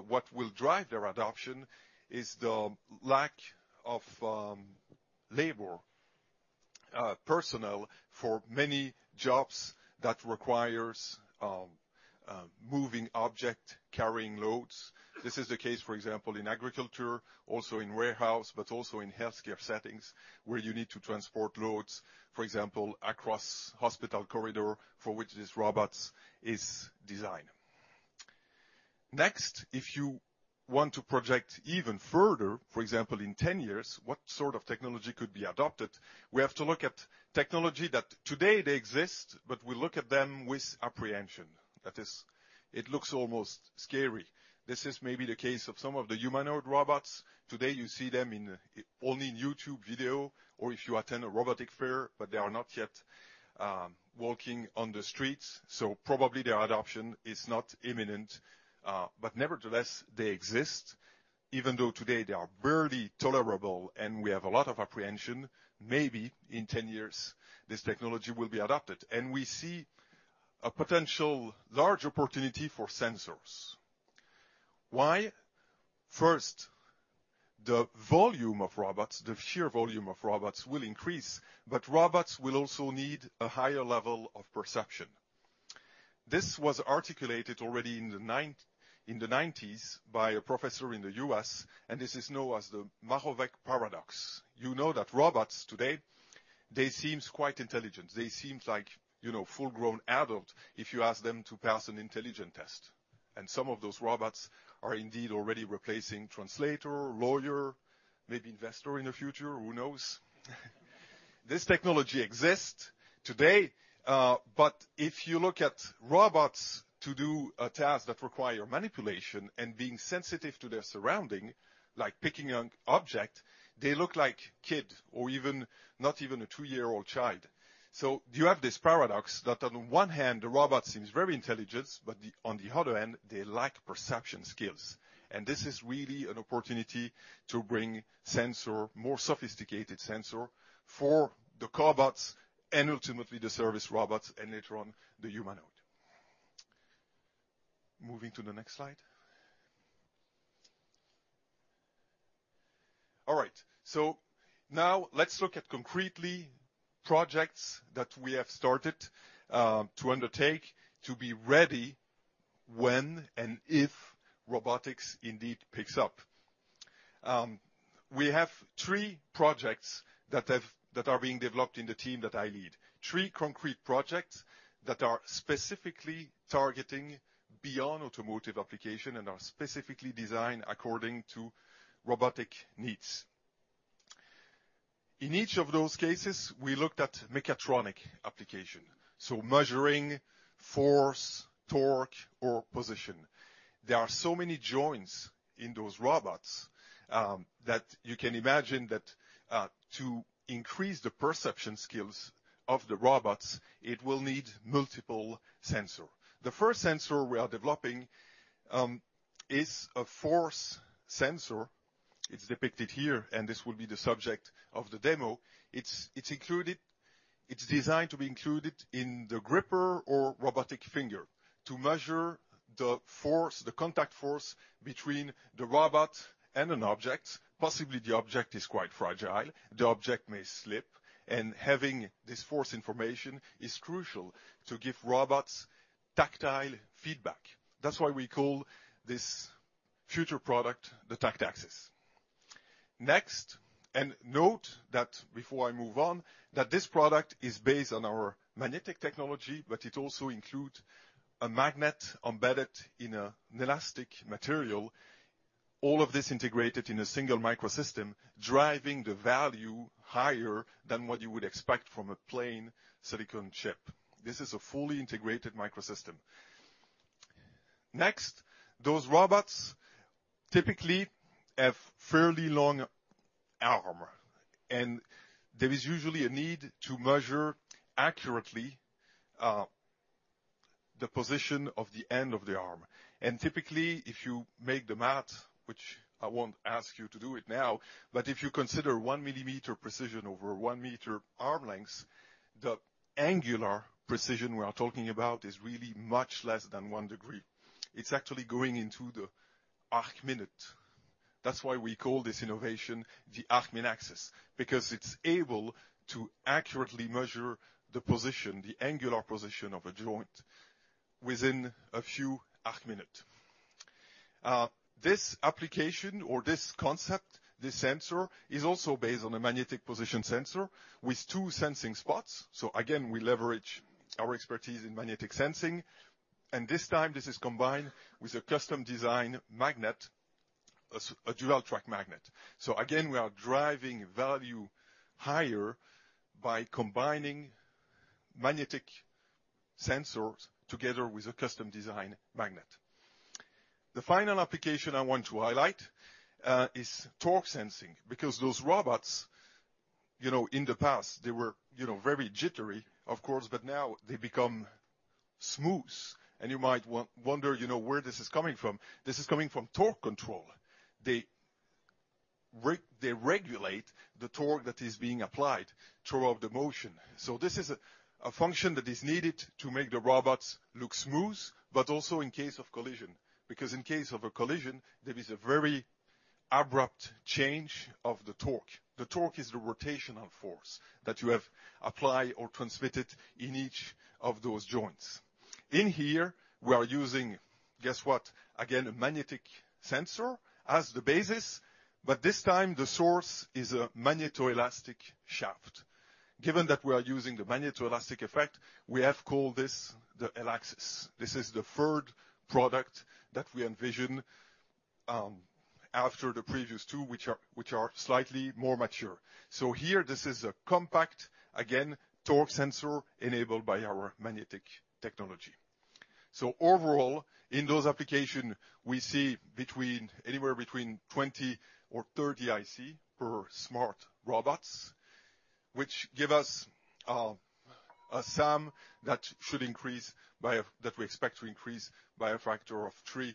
what will drive their adoption is the lack of labor personnel for many jobs that requires moving object, carrying loads. This is the case, for example, in agriculture, also in warehouse, but also in healthcare settings, where you need to transport loads, for example, across hospital corridor, for which these robots is designed. Next, if you want to project even further, for example, in 10 years, what sort of technology could be adopted? We have to look at technology that today they exist, but we look at them with apprehension. That is, it looks almost scary. This is maybe the case of some of the humanoid robots. Today, you see them in, only in YouTube video or if you attend a robotic fair, but they are not yet walking on the streets, so probably their adoption is not imminent. But nevertheless, they exist. Even though today they are barely tolerable and we have a lot of apprehension, maybe in 10 years, this technology will be adopted, and we see a potential large opportunity for sensors. Why? First, the volume of robots, the sheer volume of robots will increase, but robots will also need a higher level of perception. This was articulated already in the nineties by a professor in the U.S., and this is known as Moravec's paradox. You know that robots today, they seems quite intelligent. They seem like, you know, full-grown adult if you ask them to pass an intelligence test. And some of those robots are indeed already replacing translator, lawyer, maybe investor in the future, who knows? This technology exists today, but if you look at robots to do a task that require manipulation and being sensitive to their surrounding, like picking an object, they look like kid or even not even a two-year-old child. So you have this paradox that on one hand, the robot seems very intelligent, but the, on the other hand, they lack perception skills. This is really an opportunity to bring sensor, more sophisticated sensor for the cobots and ultimately the service robots, and later on, the humanoid. Moving to the next slide. All right. Now let's look at concretely projects that we have started to undertake to be ready when and if robotics indeed picks up. We have three projects that are being developed in the team that I lead. Three concrete projects that are specifically targeting beyond automotive application and are specifically designed according to robotic needs. In each of those cases, we looked at mechatronic application, so measuring force, torque, or position. There are so many joints in those robots that you can imagine that to increase the perception skills of the robots, it will need multiple sensor. The first sensor we are developing is a force sensor. It's depicted here, and this will be the subject of the demo. It's included. It's designed to be included in the gripper or robotic finger to measure the force, the contact force between the robot and an object. Possibly the object is quite fragile, the object may slip, and having this force information is crucial to give robots tactile feedback. That's why we call this future product the Tactaxis. Next, and note that before I move on, that this product is based on our magnetic technology, but it also includes a magnet embedded in a magnetoelastic material. All of this integrated in a single microsystem, driving the value higher than what you would expect from a plain silicon chip. This is a fully integrated microsystem. Next, those robots typically have fairly long arm, and there is usually a need to measure accurately, the position of the end of the arm. And typically, if you make the math, which I won't ask you to do it now, but if you consider 1 millimeter precision over 1 meter arm length, the angular precision we are talking about is really much less than 1 degree. It's actually going into the arc minute. That's why we call this innovation the ArcMinAxis, because it's able to accurately measure the position, the angular position of a joint within a few arc minute. This application or this concept, this sensor, is also based on a magnetic position sensor with two sensing spots. So again, we leverage our expertise in magnetic sensing, and this time, this is combined with a custom design magnet, a dual track magnet. So again, we are driving value higher by combining magnetic sensors together with a custom design magnet. The final application I want to highlight is torque sensing, because those robots, you know, in the past, they were, you know, very jittery, of course, but now they become smooth. And you might wonder, you know, where this is coming from. This is coming from torque control. They regulate the torque that is being applied throughout the motion. So this is a function that is needed to make the robots look smooth, but also in case of collision, because in case of a collision, there is a very abrupt change of the torque. The torque is the rotational force that you have applied or transmitted in each of those joints. In here, we are using, guess what? Again, a magnetic sensor as the basis, but this time the source is a magnetoelastic shaft. Given that we are using the magnetoelastic effect, we have called this the ElAxis. This is the third product that we envision after the previous two, which are, which are slightly more mature. So here, this is a compact, again, torque sensor enabled by our magnetic technology. So overall, in those applications, we see between anywhere between 20 or 30 IC per smart robots, which give us a sum that should increase by a that we expect to increase by a factor of three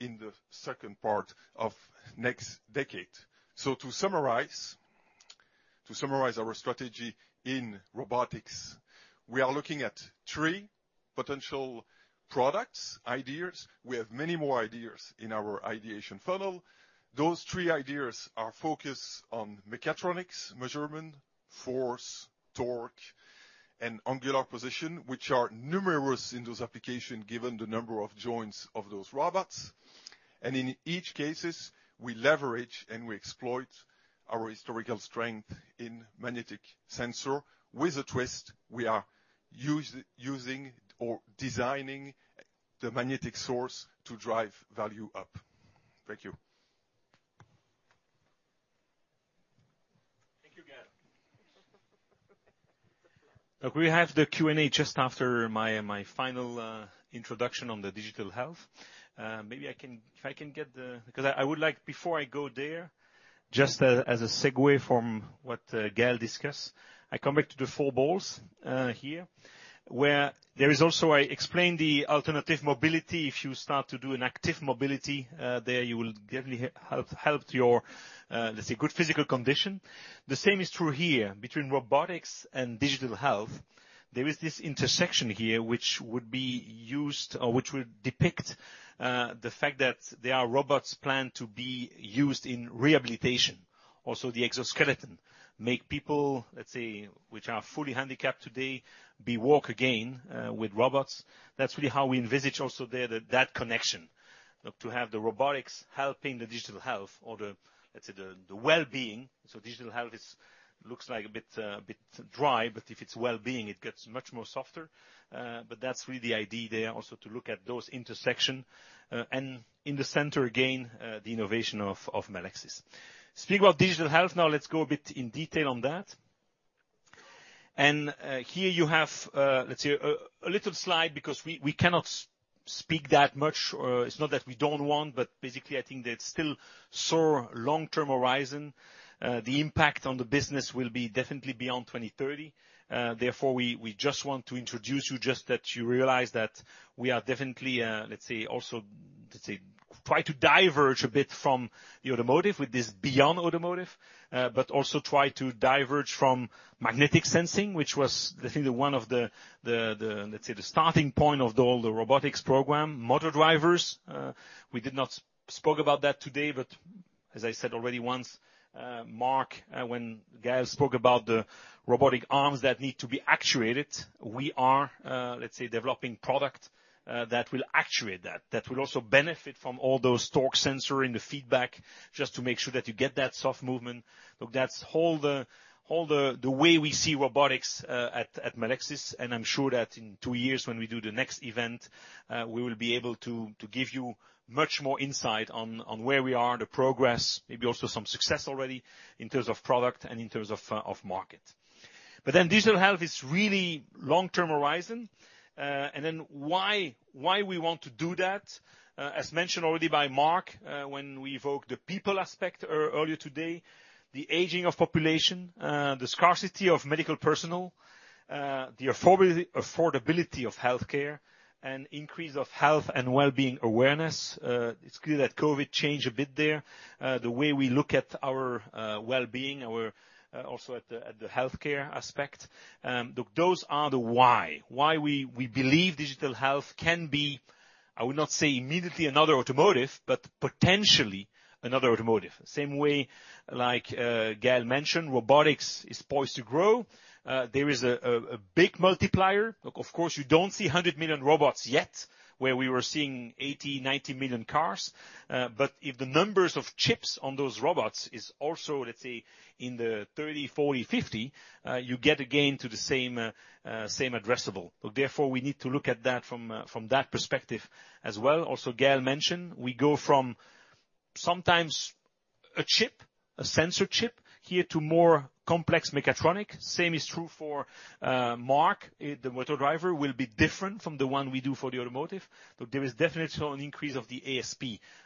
in the second part of next decade. So to summarize, to summarize our strategy in robotics, we are looking at three potential products, ideas. We have many more ideas in our ideation funnel. Those three ideas are focused on mechatronics, measurement, force, torque, and angular position, which are numerous in those applications, given the number of joints of those robots. And in each cases, we leverage and we exploit our historical strength in magnetic sensor. With a twist, we are using or designing the magnetic source to drive value up. Thank you. Thank you, Gael. Look, we have the Q&A just after my final introduction on the digital health. Maybe I can if I can get the because I would like, before I go there, just as a segue from what Gael discussed, I come back to the four balls here, where there is also I explain the alternative mobility. If you start to do an active mobility there, you will definitely help, helped your, let's say, good physical condition. The same is true here. Between robotics and digital health, there is this intersection here which would be used, or which would depict the fact that there are robots planned to be used in rehabilitation. Also, the exoskeleton make people, let's say, which are fully handicapped today, be walk again with robots. That's really how we envisage also there, that, that connection, to have the robotics helping the digital health or the, let's say, the, the well-being. So digital health is, looks like a bit, a bit dry, but if it's well-being, it gets much more softer. But that's really the idea there, also to look at those intersection, and in the center, again, the innovation of, of Melexis. Speaking about digital health, now let's go a bit in detail on that. Here you have, let's say, a, a little slide, because we, we cannot speak that much, or it's not that we don't want, but basically, I think that's still so long-term horizon, the impact on the business will be definitely beyond 2030. Therefore, we just want to introduce you, just that you realize that we are definitely, let's say, also let's say try to diverge a bit from the automotive with this beyond automotive, but also try to diverge from magnetic sensing, which was, I think, one of the, let's say, the starting point of all the robotics program. Motor drivers, we did not spoke about that today, but as I said already once, Marc, when Gael spoke about the robotic arms that need to be actuated, we are, let's say, developing product that will actuate that. That will also benefit from all those torque sensor in the feedback, just to make sure that you get that soft movement. Look, that's all the way we see robotics at Melexis, and I'm sure that in two years, when we do the next event, we will be able to give you much more insight on where we are, the progress, maybe also some success already in terms of product and in terms of Market. But then digital health is really long-term horizon. And then why we want to do that? As mentioned already by Marc, when we evoked the people aspect earlier today, the aging of population, the scarcity of medical personnel, the affordability of healthcare and increase of health and well-being awareness. It's clear that Covid changed a bit there, the way we look at our well-being, our also at the healthcare aspect. Look, those are the why. Why we believe digital health can be, I would not say immediately another automotive, but potentially another automotive. Same way, like, Gael mentioned, robotics is poised to grow. There is a big multiplier. Of course, you don't see 100 million robots yet, where we were seeing 80-90 million cars, but if the numbers of chips on those robots is also, let's say, in the 30-50, you get again to the same addressable. So therefore, we need to look at that from that perspective as well. Also, Gael mentioned, we go from sometimes a chip, a sensor chip, here to more complex mechatronic. Same is true for Marc. The motor driver will be different from the one we do for the automotive, so there is definitely an increase of the ASP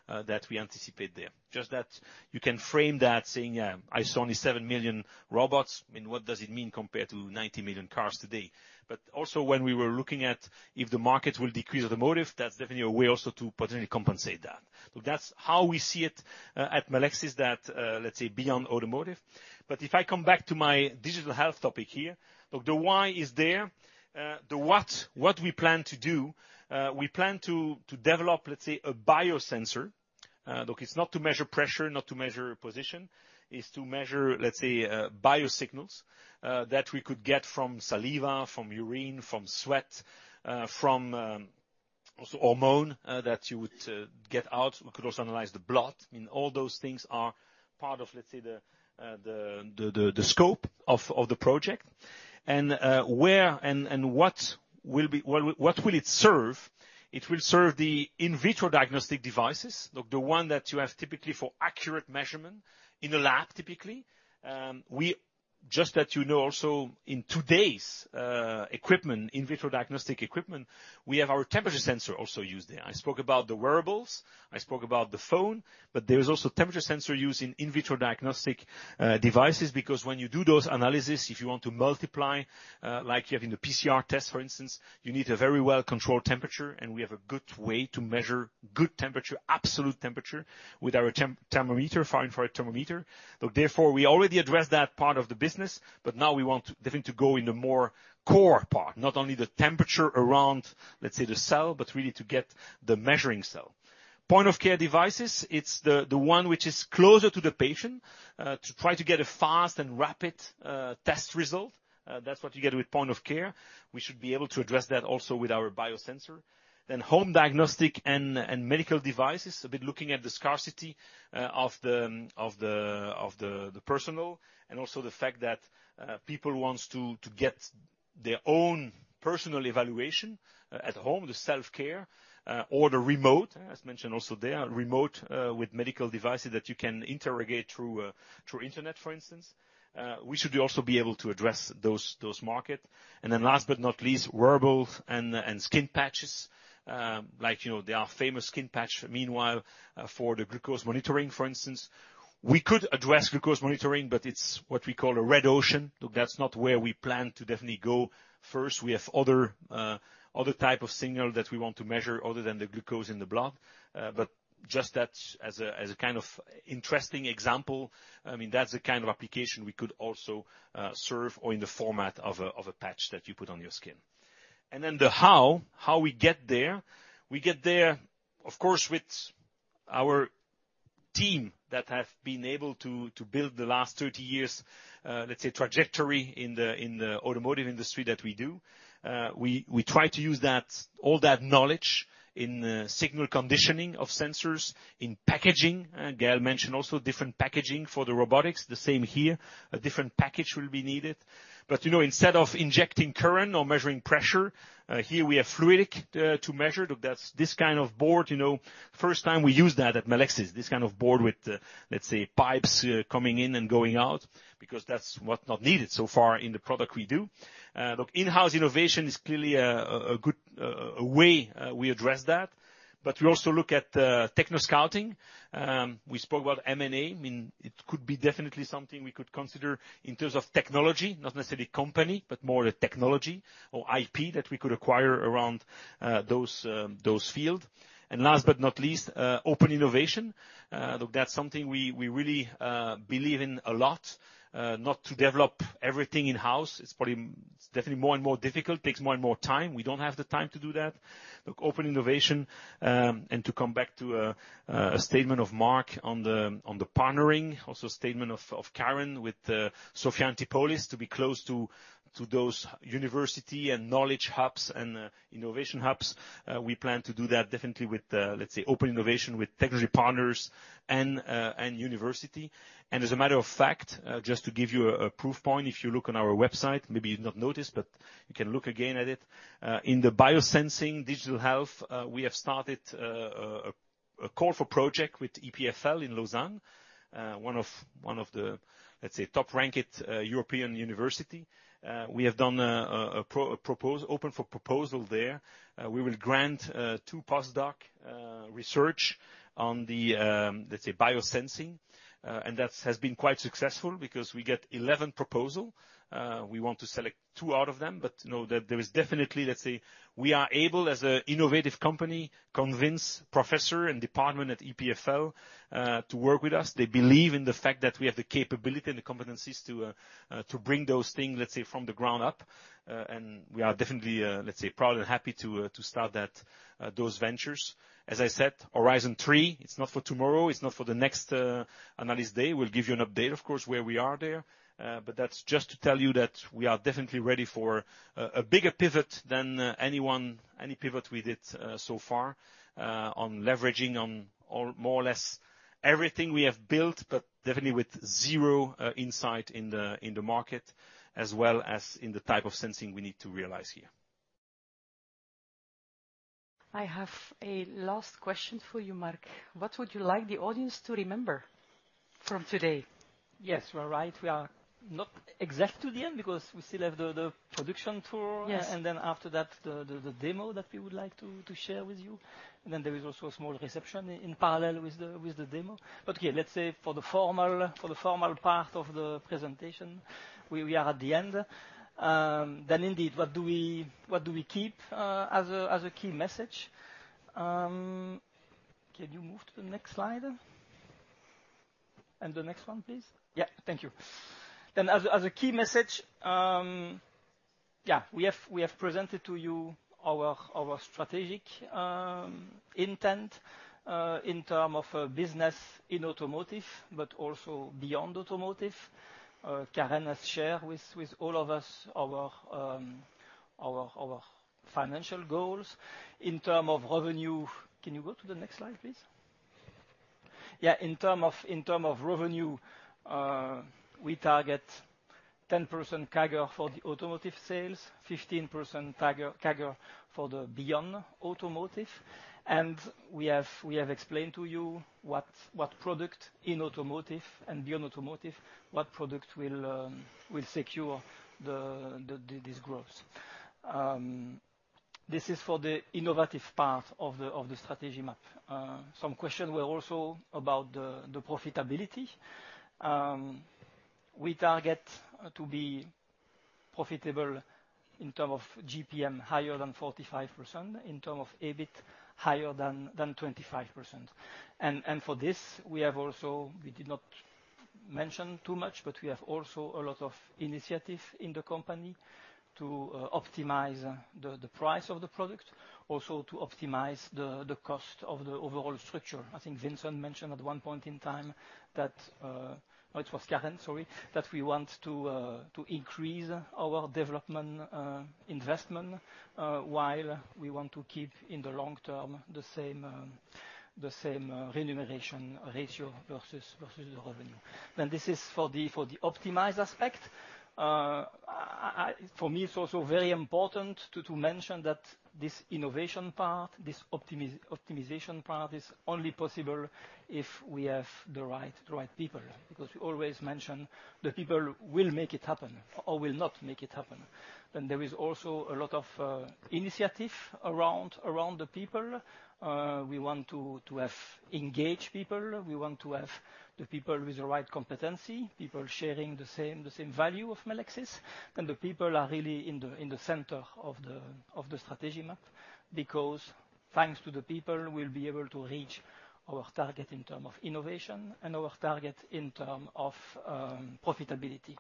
that we anticipate there. Just that you can frame that saying, "I saw only 7 million robots, and what does it mean compared to 90 million cars today?" But also, when we were looking at if the Market will decrease automotive, that's definitely a way also to potentially compensate that. So that's how we see it at Melexis, that let's say beyond automotive. But if I come back to my digital health topic here, the why is there? The what, what we plan to do, we plan to develop, let's say, a biosensor. Look, it's not to measure pressure, not to measure position. It's to measure, let's say, biosignals that we could get from saliva, from urine, from sweat, from also hormone that you would get out. We could also analyze the blood. I mean, all those things are part of, let's say, the scope of the project. And where and what will be... Well, what will it serve? It will serve the in vitro diagnostic devices, the one that you have typically for accurate measurement in a lab, typically. Just that you know also, in today's equipment, in vitro diagnostic equipment, we have our temperature sensor also used there. I spoke about the wearables, I spoke about the phone, but there is also temperature sensor used in in vitro diagnostic devices, because when you do those analysis, if you want to multiply, like you have in the PCR test, for instance, you need a very well-controlled temperature, and we have a good way to measure good temperature, absolute temperature, with our thermometer, infrared thermometer. So therefore, we already addressed that part of the business, but now we want definitely to go in the more core part, not only the temperature around, let's say, the cell, but really to get the measuring cell. Point-of-care devices, it's the one which is closer to the patient, to try to get a fast and rapid test result. That's what you get with point of care. We should be able to address that also with our biosensor. Then home diagnostic and medical devices, a bit looking at the scarcity of the personal and also the fact that people wants to get their own personal evaluation at home, the self-care or the remote, as mentioned also there, remote with medical devices that you can interrogate through internet, for instance. We should also be able to address those Market. And then last but not least, wearables and skin patches. Like, you know, there are famous skin patch meanwhile for the glucose monitoring, for instance. We could address glucose monitoring, but it's what we call a red ocean. So that's not where we plan to definitely go first. We have other type of signal that we want to measure other than the glucose in the blood. But just that as a kind of interesting example, I mean, that's the kind of application we could also serve or in the format of a patch that you put on your skin. And then the how, how we get there? We get there, of course, with our team that have been able to build the last 30 years, let's say, trajectory in the automotive industry that we do. We try to use that, all that knowledge in signal conditioning of sensors, in packaging. Gael mentioned also different packaging for the robotics. The same here. A different package will be needed. But, you know, instead of injecting current or measuring pressure, here we have fluidic to measure. Look, that's this kind of board, you know, first time we use that at Melexis, this kind of board with, let's say, pipes coming in and going out, because that's what not needed so far in the product we do. Look, in-house innovation is clearly a good way we address that, but we also look at techno scouting. We spoke about M&A. I mean, it could be definitely something we could consider in terms of technology, not necessarily company, but more the technology or IP that we could acquire around those field. And last but not least, open innovation. Look, that's something we really believe in a lot, not to develop everything in-house, it's probably, it's definitely more and more difficult, takes more and more time. We don't have the time to do that. Look, open innovation, and to come back to a statement of Marc on the partnering, also statement of Karen with Sophia Antipolis, to be close to those university and knowledge hubs and innovation hubs. We plan to do that definitely with, let's say, open innovation, with technology partners and university. And as a matter of fact, just to give you a proof point, if you look on our website, maybe you've not noticed, but you can look again at it. In the biosensing digital health, we have started a corporate project with EPFL in Lausanne, one of the, let's say, top-ranked European university. We have done a proposal open for proposal there. We will grant two post-doc research on the, let's say, biosensing. And that has been quite successful because we get 11 proposal. We want to select two out of them, but to know that there is definitely, let's say, we are able, as a innovative company, convince professor and department at EPFL, to work with us. They believe in the fact that we have the capability and the competencies to, to bring those things, let's say, from the ground up. And we are definitely, let's say, proud and happy to, to start that, those ventures. As I said, Horizon Three, it's not for tomorrow, it's not for the next, analyst day. We'll give you an update, of course, where we are there, but that's just to tell you that we are definitely ready for a bigger pivot than any pivot we did so far, on leveraging on more or less everything we have built, but definitely with zero insight in the Market, as well as in the type of sensing we need to realize here. I have a last question for you, Marc. What would you like the audience to remember from today? Yes, you are right. We are not exact to the end because we still have the production tour- Yes. And then after that, the demo that we would like to share with you. Then there is also a small reception in parallel with the demo. But, okay, let's say for the formal part of the presentation, we are at the end. Then indeed, what do we keep as a key message? Can you move to the next slide? And the next one, please. Yeah, thank you. Then as a key message, yeah, we have presented to you our strategic intent in term of business in automotive, but also beyond automotive. Karen has shared with all of us our financial goals. In term of revenue. Can you go to the next slide, please? Yeah, in terms of revenue, we target 10% CAGR for the automotive sales, 15% CAGR for the beyond automotive, and we have explained to you what product in automotive and beyond automotive will secure this growth. This is for the innovative part of the strategy map. Some questions were also about the profitability. We target to be profitable in terms of GPM, higher than 45%, in terms of EBIT, higher than 25%. For this, we have also. We did not mention too much, but we have also a lot of initiatives in the company to optimize the price of the product, also to optimize the cost of the overall structure. I think Vincent mentioned at one point in time that. Oh, it was Karen, sorry, that we want to increase our development investment while we want to keep, in the long term, the same, the same remuneration ratio versus, versus the revenue. Then this is for the optimized aspect. For me, it's also very important to mention that this innovation part, this optimization part, is only possible if we have the right, the right people, because we always mention the people will make it happen or will not make it happen. Then there is also a lot of initiative around, around the people. We want to have engaged people. We want to have the people with the right competency, people sharing the same, the same value of Melexis. Then the people are really in the center of the strategy map, because thanks to the people, we'll be able to reach our target in term of innovation and our target in term of profitability.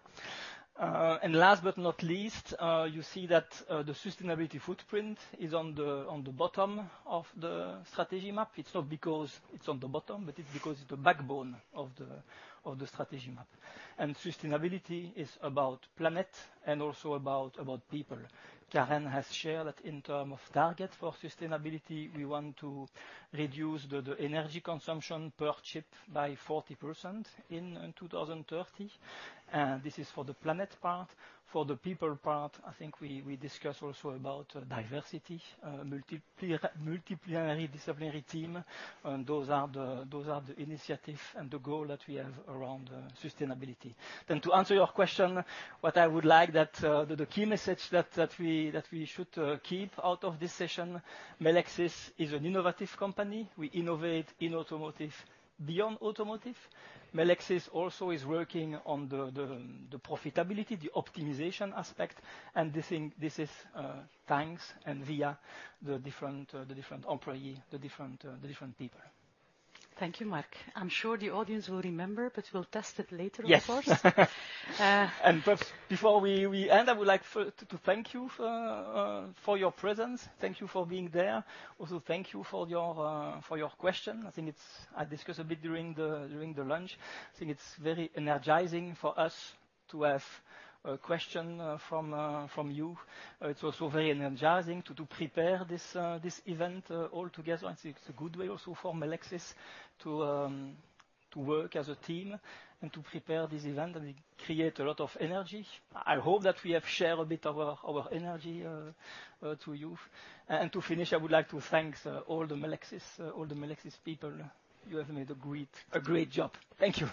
And last but not least, you see that the sustainability footprint is on the bottom of the strategy map. It's not because it's on the bottom, but it's because it's the backbone of the strategy map. And sustainability is about planet and also about people. Karen has shared that in term of target for sustainability, we want to reduce the energy consumption per chip by 40% in 2030, and this is for the planet part. For the people part, I think we discuss also about diversity, multi-disciplinary team, and those are the initiatives and the goal that we have around sustainability. Then to answer your question, what I would like, the key message that we should keep out of this session, Melexis is an innovative company. We innovate in automotive, beyond automotive. Melexis also is working on the profitability, the optimization aspect, and this is thanks and via the different employees, the different people. Thank you, Marc. I'm sure the audience will remember, but we'll test it later, of course. Yes. And perhaps before we end, I would like to thank you for your presence. Thank you for being there. Also, thank you for your question. I think it's... I discussed a bit during the lunch. I think it's very energizing for us to have a question from you. It's also very energizing to prepare this event all together. And it's a good way also for Melexis to work as a team and to prepare this event, and we create a lot of energy. I hope that we have shared a bit of our energy to you. And to finish, I would like to thank all the Melexis people. You have made a great job. Thank you.